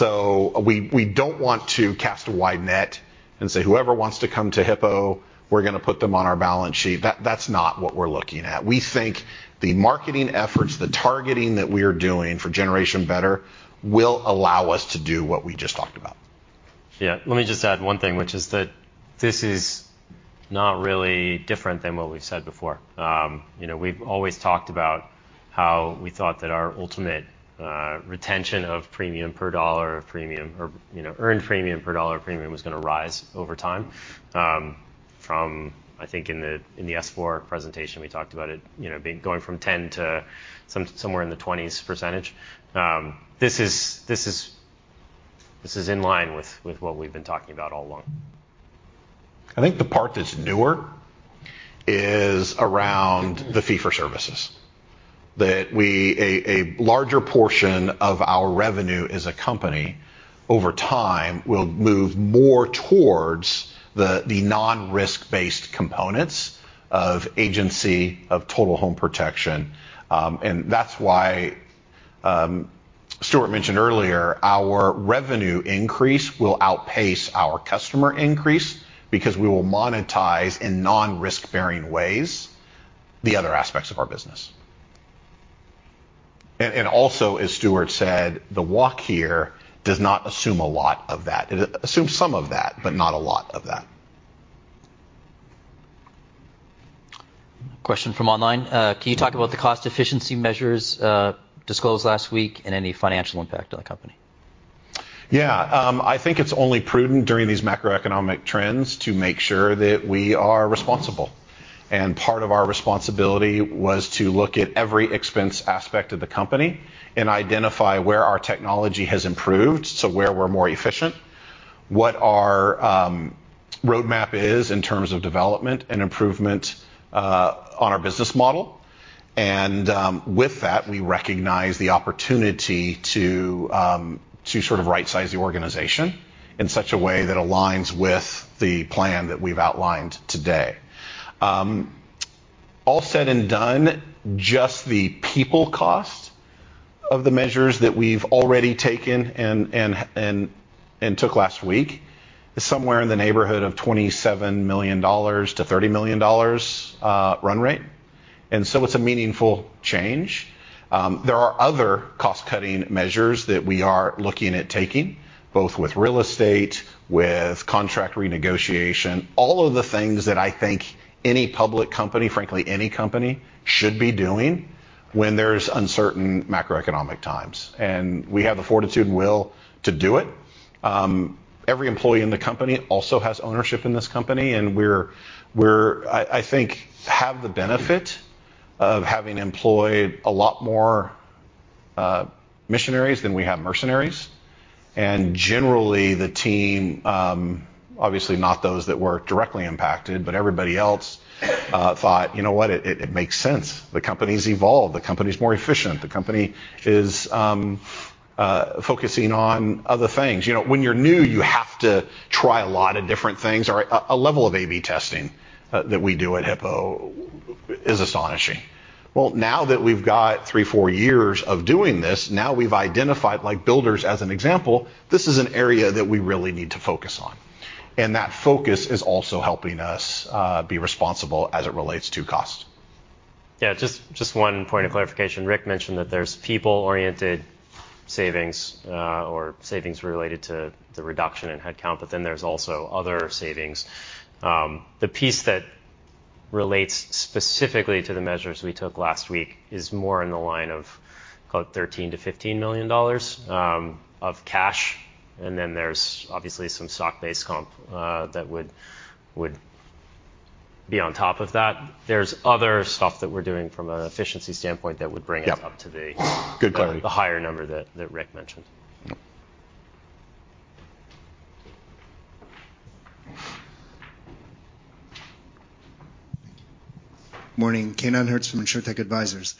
We don't want to cast a wide net and say, "Whoever wants to come to Hippo, we're gonna put them on our balance sheet." That's not what we're looking at. We think the marketing efforts, the targeting that we're doing for Generation Better will allow us to do what we just talked about. Yeah. Let me just add one thing, which is that this is not really different than what we've said before. You know, we've always talked about how we thought that our ultimate retention of premium per dollar of premium or, you know, earned premium per dollar of premium was gonna rise over time, from I think in the S-4 presentation, we talked about it, you know, going from 10 to somewhere in the 20 percentage. This is in line with what we've been talking about all along. I think the part that's newer is around the fee for services, that a larger portion of our revenue as a company over time will move more towards the non-risk-based components of agency and total home protection. That's why Stewart mentioned earlier our revenue increase will outpace our customer increase because we will monetize in non-risk-bearing ways the other aspects of our business. Also, as Stewart said, the walk here does not assume a lot of that. It assumes some of that, but not a lot of that. Question from online. Can you talk about the cost efficiency measures disclosed last week and any financial impact on the company? Yeah. I think it's only prudent during these macroeconomic trends to make sure that we are responsible. Part of our responsibility was to look at every expense aspect of the company and identify where our technology has improved, so where we're more efficient. What our roadmap is in terms of development and improvement on our business model. With that, we recognize the opportunity to sort of right-size the organization in such a way that aligns with the plan that we've outlined today. All said and done, just the people cost of the measures that we've already taken and took last week is somewhere in the neighborhood of $27 million-$30 million run rate. It's a meaningful change. There are other cost-cutting measures that we are looking at taking, both with real estate, with contract renegotiation, all of the things that I think any public company, frankly, any company should be doing when there's uncertain macroeconomic times. We have the fortitude and will to do it. Every employee in the company also has ownership in this company, and we, I think, have the benefit of having employed a lot more missionaries than we have mercenaries. Generally, the team, obviously not those that were directly impacted, but everybody else, thought, "You know what? It makes sense. The company's evolved. The company's more efficient. The company is focusing on other things." You know, when you're new, you have to try a lot of different things. A level of A/B testing that we do at Hippo is astonishing. Well, now that we've got 3-4 years of doing this, now we've identified, like, builders as an example, this is an area that we really need to focus on. That focus is also helping us be responsible as it relates to cost. Yeah, just one point of clarification. Rick mentioned that there's people-oriented savings or savings related to the reduction in headcount, but then there's also other savings. The piece that relates specifically to the measures we took last week is more in the line of about $13 million-$15 million of cash. Then there's obviously some stock-based comp that would be on top of that. There's other stuff that we're doing from an efficiency standpoint that would bring us- Yep. -up to the- Good clarity. the higher number that Rick mentioned. Yep. Morning. Kaenan Hertz from InsurTech Advisors.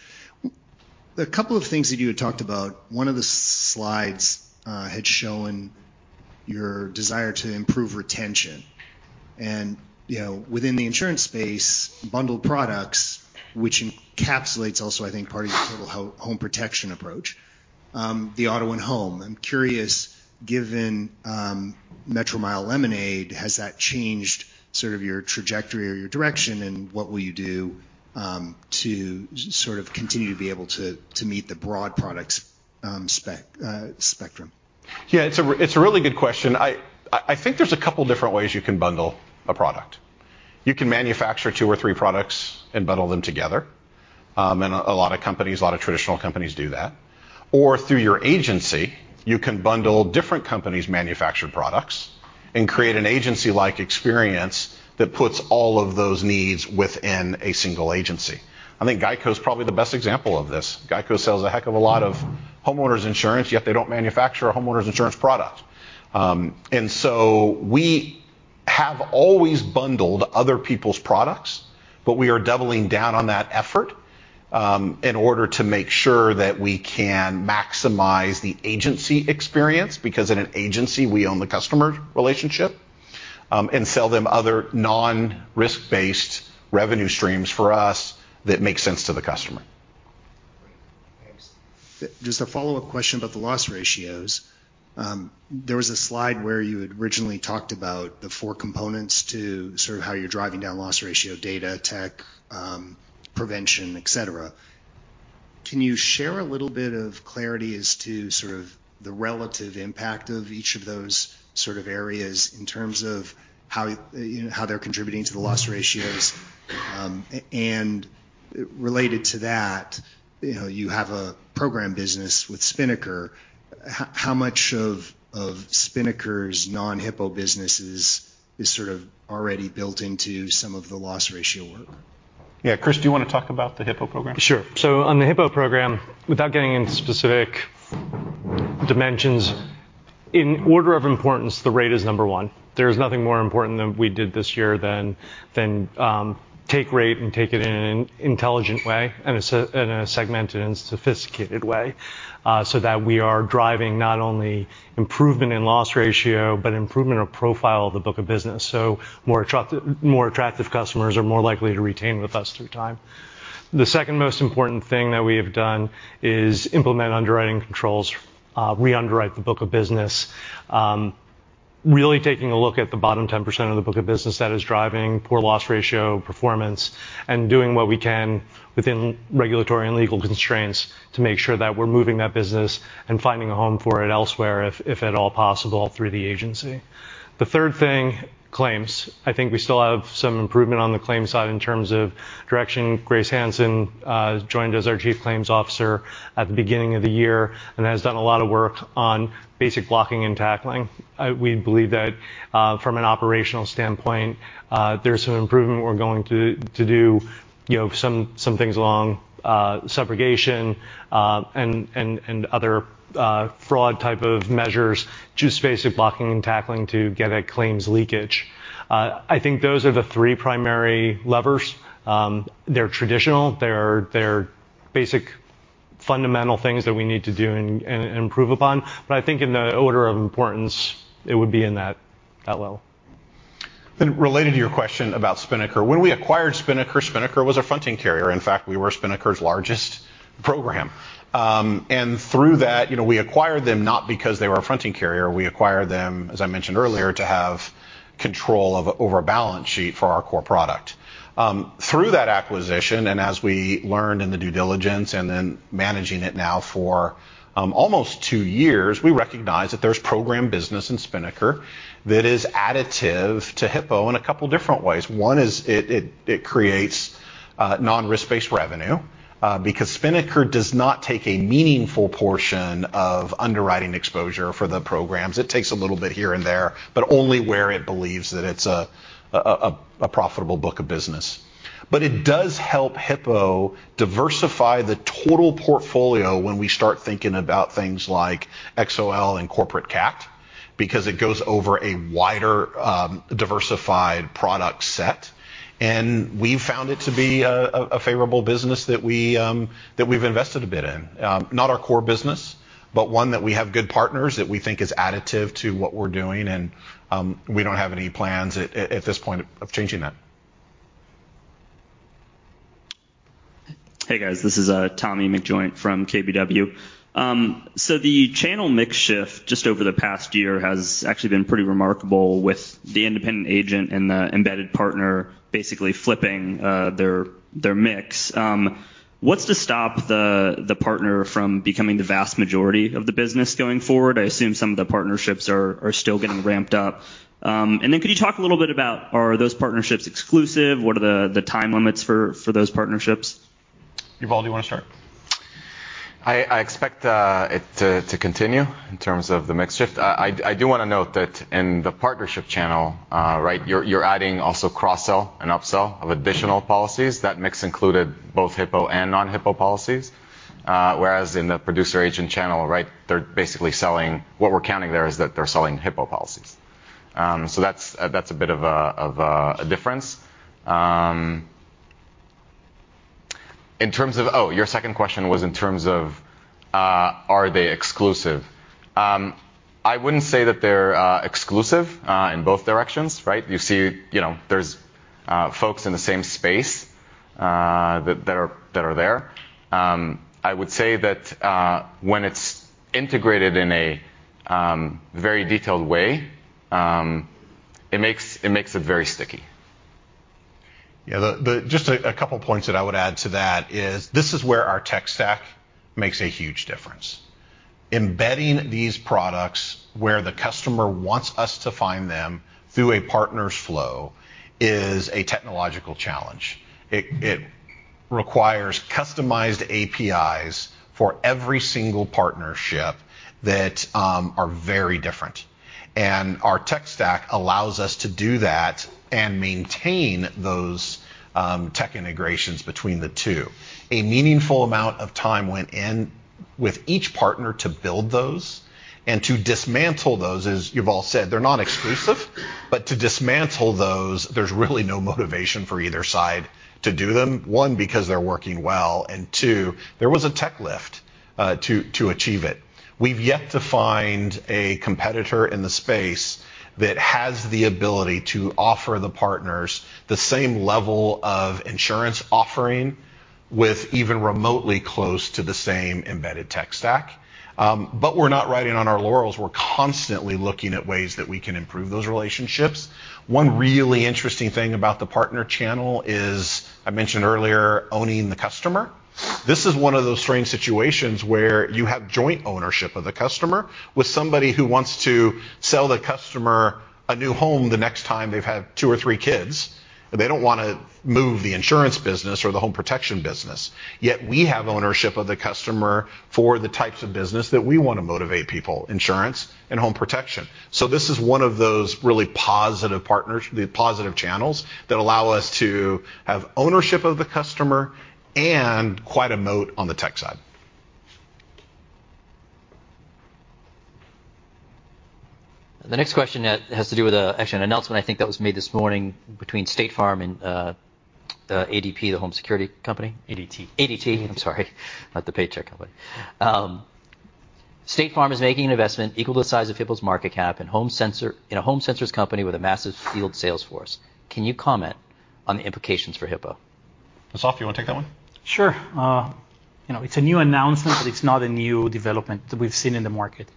A couple of things that you had talked about. One of the slides had shown your desire to improve retention. You know, within the insurance space, bundled products, which encapsulates also, I think, part of your total home protection approach, the auto and home. I'm curious, given Metromile Lemonade, has that changed sort of your trajectory or your direction, and what will you do to sort of continue to be able to meet the broad products spectrum? Yeah, it's a really good question. I think there's a couple different ways you can bundle a product. You can manufacture two or three products and bundle them together. A lot of companies, a lot of traditional companies do that. Through your agency, you can bundle different companies' manufactured products and create an agency-like experience that puts all of those needs within a single agency. I think GEICO is probably the best example of this. GEICO sells a heck of a lot of homeowners insurance, yet they don't manufacture a homeowners insurance product. We have always bundled other people's products, but we are doubling down on that effort in order to make sure that we can maximize the agency experience. Because in an agency, we own the customer relationship, and sell them other non-risk-based revenue streams for us that make sense to the customer. Great. Thanks. Just a follow-up question about the loss ratios. There was a slide where you had originally talked about the four components to sort of how you're driving down loss ratio data, tech, prevention, et cetera. Can you share a little bit of clarity as to sort of the relative impact of each of those sort of areas in terms of how, you know, how they're contributing to the loss ratios? And related to that, you know, you have a program business with Spinnaker. How much of Spinnaker's non-Hippo businesses is sort of already built into some of the loss ratio work? Yeah. Chris, do you wanna talk about the Hippo program? Sure. On the Hippo program, without getting into specific dimensions, in order of importance, the rate is number one. There's nothing more important than we did this year than take rate and take it in an intelligent way, in a segmented and sophisticated way, so that we are driving not only improvement in loss ratio, but improvement of profile of the book of business. More attractive customers are more likely to retain with us through time. The second most important thing that we have done is implement underwriting controls, re-underwrite the book of business, really taking a look at the bottom 10% of the book of business that is driving poor loss ratio performance and doing what we can within regulatory and legal constraints to make sure that we're moving that business and finding a home for it elsewhere if at all possible through the agency. The third thing, claims. I think we still have some improvement on the claims side in terms of direction. Grace Hanson joined as our Chief Claims Officer at the beginning of the year and has done a lot of work on basic blocking and tackling. We believe that from an operational standpoint, there's some improvement we're going to do, you know, some things along subrogation and other fraud type of measures, just basic blocking and tackling to get at claims leakage. I think those are the three primary levers. They're traditional. They're basic fundamental things that we need to do and improve upon. I think in the order of importance, it would be in that level. Related to your question about Spinnaker. When we acquired Spinnaker was a fronting carrier. In fact, we were Spinnaker's largest program. Through that, you know, we acquired them not because they were a fronting carrier. We acquired them, as I mentioned earlier, to have control over a balance sheet for our core product. Through that acquisition, as we learned in the due diligence and then managing it now for almost two years, we recognize that there's program business in Spinnaker that is additive to Hippo in a couple different ways. One is it creates non-risk-based revenue because Spinnaker does not take a meaningful portion of underwriting exposure for the programs. It takes a little bit here and there, but only where it believes that it's a profitable book of business. It does help Hippo diversify the total portfolio when we start thinking about things like XOL and Corporate CAT, because it goes over a wider, diversified product set. We've found it to be a favorable business that we've invested a bit in. Not our core business, but one that we have good partners that we think is additive to what we're doing and we don't have any plans at this point of changing that. Hey, guys. This is Tommy McJoynt from KBW. The channel mix shift just over the past year has actually been pretty remarkable with the independent agent and the embedded partner basically flipping their mix. What's to stop the partner from becoming the vast majority of the business going forward? I assume some of the partnerships are still getting ramped up. Could you talk a little bit about are those partnerships exclusive? What are the time limits for those partnerships? Yuval, do you wanna start? I expect it to continue in terms of the mix shift. I do wanna note that in the partnership channel, right, you're adding also cross-sell and upsell of additional policies. That mix included both Hippo and non-Hippo policies. Whereas in the producer agent channel, right, what we're counting there is that they're selling Hippo policies. That's a bit of a difference. Your second question was in terms of are they exclusive. I wouldn't say that they're exclusive in both directions, right? You see, you know, there's folks in the same space that are there. I would say that when it's integrated in a very detailed way, it makes it very sticky. Yeah. Just a couple points that I would add to that is this is where our tech stack makes a huge difference. Embedding these products where the customer wants us to find them through a partner's flow is a technological challenge. It requires customized APIs for every single partnership that are very different. Our tech stack allows us to do that and maintain those tech integrations between the two. A meaningful amount of time went in with each partner to build those and to dismantle those. As Yuval said, they're not exclusive, but to dismantle those, there's really no motivation for either side to do them. One, because they're working well, and two, there was a tech lift to achieve it. We've yet to find a competitor in the space that has the ability to offer the partners the same level of insurance offering with even remotely close to the same embedded tech stack. We're not riding on our laurels. We're constantly looking at ways that we can improve those relationships. One really interesting thing about the partner channel is, I mentioned earlier, owning the customer. This is one of those strange situations where you have joint ownership of the customer with somebody who wants to sell the customer a new home the next time they've had two or three kids, and they don't wanna move the insurance business or the home protection business. Yet we have ownership of the customer for the types of business that we wanna motivate people, insurance and home protection. This is one of those really positive partners, the positive channels that allow us to have ownership of the customer and quite a moat on the tech side. The next question has to do with actually an announcement I think that was made this morning between State Farm and the ADT, the home security company. ADT. ADT. I'm sorry. Not the paycheck company. State Farm is making an investment equal to the size of Hippo's market cap in a home sensors company with a massive field sales force. Can you comment on the implications for Hippo? Assaf, do you wanna take that one? Sure. You know, it's a new announcement, but it's not a new development that we've seen in the market.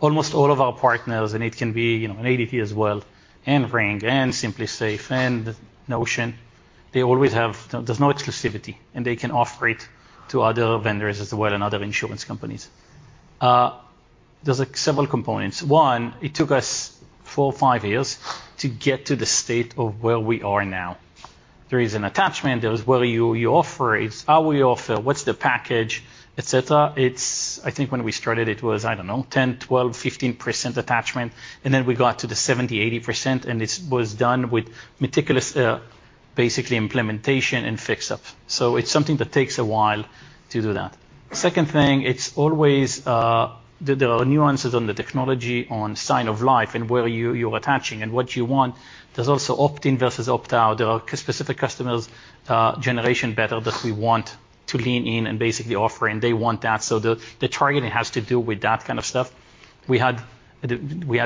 Almost all of our partners, and it can be, you know, an ADT as well, and Ring, and SimpliSafe, and Notion, they always have. There's no exclusivity, and they can offer it to other vendors as well and other insurance companies. There's, like, several components. One, it took us four or five years to get to the state of where we are now. There is an attachment. There is where you offer. It's how we offer, what's the package, et cetera. It's I think when we started it was, I don't know, 10%, 12%, 15% attachment, and then we got to the 70%, 80%, and it was done with meticulous, basically implementation and fix-up. It's something that takes a while to do that. Second thing, it's always there are nuances on the technology on sign of life and where you are attaching and what you want. There's also opt-in versus opt-out. There are customer-specific customers, Generation Better that we want to lean in and basically offer, and they want that. So the targeting has to do with that kind of stuff. We had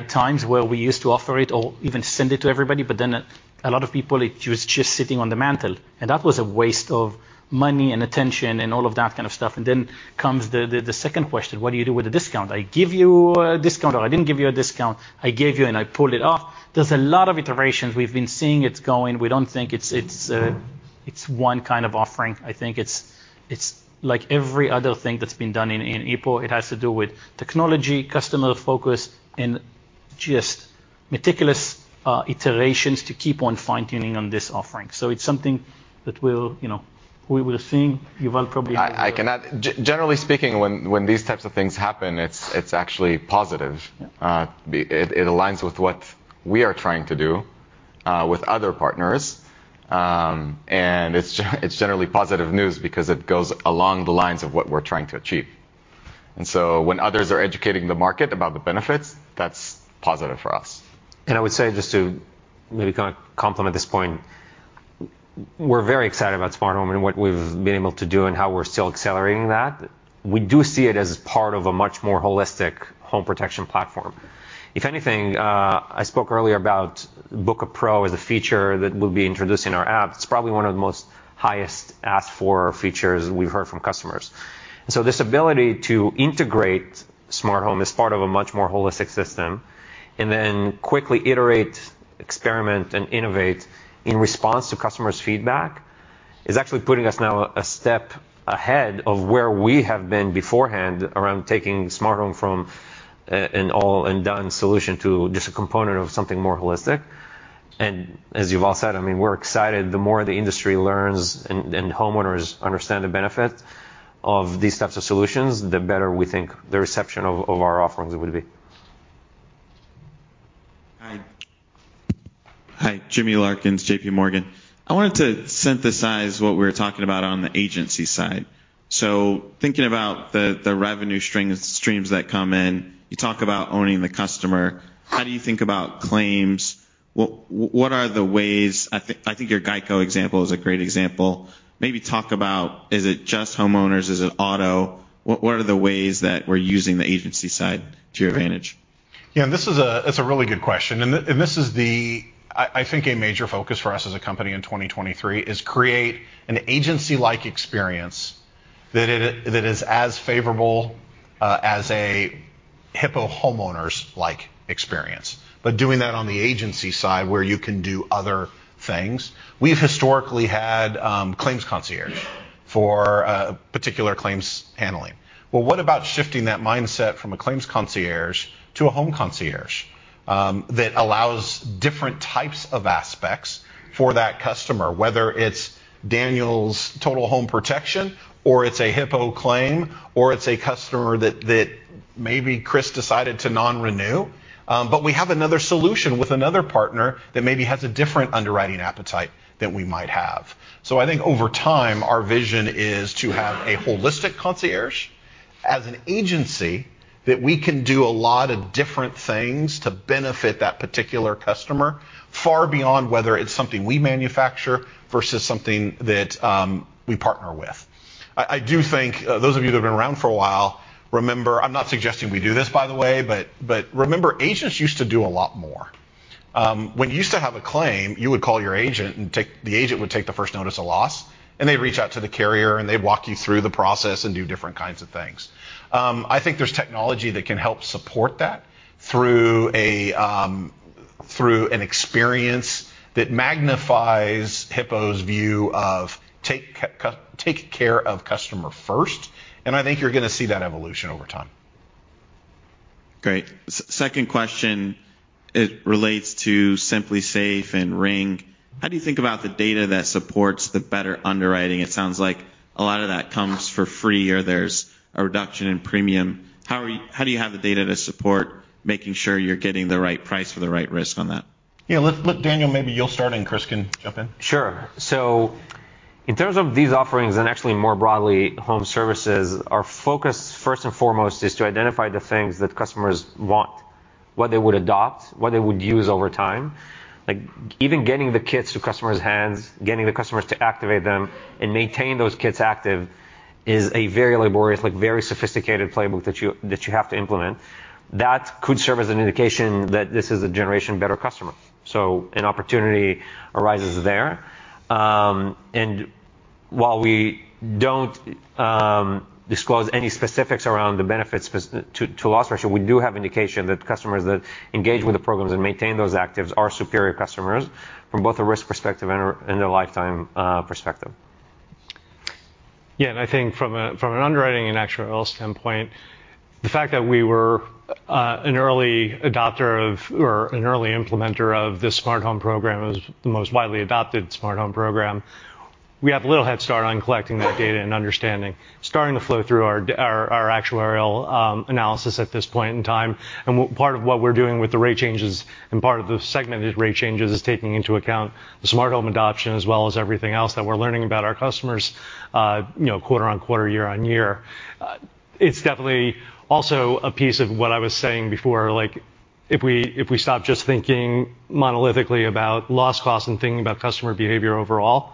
times where we used to offer it or even send it to everybody, but then a lot of people, it was just sitting on the mantle, and that was a waste of money and attention and all of that kind of stuff. Then comes the second question, what do you do with the discount? I give you a discount, or I didn't give you a discount. I gave you, and I pulled it off. There's a lot of iterations. We've been seeing it going. We don't think it's one kind of offering. I think it's like every other thing that's been done in Hippo. It has to do with technology, customer focus, and just meticulous iterations to keep on fine-tuning on this offering. It's something that we will see. Yuval probably has- Generally speaking, when these types of things happen, it's actually positive. Yeah. It aligns with what we are trying to do with other partners. It's generally positive news because it goes along the lines of what we're trying to achieve. When others are educating the market about the benefits, that's positive for us. I would say, just to maybe kinda complement this point, we're very excited about smart home and what we've been able to do and how we're still accelerating that. We do see it as part of a much more holistic home protection platform. If anything, I spoke earlier about Book a Pro as a feature that we'll be introducing in our app. It's probably one of the most highest asked for features we've heard from customers. This ability to integrate smart home as part of a much more holistic system and then quickly iterate, experiment, and innovate in response to customers' feedback is actually putting us now a step ahead of where we have been beforehand around taking smart home from a, an all and done solution to just a component of something more holistic. As Yuval said, I mean, we're excited. The more the industry learns and homeowners understand the benefit of these types of solutions, the better we think the reception of our offerings would be. Hi. Hi, Jimmy Bhullar, JPMorgan. I wanted to synthesize what we were talking about on the agency side. Thinking about the revenue streams that come in, you talk about owning the customer. How do you think about claims? What are the ways? I think your GEICO example is a great example. Maybe talk about is it just homeowners? Is it auto? What are the ways that we're using the agency side to your advantage? Yeah. It's a really good question. This is, I think, a major focus for us as a company in 2023 is create an agency-like experience that is as favorable as a Hippo homeowners-like experience. Doing that on the agency side where you can do other things. We've historically had claims concierge for particular claims handling. Well, what about shifting that mindset from a claims concierge to a home concierge that allows different types of aspects for that customer, whether it's Daniel's total home protection or it's a Hippo claim or it's a customer that maybe Chris decided to non-renew. We have another solution with another partner that maybe has a different underwriting appetite than we might have. I think over time our vision is to have a holistic concierge as an agency that we can do a lot of different things to benefit that particular customer far beyond whether it's something we manufacture versus something that we partner with. I do think those of you that have been around for a while remember. I'm not suggesting we do this by the way, but remember agents used to do a lot more. When you used to have a claim, you would call your agent and the agent would take the first notice of loss, and they'd reach out to the carrier, and they'd walk you through the process and do different kinds of things. I think there's technology that can help support that through an experience that magnifies Hippo's view of take care of customer first, and I think you're gonna see that evolution over time. Great. Second question, it relates to SimpliSafe and Ring. How do you think about the data that supports the better underwriting? It sounds like a lot of that comes for free or there's a reduction in premium. How do you have the data to support making sure you're getting the right price for the right risk on that? Yeah. Let Daniel, maybe you'll start, and Chris can jump in. Sure. In terms of these offerings and actually more broadly home services, our focus first and foremost is to identify the things that customers want, what they would adopt, what they would use over time. Like even getting the kits to customers' hands, getting the customers to activate them and maintain those kits active is a very laborious, like very sophisticated playbook that you have to implement. That could serve as an indication that this is a generation better customer. An opportunity arises there. While we don't disclose any specifics around the benefits specific to loss ratio, we do have indication that customers that engage with the programs and maintain those actives are superior customers from both a risk perspective and a lifetime perspective. Yeah, I think from an underwriting and actuarial standpoint, the fact that we were an early adopter or an early implementer of this smart home program. It was the most widely adopted smart home program. We have a little head start on collecting that data and understanding, starting to flow through our actuarial analysis at this point in time. Part of what we're doing with the rate changes and part of the segmented rate changes is taking into account the smart home adoption as well as everything else that we're learning about our customers, you know, quarter on quarter, year-on-year. It's definitely also a piece of what I was saying before, like if we stop just thinking monolithically about loss costs and thinking about customer behavior overall,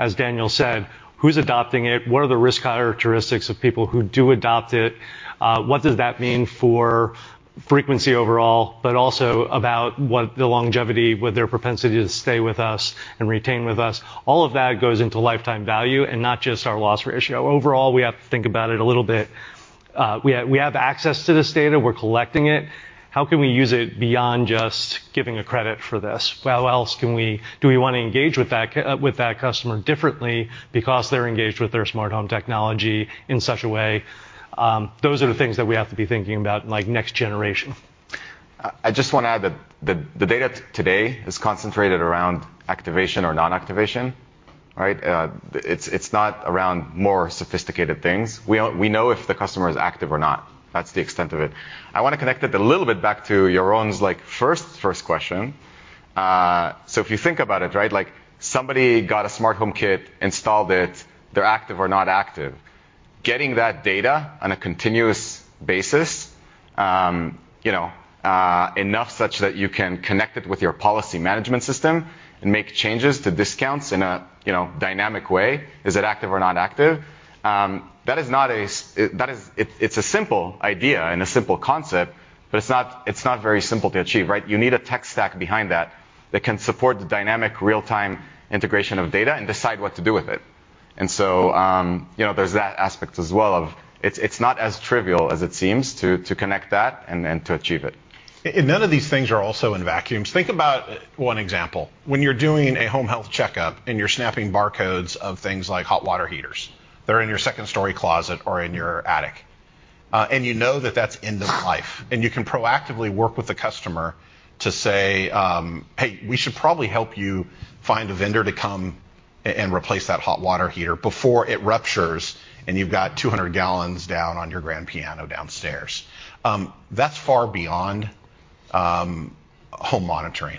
as Daniel said, who's adopting it? What are the risk characteristics of people who do adopt it? What does that mean for frequency overall, but also about what the longevity with their propensity to stay with us and retain with us? All of that goes into lifetime value and not just our loss ratio. Overall, we have to think about it a little bit. We have access to this data. We're collecting it. How can we use it beyond just giving a credit for this? How else can we? Do we wanna engage with that customer differently because they're engaged with their smart home technology in such a way? Those are the things that we have to be thinking about, like, next generation. I just want to add that the data today is concentrated around activation or non-activation, right? It's not around more sophisticated things. We know if the customer is active or not. That's the extent of it. I want to connect it a little bit back to Yaron's, like, first question. If you think about it, right? Like somebody got a smart home kit, installed it, they're active or not active. Getting that data on a continuous basis, enough such that you can connect it with your policy management system and make changes to discounts in a dynamic way. Is it active or not active? It's a simple idea and a simple concept, but it's not very simple to achieve, right? You need a tech stack behind that can support the dynamic real-time integration of data and decide what to do with it. You know, there's that aspect as well of it's not as trivial as it seems to connect that and then to achieve it. None of these things are also in vacuums. Think about one example. When you're doing a home health checkup, and you're snapping barcodes of things like hot water heaters that are in your second-story closet or in your attic, and you know that that's end of life, and you can proactively work with the customer to say, "Hey, we should probably help you find a vendor to come and replace that hot water heater before it ruptures, and you've got 200 gallons down on your grand piano downstairs." That's far beyond home monitoring.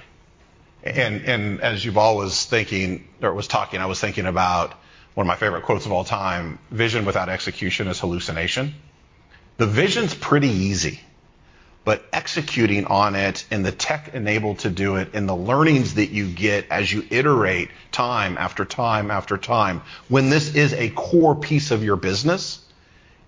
As Yuval was thinking or was talking, I was thinking about one of my favorite quotes of all time, "Vision without execution is hallucination." The vision's pretty easy, but executing on it and the tech enabled to do it, and the learnings that you get as you iterate time after time after time, when this is a core piece of your business,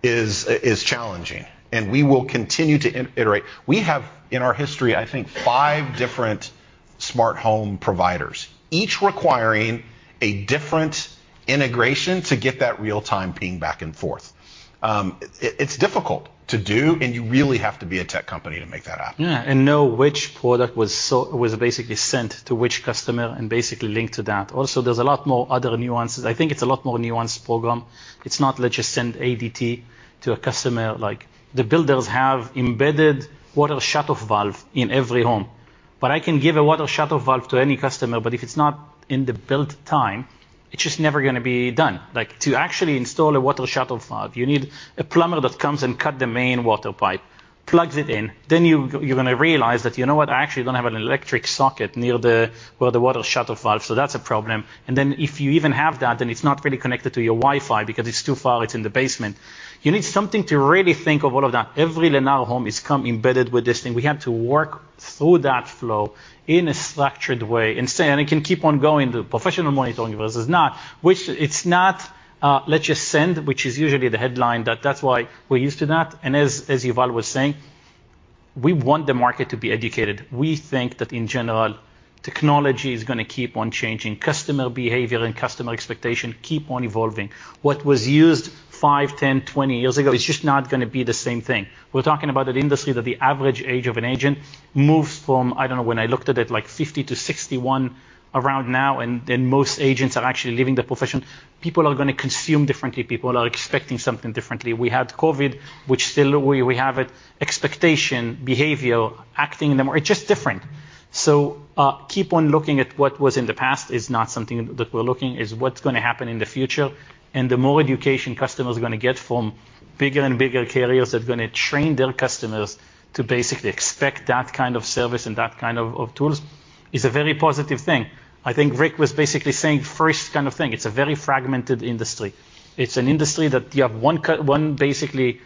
is challenging, and we will continue to iterate. We have, in our history, I think five different smart home providers, each requiring a different integration to get that real-time ping back and forth. It's difficult to do, and you really have to be a tech company to make that happen. Know which product was basically sent to which customer and basically linked to that. Also, there's a lot more other nuances. I think it's a lot more nuanced program. It's not let's just send ADT to a customer. Like, the builders have embedded water shutoff valve in every home, but I can give a water shutoff valve to any customer, but if it's not in the build time, it's just never gonna be done. Like, to actually install a water shutoff valve, you need a plumber that comes and cut the main water pipe, plugs it in, then you're gonna realize that, you know what? I actually don't have an electric socket near the where the water shutoff valve, so that's a problem. If you even have that, it's not really connected to your Wi-Fi because it's too far. It's in the basement. You need something to really think of all of that. Every Lennar home comes embedded with this thing. We have to work through that flow in a structured way. It can keep on going, the professional monitoring versus not. Which it's not, let's just say, which is usually the headline that that's why we're used to that. As Yuval was saying, we want the market to be educated. We think that in general, technology is gonna keep on changing. Customer behavior and customer expectation keep on evolving. What was used five, 10, 20 years ago is just not gonna be the same thing. We're talking about an industry that the average age of an agent moves from, I don't know, when I looked at it, like 50-61 around now, and most agents are actually leaving the profession. People are gonna consume differently. People are expecting something differently. We had COVID, which still we have it. Expectation, behavior, acting in the more. It's just different. Keep on looking at what was in the past is not something that we're looking. It's what's gonna happen in the future. The more education customers are gonna get from bigger and bigger carriers that are gonna train their customers to basically expect that kind of service and that kind of tools is a very positive thing. I think Rick was basically saying first kind of thing. It's a very fragmented industry. It's an industry that you have one basically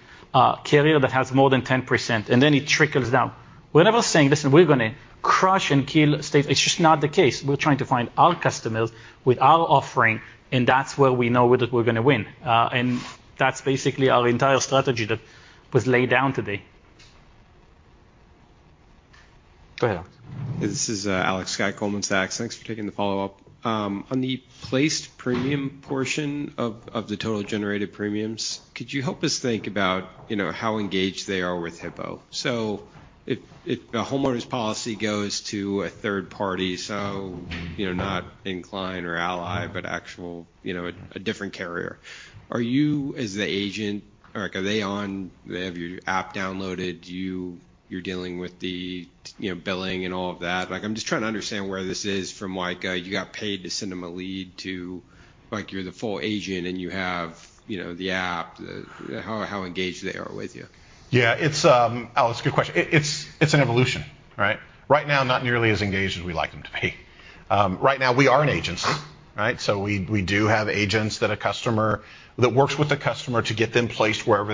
carrier that has more than 10%, and then it trickles down. We're never saying, "Listen, we're gonna crush and kill State." It's just not the case. We're trying to find our customers with our offering, and that's where we know that we're gonna win. That's basically our entire strategy that was laid down today. Go ahead. This is Alex Scott, Goldman Sachs. Thanks for taking the follow-up. On the placed premium portion of the total generated premiums, could you help us think about, you know, how engaged they are with Hippo? If the homeowner's policy goes to a third party, so, you know, not Incline or Ally, but actual, you know, a different carrier. Are you as the agent or like, do they have your app downloaded? You're dealing with the, you know, billing and all of that. Like, I'm just trying to understand where this is from like, you got paid to send them a lead to like you're the full agent and you have, you know, the appow engaged they are with you. Yeah. It's Alex, good question. It's an evolution, right? Right now, not nearly as engaged as we like them to be. Right now we are an agency, right? We do have agents that works with the customer to get them placed wherever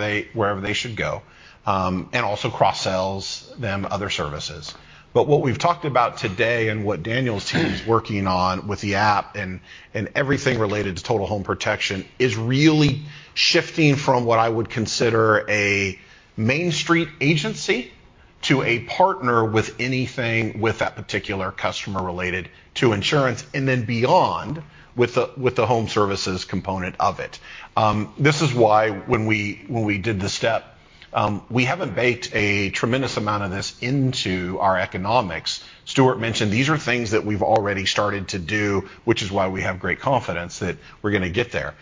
they should go, and also cross-sells them other services. What we've talked about today and what Daniel's team is working on with the app and everything related to total home protection is really shifting from what I would consider a Main Street agency to a partner with anything with that particular customer related to insurance and then beyond with the home services component of it. This is why when we did the step, we haven't baked a tremendous amount of this into our economics. Stewart mentioned these are things that we've already started to do, which is why we have great confidence that we're gonna get there.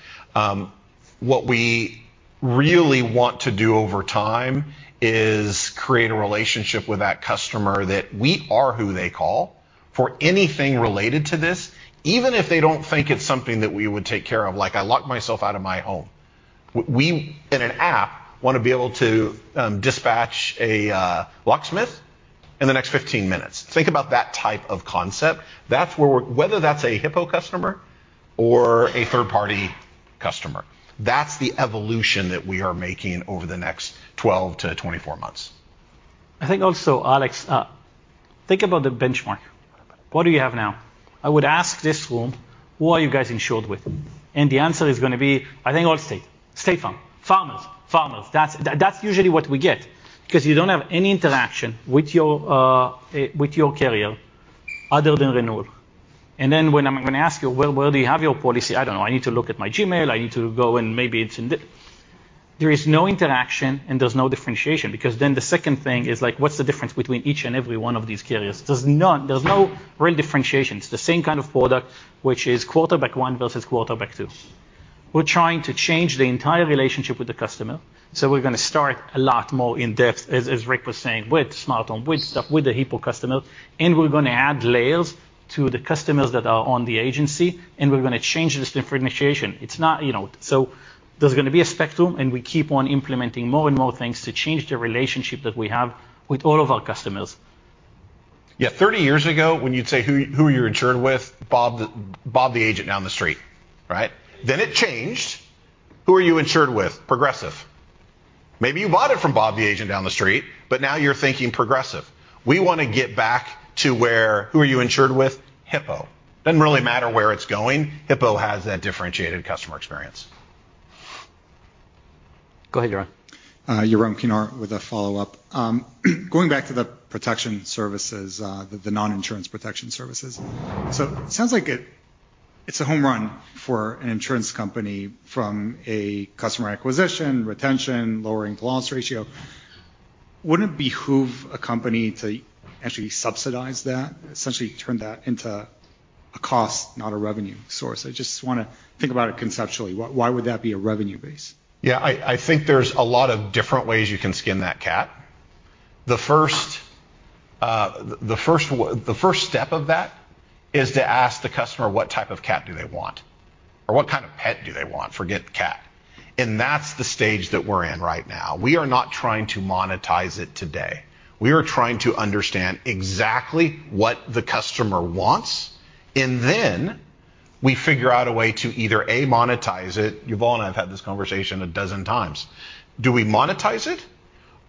What we really want to do over time is create a relationship with that customer that we are who they call for anything related to this, even if they don't think it's something that we would take care of, like I locked myself out of my home. We in an app wanna be able to dispatch a locksmith in the next 15 minutes. Think about that type of concept. That's where we are. Whether that's a Hippo customer or a third-party customer, that's the evolution that we are making over the next 12-24 months. I think also, Alex, think about the benchmark. What do you have now? I would ask this room, who are you guys insured with? And the answer is gonna be, "I think Allstate. State Farm. Farmers. Farmers." That's usually what we get. 'Cause you don't have any interaction with your with your carrier other than renewal. And then when I'm gonna ask you, "Well, where do you have your policy?" "I don't know. I need to look at my Gmail. I need to go, and maybe it's in the." There is no interaction, and there's no differentiation because then the second thing is like what's the difference between each and every one of these carriers? There's none. There's no real differentiation. It's the same kind of product, which is quarterback one versus quarterback two. We're trying to change the entire relationship with the customer, so we're gonna start a lot more in-depth, as Rick was saying, with smart home, with stuff, with the Hippo customer, and we're gonna add layers to the customers that are on the agency, and we're gonna change this differentiation. It's not, you know, there's gonna be a spectrum, and we keep on implementing more and more things to change the relationship that we have with all of our customers. Yeah. 30 years ago, when you'd say who you're insured with, "Bob the agent down the street." Right? It changed. Who are you insured with? Progressive. Maybe you bought it from Bob, the agent down the street, but now you're thinking Progressive. We wanna get back to where, "Who are you insured with?" "Hippo." Doesn't really matter where it's going. Hippo has that differentiated customer experience. Go ahead, Yaron. Yaron Kinar with a follow-up. Going back to the protection services, the non-insurance protection services. It sounds like it's a home run for an insurance company from a customer acquisition, retention, lowering loss ratio. Wouldn't it behoove a company to actually subsidize that, essentially turn that into a cost, not a revenue source? I just wanna think about it conceptually. Why would that be a revenue base? Yeah. I think there's a lot of different ways you can skin that cat. The first step of that is to ask the customer what type of cat do they want or what kind of pet do they want. Forget cat. That's the stage that we're in right now. We are not trying to monetize it today. We are trying to understand exactly what the customer wants, and then we figure out a way to either, A, monetize it. Yuval and I have had this conversation a dozen times. Do we monetize it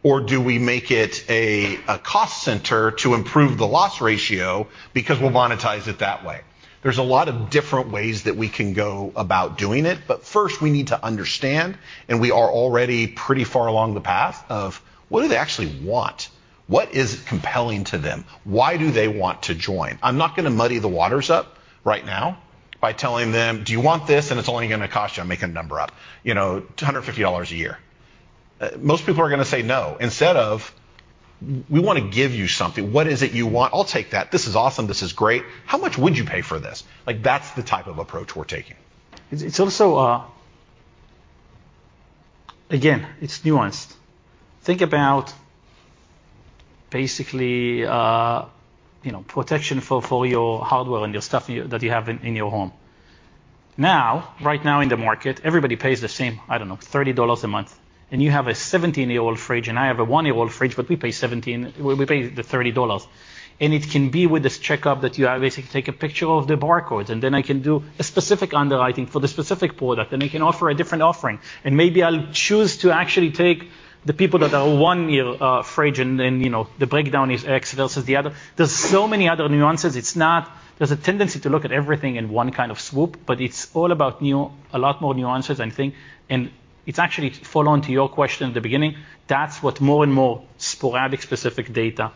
or do we make it a cost center to improve the loss ratio because we'll monetize it that way? There's a lot of different ways that we can go about doing it, but first we need to understand, and we are already pretty far along the path, of what do they actually want? What is compelling to them? Why do they want to join? I'm not gonna muddy the waters up right now by telling them, "Do you want this?" It's only gonna cost you, I'm making a number up, you know, $250 a year. Most people are gonna say no. Instead of, "We wanna give you something. What is it you want?" "I'll take that. This is awesome. This is great." "How much would you pay for this?" Like, that's the type of approach we're taking. It's also. Again, it's nuanced. Think about basically, you know, protection for your hardware and your stuff that you have in your home. Now, right now in the market, everybody pays the same, I don't know, $30 a month. You have a 17-year-old fridge, and I have a 1-year-old fridge, but we pay $30. It can be with this checkup that you have, basically take a picture of the barcodes, and then I can do a specific underwriting for the specific product, and I can offer a different offering. Maybe I'll choose to actually take the people that have a 1-year fridge and then, you know, the breakdown is X versus the other. There's so many other nuances. It's not. There's a tendency to look at everything in one kind of swoop, but it's all about a lot more nuances, I think. It's actually to follow on to your question at the beginning. That's what more and more sporadic specific data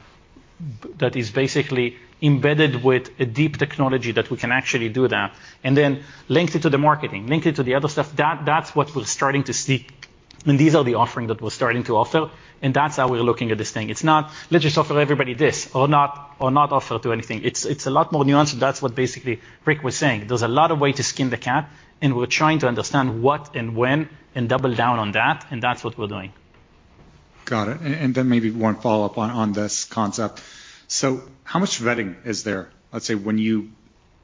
that is basically embedded with a deep technology that we can actually do that, and then link it to the marketing, link it to the other stuff. That's what we're starting to see, and these are the offering that we're starting to offer, and that's how we're looking at this thing. It's not let's just offer everybody this or not, or not offer to anything. It's a lot more nuanced, and that's what basically Rick was saying. There's a lot of ways to skin the cat, and we're trying to understand what and when and double down on that, and that's what we're doing. Got it. Maybe one follow-up on this concept. How much vetting is there, let's say, when you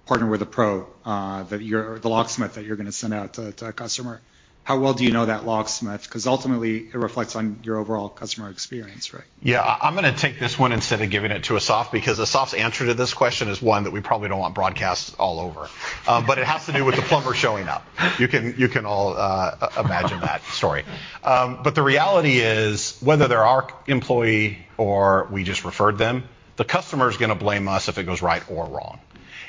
partner with a pro, the locksmith that you're gonna send out to a customer? How well do you know that locksmith? 'Cause ultimately it reflects on your overall customer experience, right? I'm gonna take this one instead of giving it to Assaf because Assaf's answer to this question is one that we probably don't want broadcast all over. It has to do with the plumber showing up. You can all imagine that story. The reality is, whether they're our employee or we just referred them, the customer's gonna blame us if it goes right or wrong.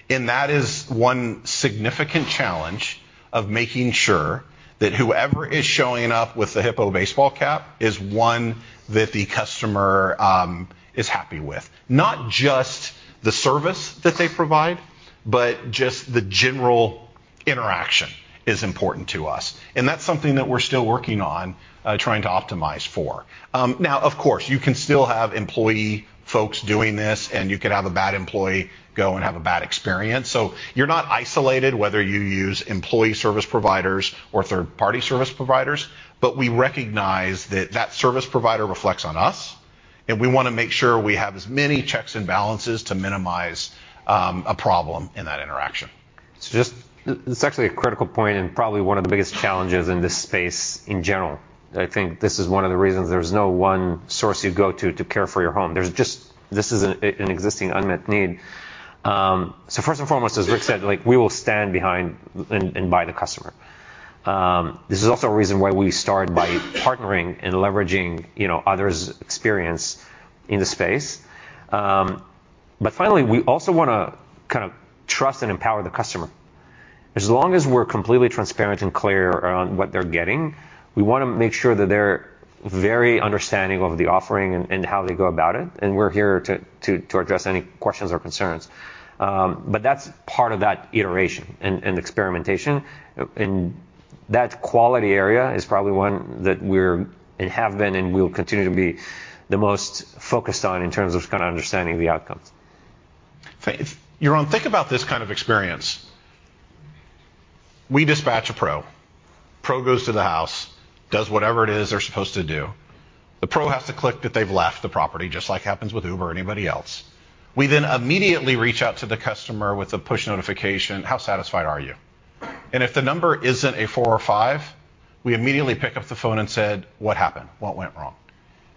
That is one significant challenge of making sure that whoever is showing up with the Hippo baseball cap is one that the customer is happy with. Not just the service that they provide, but just the general interaction is important to us, and that's something that we're still working on, trying to optimize for. Now of course, you can still have employee folks doing this, and you could have a bad employee go and have a bad experience. You're not isolated whether you use employee service providers or third-party service providers. We recognize that that service provider reflects on us, and we wanna make sure we have as many checks and balances to minimize a problem in that interaction. It's actually a critical point and probably one of the biggest challenges in this space in general. I think this is one of the reasons there's no one source you go to to care for your home. There's just this is an existing unmet need. First and foremost, as Rick said, like we will stand behind and by the customer. This is also a reason why we start by partnering and leveraging, you know, others' experience in the space. Finally, we also wanna kind of trust and empower the customer. As long as we're completely transparent and clear on what they're getting, we wanna make sure that they're very understanding of the offering and how they go about it, and we're here to address any questions or concerns. That's part of that iteration and experimentation. That quality area is probably one that we're and have been and will continue to be the most focused on in terms of kind of understanding the outcomes. Yaron, think about this kind of experience. We dispatch a pro. Pro goes to the house, does whatever it is they're supposed to do. The pro has to click that they've left the property just like happens with Uber or anybody else. We then immediately reach out to the customer with a push notification, "How satisfied are you?" If the number isn't a 4 or 5, we immediately pick up the phone and said, "What happened? What went wrong?"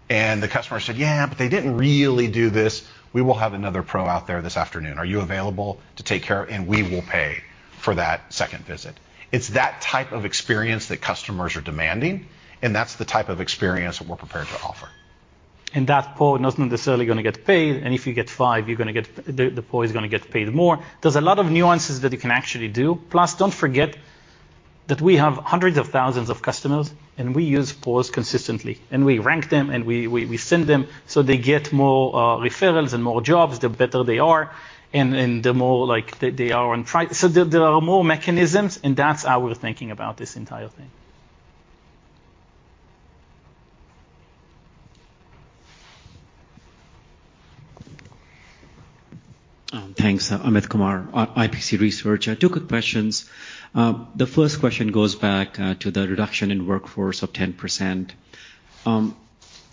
The customer said, "Yeah, but they didn't really do this," we will have another pro out there this afternoon. "Are you available to take care of? We will pay for that second visit." It's that type of experience that customers are demanding, and that's the type of experience we're prepared to offer. That pro not necessarily gonna get paid, and if you get 5, you're gonna get the pro is gonna get paid more. There's a lot of nuances that you can actually do. Plus, don't forget that we have hundreds of thousands of customers, and we use pros consistently, and we rank them, and we send them, so they get more referrals and more jobs the better they are and the more, like, they are on track. There are more mechanisms, and that's how we're thinking about this entire thing. Thanks. Amit Kumar, IPC Research. Two quick questions. The first question goes back to the reduction in workforce of 10%.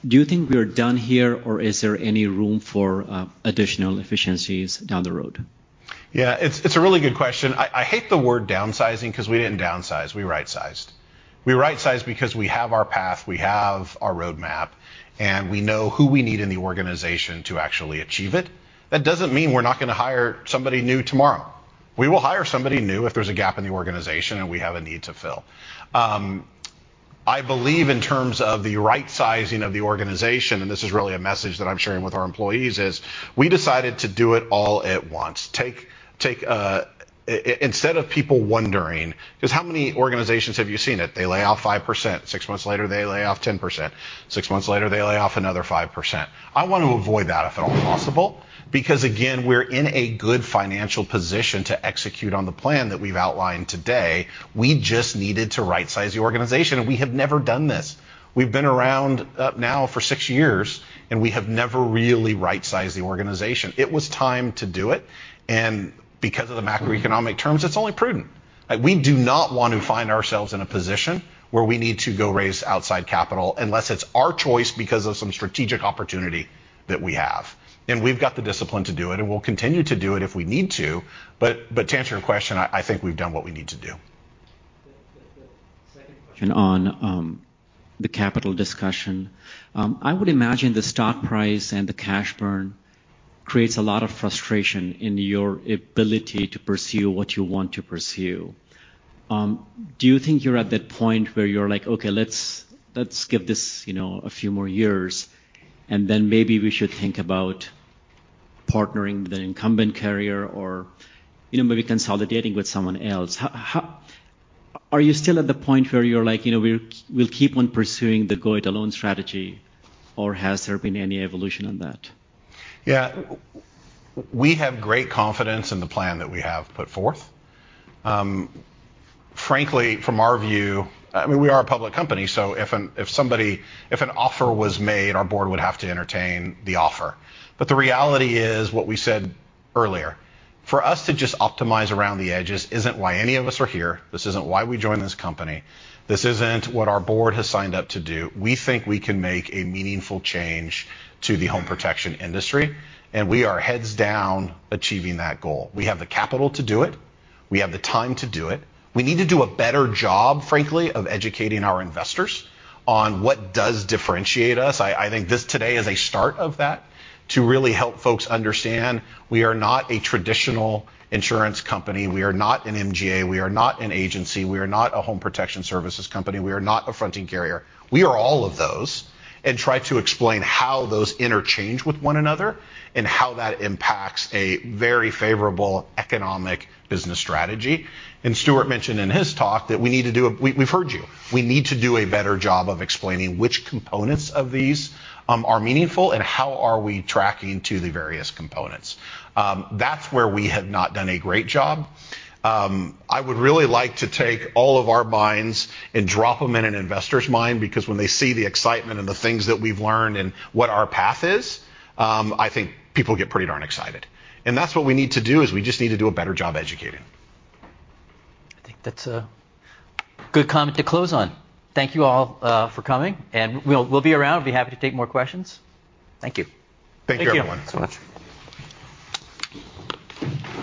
Do you think we are done here, or is there any room for additional efficiencies down the road? It's a really good question. I hate the word downsizing 'cause we didn't downsize. We right-sized. We right-sized because we have our path, we have our roadmap, and we know who we need in the organization to actually achieve it. That doesn't mean we're not gonna hire somebody new tomorrow. We will hire somebody new if there's a gap in the organization and we have a need to fill. I believe in terms of the right sizing of the organization, and this is really a message that I'm sharing with our employees, is we decided to do it all at once. Instead of people wondering, 'cause how many organizations have you seen it? They lay off 5%. Six months later, they lay off 10%. Six months later, they lay off another 5%. I want to avoid that if at all possible because, again, we're in a good financial position to execute on the plan that we've outlined today. We just needed to right-size the organization. We have never done this. We've been around now for six years, and we have never really right-sized the organization. It was time to do it, and because of the macroeconomic terms, it's only prudent. We do not want to find ourselves in a position where we need to go raise outside capital unless it's our choice because of some strategic opportunity that we have. We've got the discipline to do it, and we'll continue to do it if we need to. To answer your question, I think we've done what we need to do. The second question on the capital discussion. I would imagine the stock price and the cash burn creates a lot of frustration in your ability to pursue what you want to pursue. Do you think you're at that point where you're like, "Okay, let's give this, you know, a few more years, and then maybe we should think about partnering with an incumbent carrier or, you know, maybe consolidating with someone else." Are you still at the point where you're like, you know, we'll keep on pursuing the go it alone strategy, or has there been any evolution on that? Yeah. We have great confidence in the plan that we have put forth. Frankly, from our view, I mean, we are a public company, so if somebody made an offer, our board would have to entertain the offer. The reality is what we said earlier. For us to just optimize around the edges isn't why any of us are here. This isn't why we joined this company. This isn't what our board has signed up to do. We think we can make a meaningful change to the home protection industry, and we are heads down achieving that goal. We have the capital to do it. We have the time to do it. We need to do a better job, frankly, of educating our investors on what does differentiate us. I think this today is a start of that to really help folks understand we are not a traditional insurance company. We are not an MGA. We are not an agency. We are not a home protection services company. We are not a fronting carrier. We are all of those and try to explain how those interchange with one another and how that impacts a very favorable economic business strategy. Stewart mentioned in his talk that we've heard you. We need to do a better job of explaining which components of these are meaningful and how we are tracking to the various components. That's where we have not done a great job. I would really like to take all of our minds and drop them in an investor's mind because when they see the excitement and the things that we've learned and what our path is, I think people get pretty darn excited. That's what we need to do, is we just need to do a better job educating. I think that's a good comment to close on. Thank you all for coming, and we'll be around. We'll be happy to take more questions. Thank you. Thank you, everyone. Thank you so much. Good job, man.